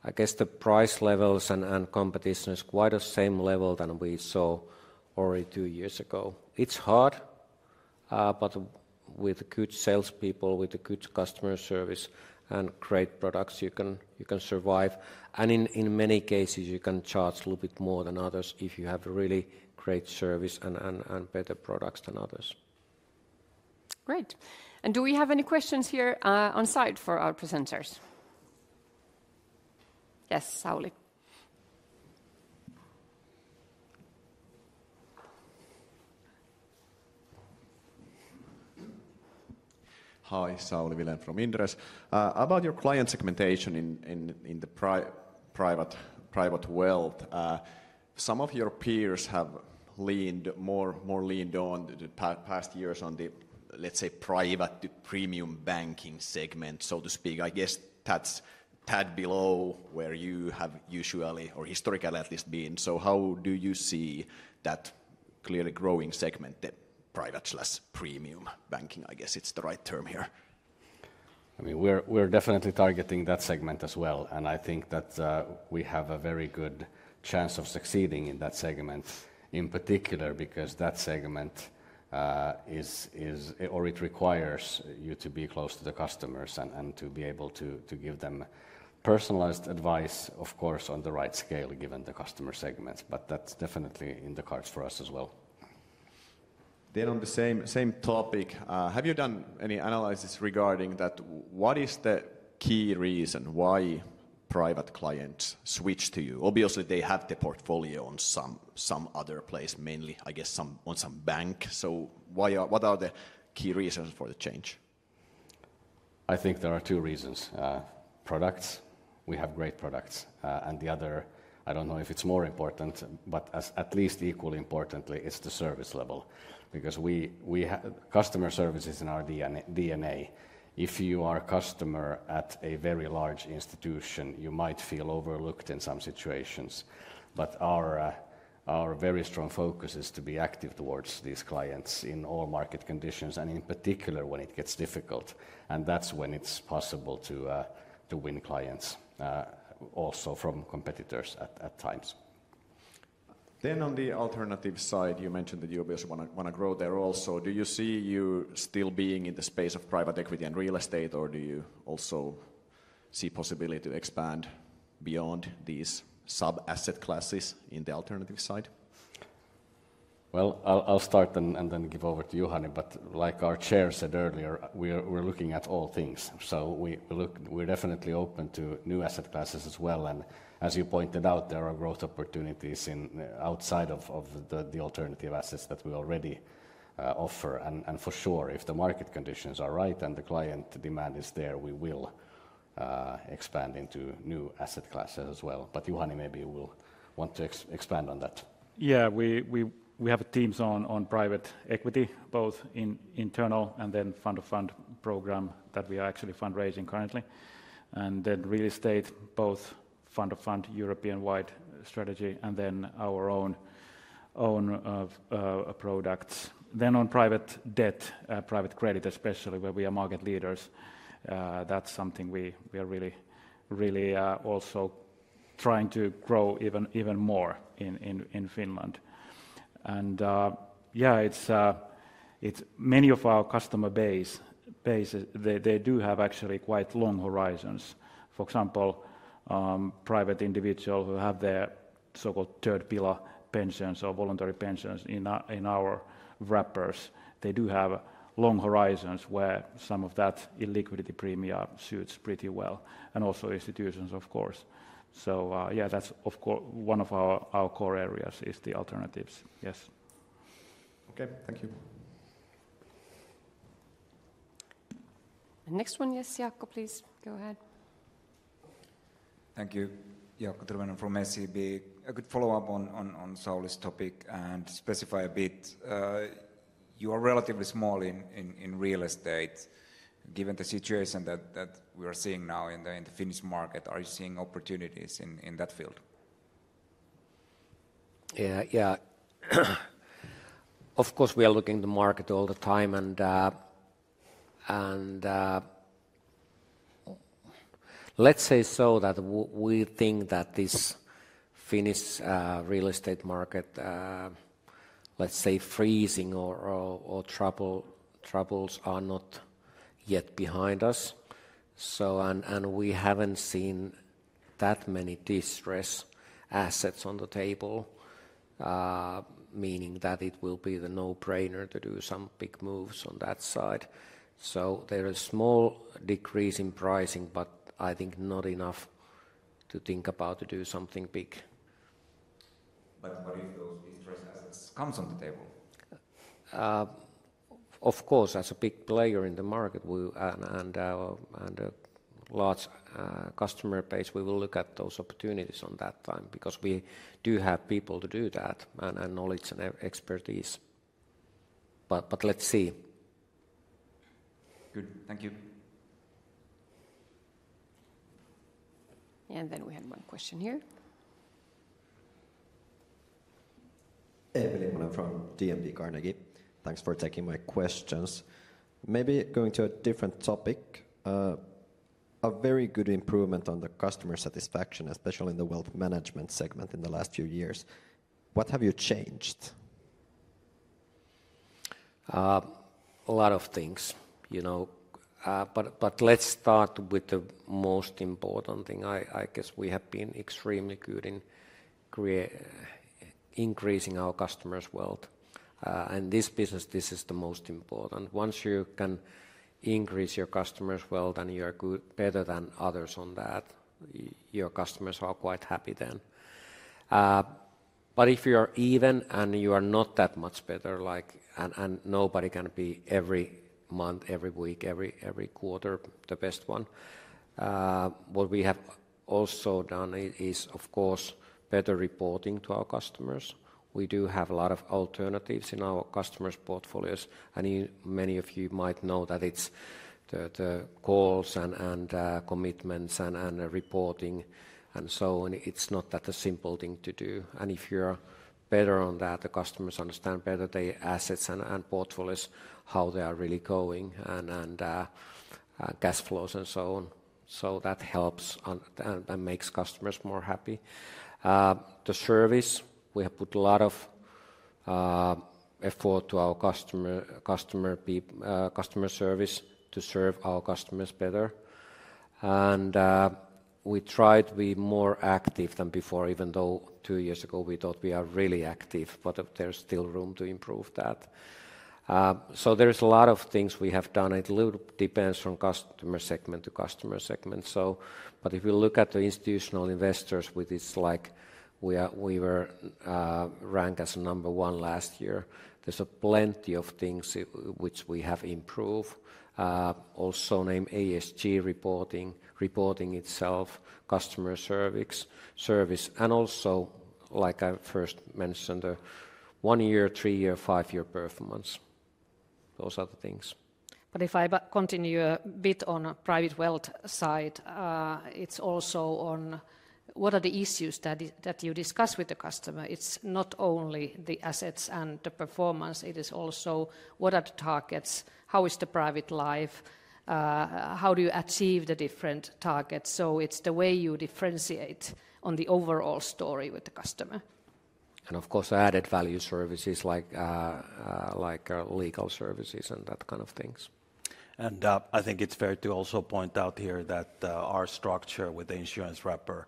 C: I guess the price levels and competition is quite the same level than we saw already two years ago. It's hard, but with good salespeople, with good customer service and great products, you can survive. In many cases, you can charge a little bit more than others if you have really great service and better products than others.
A: Great. Do we have any questions here on site for our presenters? Yes, Sauli.
F: Hi, Sauli Vilén from Inderes. About your client segmentation in the Private Wealth, some of your peers have leaned more on the past years on the, let's say, private to premium banking segment, so to speak. I guess that's a tad below where you have usually, or historically at least, been. How do you see that clearly growing segment, the private/premium banking, I guess it's the right term here?
I: I mean, we're definitely targeting that segment as well. I think that we have a very good chance of succeeding in that segment, in particular, because that segment is, or it requires you to be close to the customers and to be able to give them personalized advice, of course, on the right scale given the customer segments. That's definitely in the cards for us as well.
F: On the same topic, have you done any analysis regarding that? What is the key reason why private clients switch to you? Obviously, they have the portfolio on some other place, mainly, I guess, on some bank. What are the key reasons for the change?
I: I think there are two reasons. Products, we have great products. The other, I do not know if it is more important, but at least equally importantly, it is the service level, because customer service is in our DNA. If you are a customer at a very large institution, you might feel overlooked in some situations. Our very strong focus is to be active towards these clients in all market conditions, in particular when it gets difficult. That is when it is possible to win clients also from competitors at times.
F: On the alternative side, you mentioned that you obviously want to grow there also. Do you see you still being in the space of private equity and real estate, or do you also see the possibility to expand beyond these sub-asset classes in the alternative side?
I: I'll start and then give over to Juhani. Like our Chair said earlier, we're looking at all things. We're definitely open to new asset classes as well. As you pointed out, there are growth opportunities outside of the alternative assets that we already offer. For sure, if the market conditions are right and the client demand is there, we will expand into new asset classes as well. But Juhani maybe will want to expand on that.
J: Yeah, we have a team on private equity, both internal and then fund-of-fund program that we are actually fundraising currently. And then real estate, both fund-of-fund European-wide strategy and then our own products. Then on private debt, private credit especially, where we are market leaders, that's something we are really also trying to grow even more in Finland. Yeah, many of our customer base, they do have actually quite long horizons. For example, private individuals who have their so-called third pillar pensions or voluntary pensions in our wrappers, they do have long horizons where some of that illiquidity premia suits pretty well. And also institutions, of course. Yeah, that's one of our core areas is the alternatives. Yes.
F: Okay, thank you.
A: Next one, yes, Jaakko, please go ahead.
G: Thank you, Jaakko Tervonen from SEB. A good follow-up on Sauli's topic and to specify a bit. You are relatively small in real estate. Given the situation that we are seeing now in the Finnish market, are you seeing opportunities in that field?
C: Yeah, of course, we are looking at the market all the time. Let's say that we think that this Finnish real estate market, let's say freezing or troubles, are not yet behind us. We have not seen that many distressed assets on the table, meaning that it would be a no-brainer to do some big moves on that side. There is a small decrease in pricing, but I think not enough to think about doing something big.
G: What if those distressed assets come on the table?
C: Of course, as a big player in the market and a large customer base, we will look at those opportunities on that time because we do have people to do that and knowledge and expertise. But let's see.
G: Good. Thank you.
A: We have one question here.
M: Emil Immonen from DNB Carnegie. Thanks for taking my questions. Maybe going to a different topic. A very good improvement on the customer satisfaction, especially in the wealth management segment in the last few years. What have you changed?
C: A lot of things. Let's start with the most important thing. I guess we have been extremely good in increasing our customers' wealth. This business, this is the most important. Once you can increase your customers' wealth and you're better than others on that, your customers are quite happy then. If you are even and you are not that much better, and nobody can be every month, every week, every quarter the best one, what we have also done is, of course, better reporting to our customers. We do have a lot of alternatives in our customers' portfolios. Many of you might know that it's the calls and commitments and reporting and so on. It's not that a simple thing to do. If you're better on that, the customers understand better their assets and portfolios, how they are really going and cash flows and so on. That helps and makes customers more happy. The service, we have put a lot of effort to our customer service to serve our customers better. We tried to be more active than before, even though two years ago we thought we are really active, but there's still room to improve that. There are a lot of things we have done. It depends from customer segment to customer segment. If you look at the institutional investors, we were ranked as number one last year. There are plenty of things which we have improved. Also, name ESG reporting, reporting itself, customer service, and also, like I first mentioned, the one-year, three-year, five-year performance. Those are the things.
K: If I continue a bit on Private Wealth side, it's also on what are the issues that you discuss with the customer. It's not only the assets and the performance. It is also what are the targets, how is the private life, how do you achieve the different targets. So it's the way you differentiate on the overall story with the customer.
C: Of course, added value services like legal services and that kind of things.
D: I think it's fair to also point out here that our structure with the insurance wrapper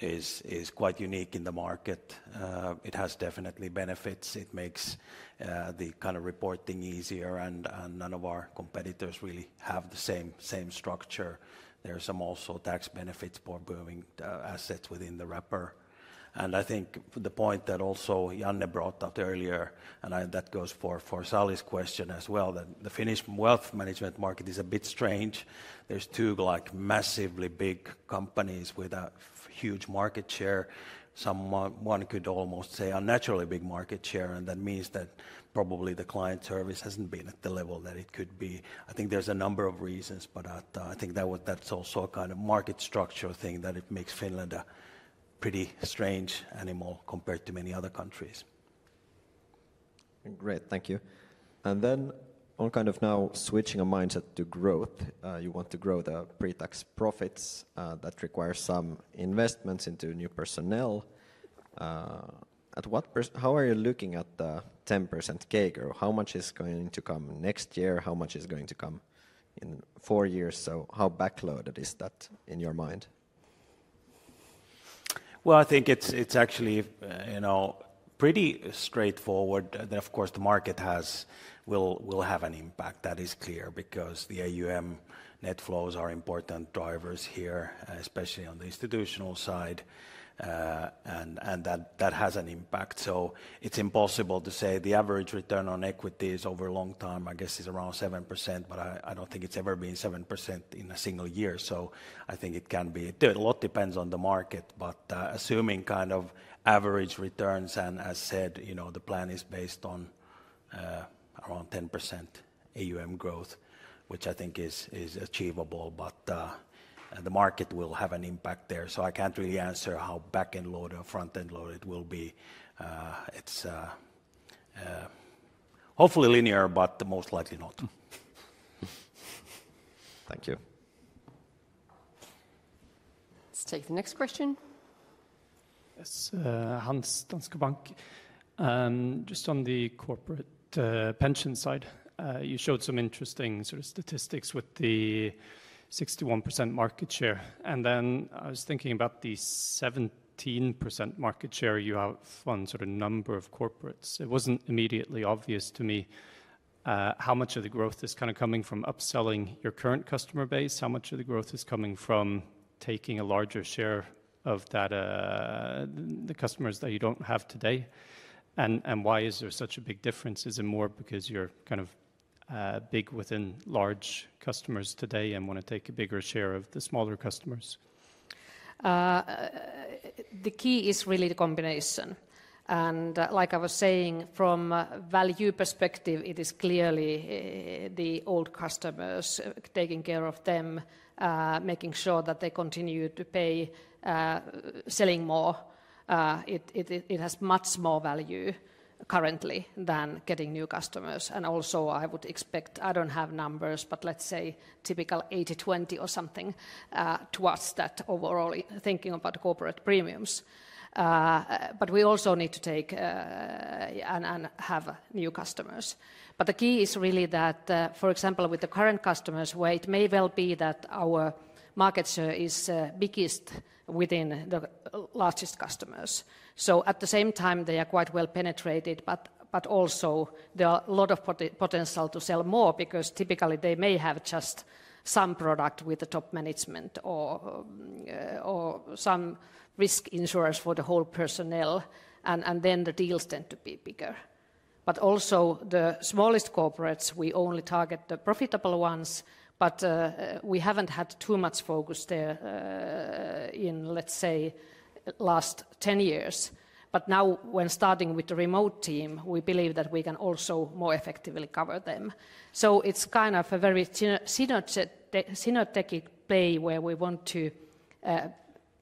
D: is quite unique in the market. It has definitely benefits. It makes the kind of reporting easier. None of our competitors really have the same structure. There are also tax benefits for moving assets within the wrapper. I think the point that also Janne brought up earlier, and that goes for Sauli's question as well, is that the Finnish Wealth Management market is a bit strange. There are two massively big companies with a huge market share. One could almost say a naturally big market share. That means that probably the client service hasn't been at the level that it could be. I think there are a number of reasons, but I think that's also a kind of market structure thing that makes Finland a pretty strange animal compared to many other countries.
M: Great. Thank you. Now, switching a mindset to growth, you want to grow the pre-tax profits that require some investments into new personnel. How are you looking at the 10% cake? How much is going to come next year? How much is going to come in four years? How backloaded is that in your mind?
D: I think it's actually pretty straightforward. Of course, the market will have an impact. That is clear because the AUM net flows are important drivers here, especially on the institutional side. That has an impact. It's impossible to say the average return on equities over a long time, I guess, is around 7%, but I don't think it's ever been 7% in a single year. I think it can be. A lot depends on the market, but assuming kind of average returns, and as said, the plan is based on around 10% AUM growth, which I think is achievable, but the market will have an impact there. I can't really answer how back-end loaded or front-end loaded it will be. It's hopefully linear, but most likely not.
M: Thank you.
A: Let's take the next question. Yes, Hans, Danske Bank. Just on the Corporate Pension side, you showed some interesting statistics with the 61% market share. I was thinking about the 17% market share you have on number of corporates. It was not immediately obvious to me how much of the growth is kind of coming from upselling your current customer base. How much of the growth is coming from taking a larger share of the customers that you do not have today? Why is there such a big difference? Is it more because you are kind of big within large customers today and want to take a bigger share of the smaller customers?
K: The key is really the combination. Like I was saying, from a value perspective, it is clearly the old customers, taking care of them, making sure that they continue to pay, selling more. It has much more value currently than getting new customers. I would expect, I do not have numbers, but let's say typical 80-20 or something towards that overall, thinking about corporate premiums. We also need to take and have new customers. The key is really that, for example, with the current customers, it may well be that our market share is biggest within the largest customers. At the same time, they are quite well penetrated, but also there is a lot of potential to sell more because typically they may have just some product with the top management or some risk insurance for the whole personnel. The deals tend to be bigger. Also, the smallest corporates, we only target the profitable ones, but we have not had too much focus there in, let's say, the last 10 years. Now, when starting with the remote team, we believe that we can also more effectively cover them. It is kind of a very synergetic play where we want to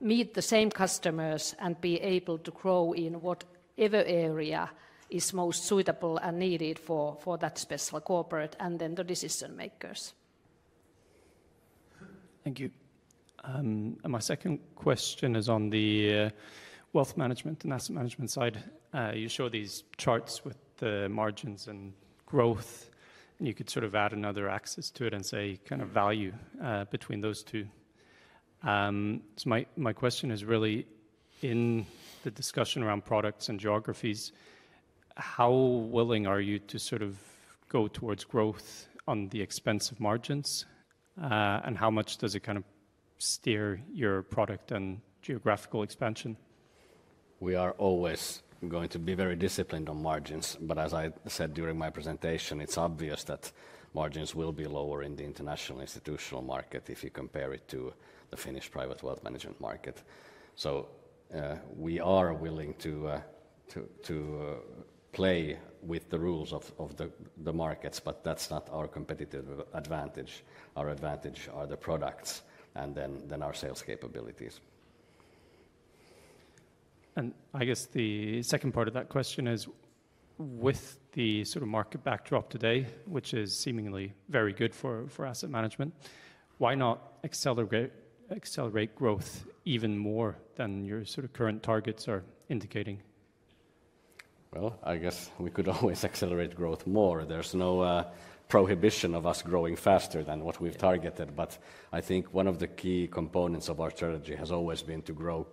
K: meet the same customers and be able to grow in whatever area is most suitable and needed for that special corporate and then the decision makers.
E: Thank you. My second question is on the Wealth Management and Asset Management side. You show these charts with the margins and growth, and you could sort of add another axis to it and say kind of value between those two. My question is really, in the discussion around products and geographies, how willing are you to sort of go towards growth on the expense of margins? How much does it kind of steer your product and geographical expansion?
I: We are always going to be very disciplined on margins. As I said during my presentation, it's obvious that margins will be lower in the international institutional market if you compare it to the Finnish Private Wealth Management market. We are willing to play with the rules of the markets, but that's not our competitive advantage. Our advantage are the products and then our sales capabilities.
E: I guess the second part of that question is, with the sort of market backdrop today, which is seemingly very good for Asset Management, why not accelerate growth even more than your sort of current targets are indicating?
I: I guess we could always accelerate growth more. There is no prohibition of us growing faster than what we have targeted. I think one of the key components of our strategy has always been to grow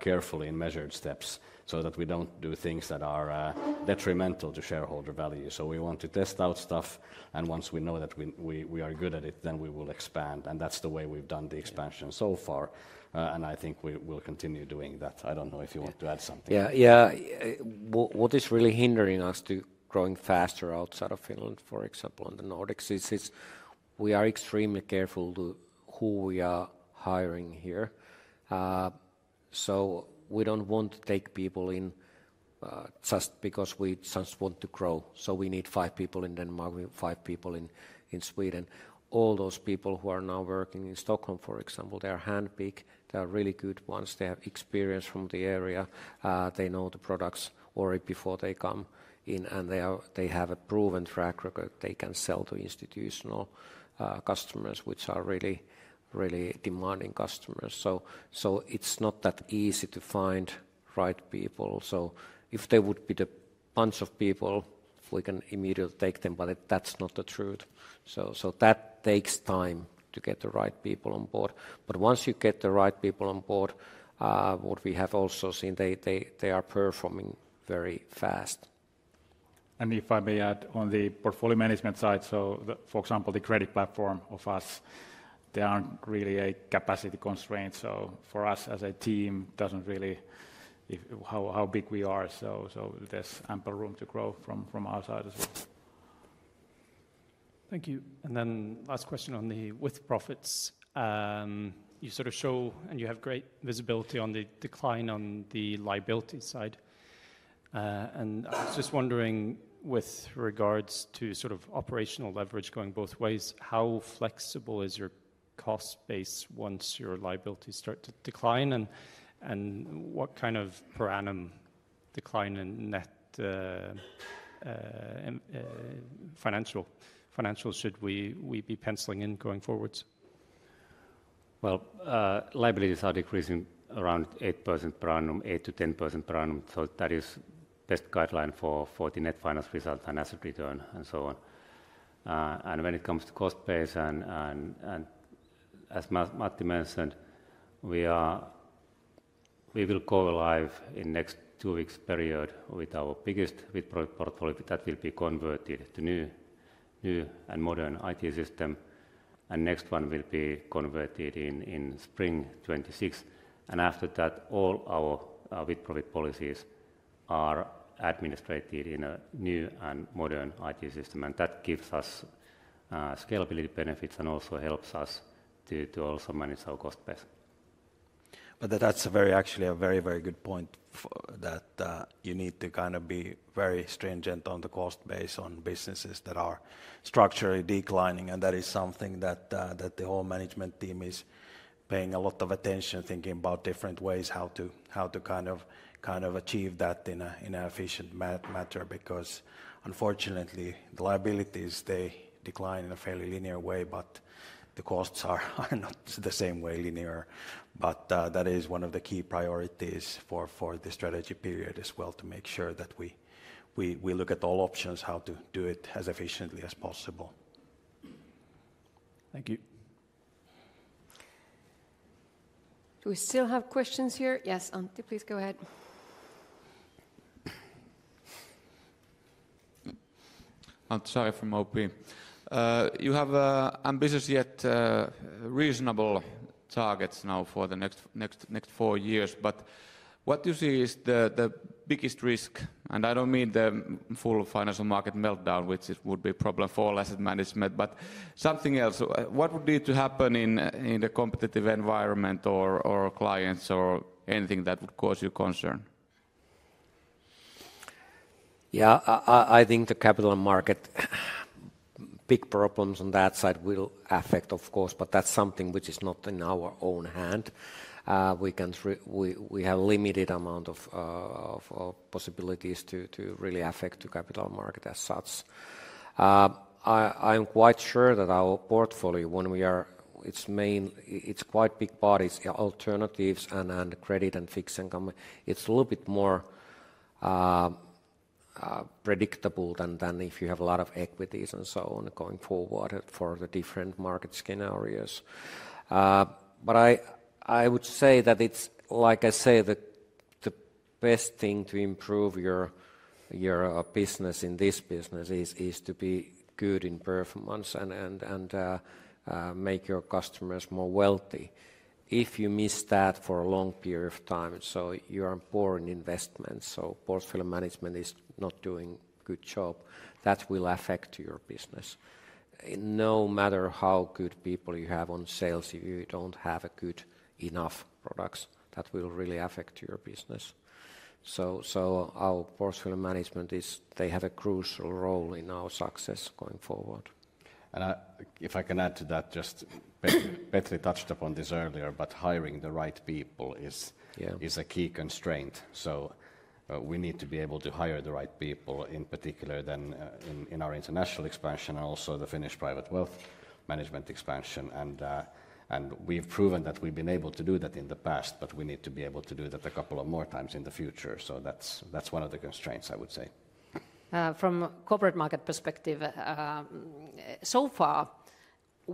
I: carefully in measured steps so that we do not do things that are detrimental to shareholder value. We want to test out stuff, and once we know that we are good at it, then we will expand. That is the way we have done the expansion so far. I think we will continue doing that. I do not know if you want to add something.
C: Yeah, yeah. What is really hindering us to growing faster outside of Finland, for example, on the Nordics, is we are extremely careful who we are hiring here. We do not want to take people in just because we just want to grow. We need five people in Denmark, five people in Sweden. All those people who are now working in Stockholm, for example, they are handpicked. They are really good ones. They have experience from the area. They know the products already before they come in. They have a proven track record. They can sell to institutional customers, which are really, really demanding customers. It is not that easy to find the right people. If there would be a bunch of people, we can immediately take them, but that is not the truth. That takes time to get the right people on board. Once you get the right people on board, what we have also seen, they are performing very fast.
J: If I may add on the Portfolio Management side, for example, the credit platform of us, there are not really any capacity constraints. For us as a team, it does not really matter how big we are. There is ample room to grow from our side as well.
E: Thank you. Then last question on the With-Profits. You sort of show and you have great visibility on the decline on the liability side. I was just wondering with regards to sort of operational leverage going both ways, how flexible is your cost base once your liabilities start to decline? What kind of per annum decline in net financials should we be penciling in going forwards?
L: Liabilities are decreasing around 8%-10% per annum. That is the best guideline for the net finance result and asset return and so on. When it comes to cost base, as Matti mentioned, we will go live in the next two weeks' period with our biggest With-Profit Portfolio that will be converted to a new and modern IT system. The next one will be converted in spring 2026. After that, all our With-Profit policies are administrated in a new and modern IT system. That gives us scalability benefits and also helps us to also manage our cost base.
D: That is actually a very, very good point that you need to kind of be very stringent on the cost base on businesses that are structurally declining. That is something that the whole management team is paying a lot of attention to, thinking about different ways how to kind of achieve that in an efficient manner because unfortunately, the liabilities, they decline in a fairly linear way, but the costs are not the same way linear. That is one of the key priorities for the strategy period as well, to make sure that we look at all options, how to do it as efficiently as possible.
E: Thank you.
A: Do we still have questions here? Yes, Antti, please go ahead.
H: Antti Saari from OP. You have ambitious yet reasonable targets now for the next four years. What you see is the biggest risk? I don't mean the full financial market meltdown, which would be a problem for all Asset Management, but something else. What would need to happen in the competitive environment or clients or anything that would cause you concern?
C: Yeah, I think the capital market, big problems on that side will affect, of course, but that's something which is not in our own hand. We have a limited amount of possibilities to really affect the capital market as such. I'm quite sure that our portfolio, when we are, it's quite big bodies, alternatives and credit and fixed income, it's a little bit more predictable than if you have a lot of equities and so on going forward for the different market scenarios. I would say that it's, like I say, the best thing to improve your business in this business is to be good in performance and make your customers more wealthy. If you miss that for a long period of time, so you are boring investments, so portfolio management is not doing a good job, that will affect your business. No matter how good people you have on sales, if you don't have good enough products, that will really affect your business. Our portfolio management, they have a crucial role in our success going forward.
I: If I can add to that, just Petri touched upon this earlier, but hiring the right people is a key constraint. We need to be able to hire the right people in particular then in our international expansion and also the Finnish Private Wealth Management expansion. We have proven that we have been able to do that in the past, but we need to be able to do that a couple of more times in the future. That is one of the constraints, I would say.
K: From a Corporate Market perspective, so far,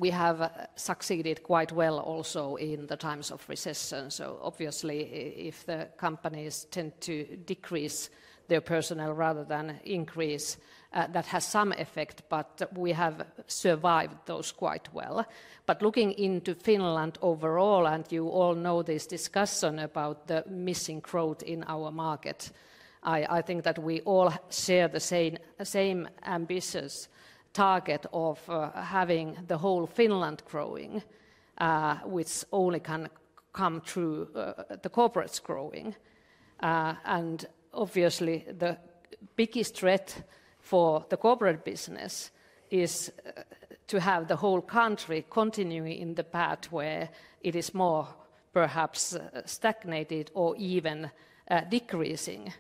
K: we have succeeded quite well also in the times of recession. Obviously, if the companies tend to decrease their personnel rather than increase, that has some effect, but we have survived those quite well. Looking into Finland overall, and you all know this discussion about the missing growth in our market, I think that we all share the same ambitious target of having the whole Finland growing, which only can come through the corporates growing. Obviously, the biggest threat for the Corporate Business is to have the whole country continue in the path where it is more perhaps stagnated or even decreasing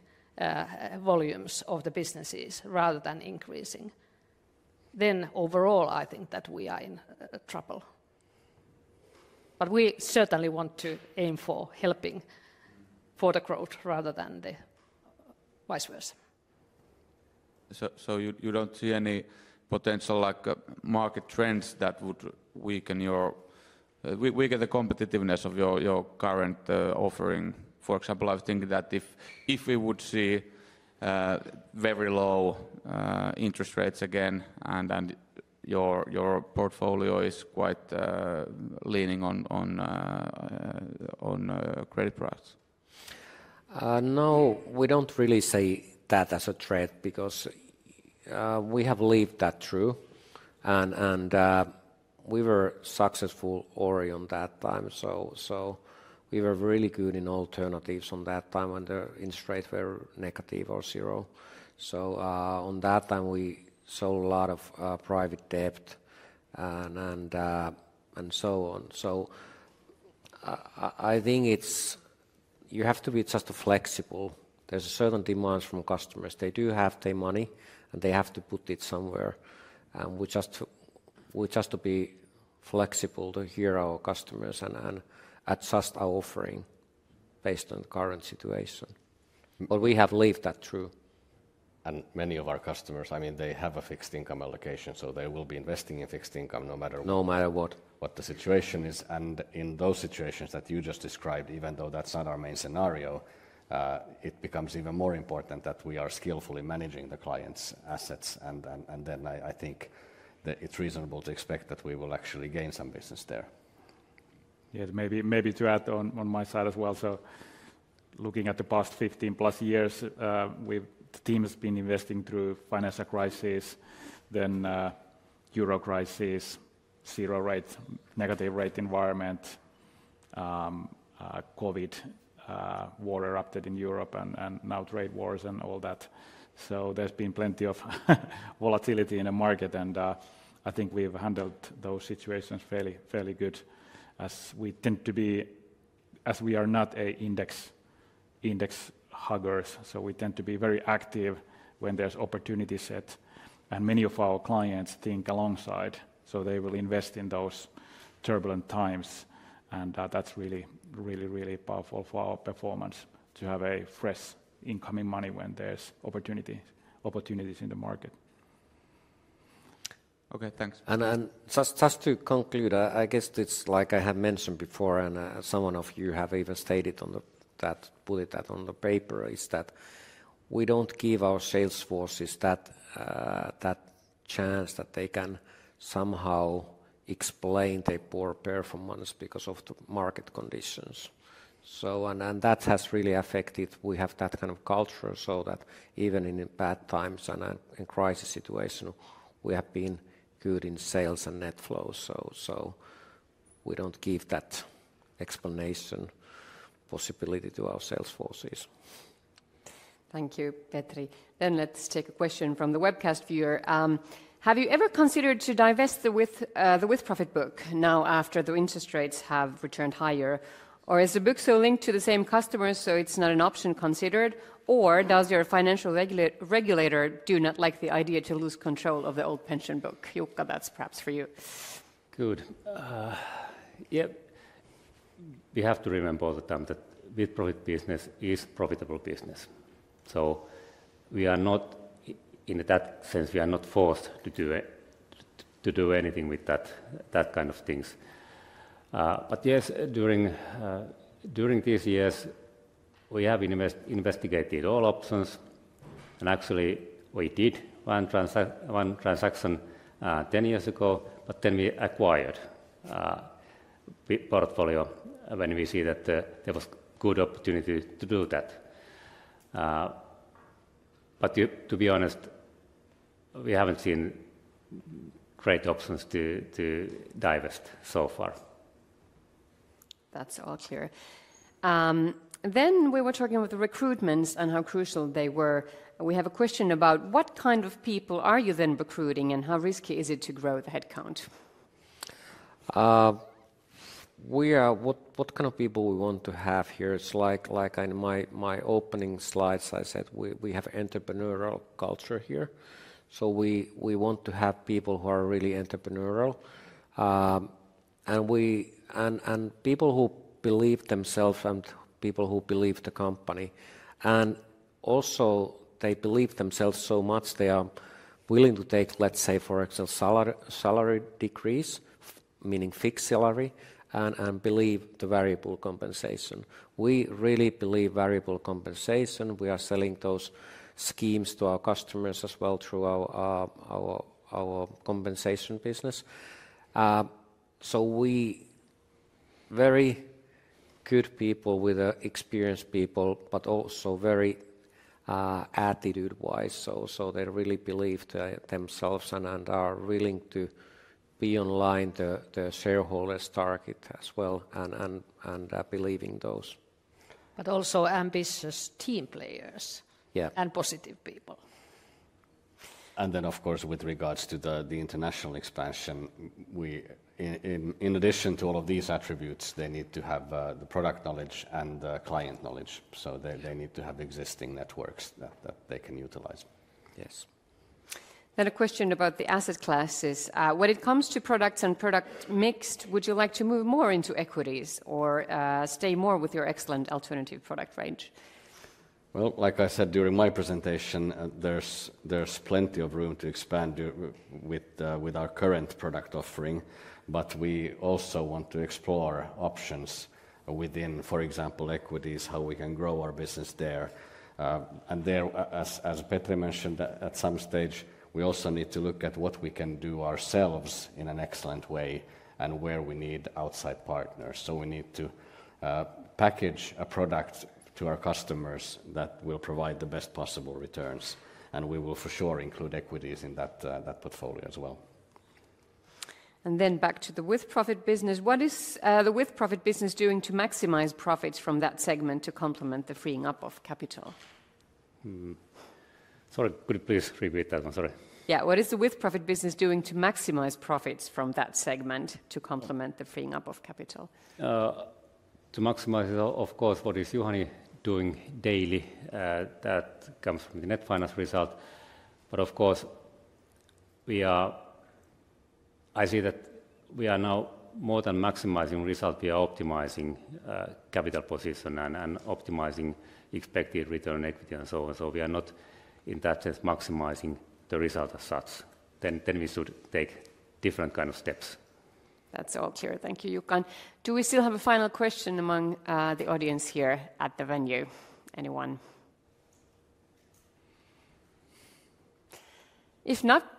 K: volumes of the businesses rather than increasing. Overall, I think that we are in trouble. We certainly want to aim for helping for the growth rather than the vice versa.
H: You don't see any potential market trends that would weaken the competitiveness of your current offering? For example, I was thinking that if we would see very low interest rates again and your portfolio is quite leaning on credit products.
C: No, we do not really see that as a threat because we have lived that through. We were successful already on that time. We were really good in alternatives on that time when the interest rates were negative or zero. On that time, we sold a lot of private debt and so on. I think you have to be just flexible. There is a certain demand from customers. They do have their money, and they have to put it somewhere. We just have to be flexible to hear our customers and adjust our offering based on the current situation. We have lived that through.
I: Many of our customers, I mean, they have a fixed-income allocation, so they will be investing in fixed income no matter.
C: No matter what.
I: What the situation is. In those situations that you just described, even though that's not our main scenario, it becomes even more important that we are skillfully managing the clients' assets. I think it's reasonable to expect that we will actually gain some business there.
J: Yeah, maybe to add on my side as well. Looking at the past 15+ years, the team has been investing through financial crisis, then euro crisis, zero rate, negative rate environment, COVID, war erupted in Europe, and now trade wars and all that. There has been plenty of volatility in the market. I think we've handled those situations fairly good as we tend to be, as we are not index huggers. We tend to be very active when there is opportunity set. Many of our clients think alongside. They will invest in those turbulent times. That is really, really, really powerful for our performance to have fresh incoming money when there are opportunities in the market.
H: Okay, thanks.
C: Just to conclude, I guess it's like I have mentioned before, and some of you have even stated that, put it that on the paper, is that we don't give our sales forces that chance that they can somehow explain their poor performance because of the market conditions. That has really affected, we have that kind of culture so that even in bad times and in crisis situations, we have been good in sales and net flows. We don't give that explanation possibility to our sales forces.
A: Thank you, Petri. Take a question from the webcast viewer. Have you ever considered to divest the With-Profit Book now after the interest rates have returned higher? Is the book so linked to the same customers so it's not an option considered? Does your financial regulator do not like the idea to lose control of the old pension book? Jukka, that's perhaps for you.
L: Good. Yeah. We have to remember all the time that With-Profit Business is profitable business. We are not in that sense, we are not forced to do anything with that kind of things. Yes, during these years, we have investigated all options. Actually, we did one transaction 10 years ago, but then we acquired a portfolio when we see that there was a good opportunity to do that. To be honest, we have not seen great options to divest so far.
A: That's all clear. We were talking about the recruitments and how crucial they were. We have a question about what kind of people are you then recruiting and how risky is it to grow the headcount?
C: What kind of people we want to have here? It's like in my opening slides, I said we have an entrepreneurial culture here. We want to have people who are really entrepreneurial and people who believe themselves and people who believe the company. Also, they believe themselves so much they are willing to take, let's say, for example, salary decrease, meaning fixed salary, and believe the variable compensation. We really believe variable compensation. We are selling those schemes to our customers as well through our compensation business. We are very good people with experienced people, but also very attitude-wise. They really believe themselves and are willing to be in line with the shareholders' target as well and believing those.
K: Also ambitious team players and positive people.
I: Of course, with regards to the international expansion, in addition to all of these attributes, they need to have the product knowledge and client knowledge. They need to have existing networks that they can utilize. Yes.
A: A question about the asset classes. When it comes to products and product mix, would you like to move more into equities or stay more with your excellent alternative product range?
I: Like I said during my presentation, there's plenty of room to expand with our current product offering, but we also want to explore options within, for example, equities, how we can grow our business there. There, as Petri mentioned, at some stage, we also need to look at what we can do ourselves in an excellent way and where we need outside partners. We need to package a product to our customers that will provide the best possible returns. We will for sure include equities in that portfolio as well.
A: Back to the With-Profit Business. What is the With-Profit Business doing to maximize profits from that segment to complement the freeing up of capital?
L: Sorry, could you please repeat that one? Sorry.
A: Yeah, what is the With-Profit Business doing to maximize profits from that segment to complement the freeing up of capital?
L: To maximize, of course, what is Juhani doing daily, that comes from the net finance result. Of course, I see that we are now more than maximizing results, we are optimizing capital position and optimizing expected return on equity and so on. We are not in that sense maximizing the result as such. We should take different kinds of steps.
A: That's all clear. Thank you, Jukka. Do we still have a final question among the audience here at the venue? Anyone? If not,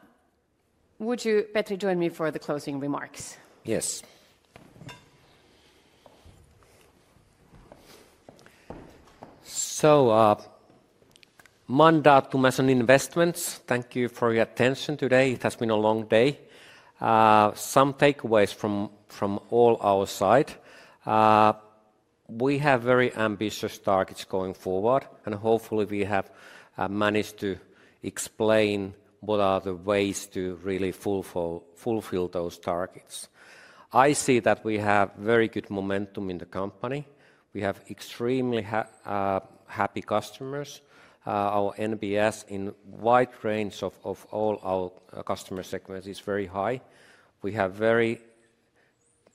A: would you, Petri, join me for the closing remarks?
C: Yes. Mandatum as an investment, thank you for your attention today. It has been a long day. Some takeaways from our side. We have very ambitious targets going forward, and hopefully we have managed to explain what are the ways to really fulfill those targets. I see that we have very good momentum in the company. We have extremely happy customers. Our NPS in a wide range of all our customer segments is very high. We have very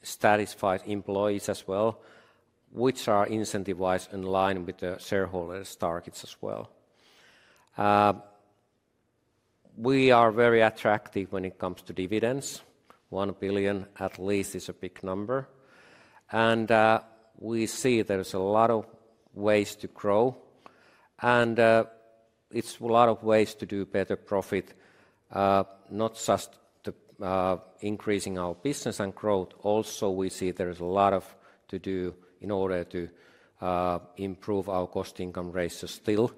C: satisfied employees as well, which are incentivized in line with the shareholders' targets as well. We are very attractive when it comes to dividends. 1 billion at least is a big number. We see there are a lot of ways to grow. It is a lot of ways to do better profit, not just increasing our business and growth. Also, we see there's a lot to do in order to improve our cost income ratio still.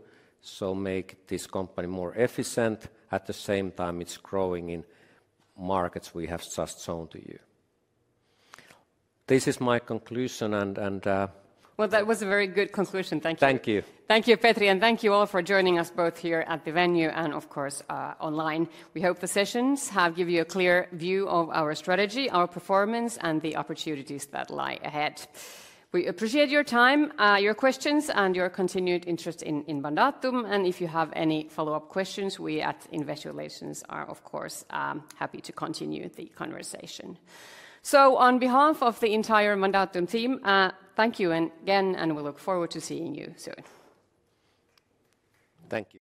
C: To make this company more efficient at the same time it's growing in markets we have just shown to you. This is my conclusion.
A: That was a very good conclusion. Thank you.
C: Thank you.
A: Thank you, Petri, and thank you all for joining us both here at the venue and, of course, online. We hope the sessions have given you a clear view of our strategy, our performance, and the opportunities that lie ahead. We appreciate your time, your questions, and your continued interest in Mandatum. If you have any follow-up questions, we at Investor Relations are, of course, happy to continue the conversation. On behalf of the entire Mandatum team, thank you again, and we look forward to seeing you soon.
C: Thank you.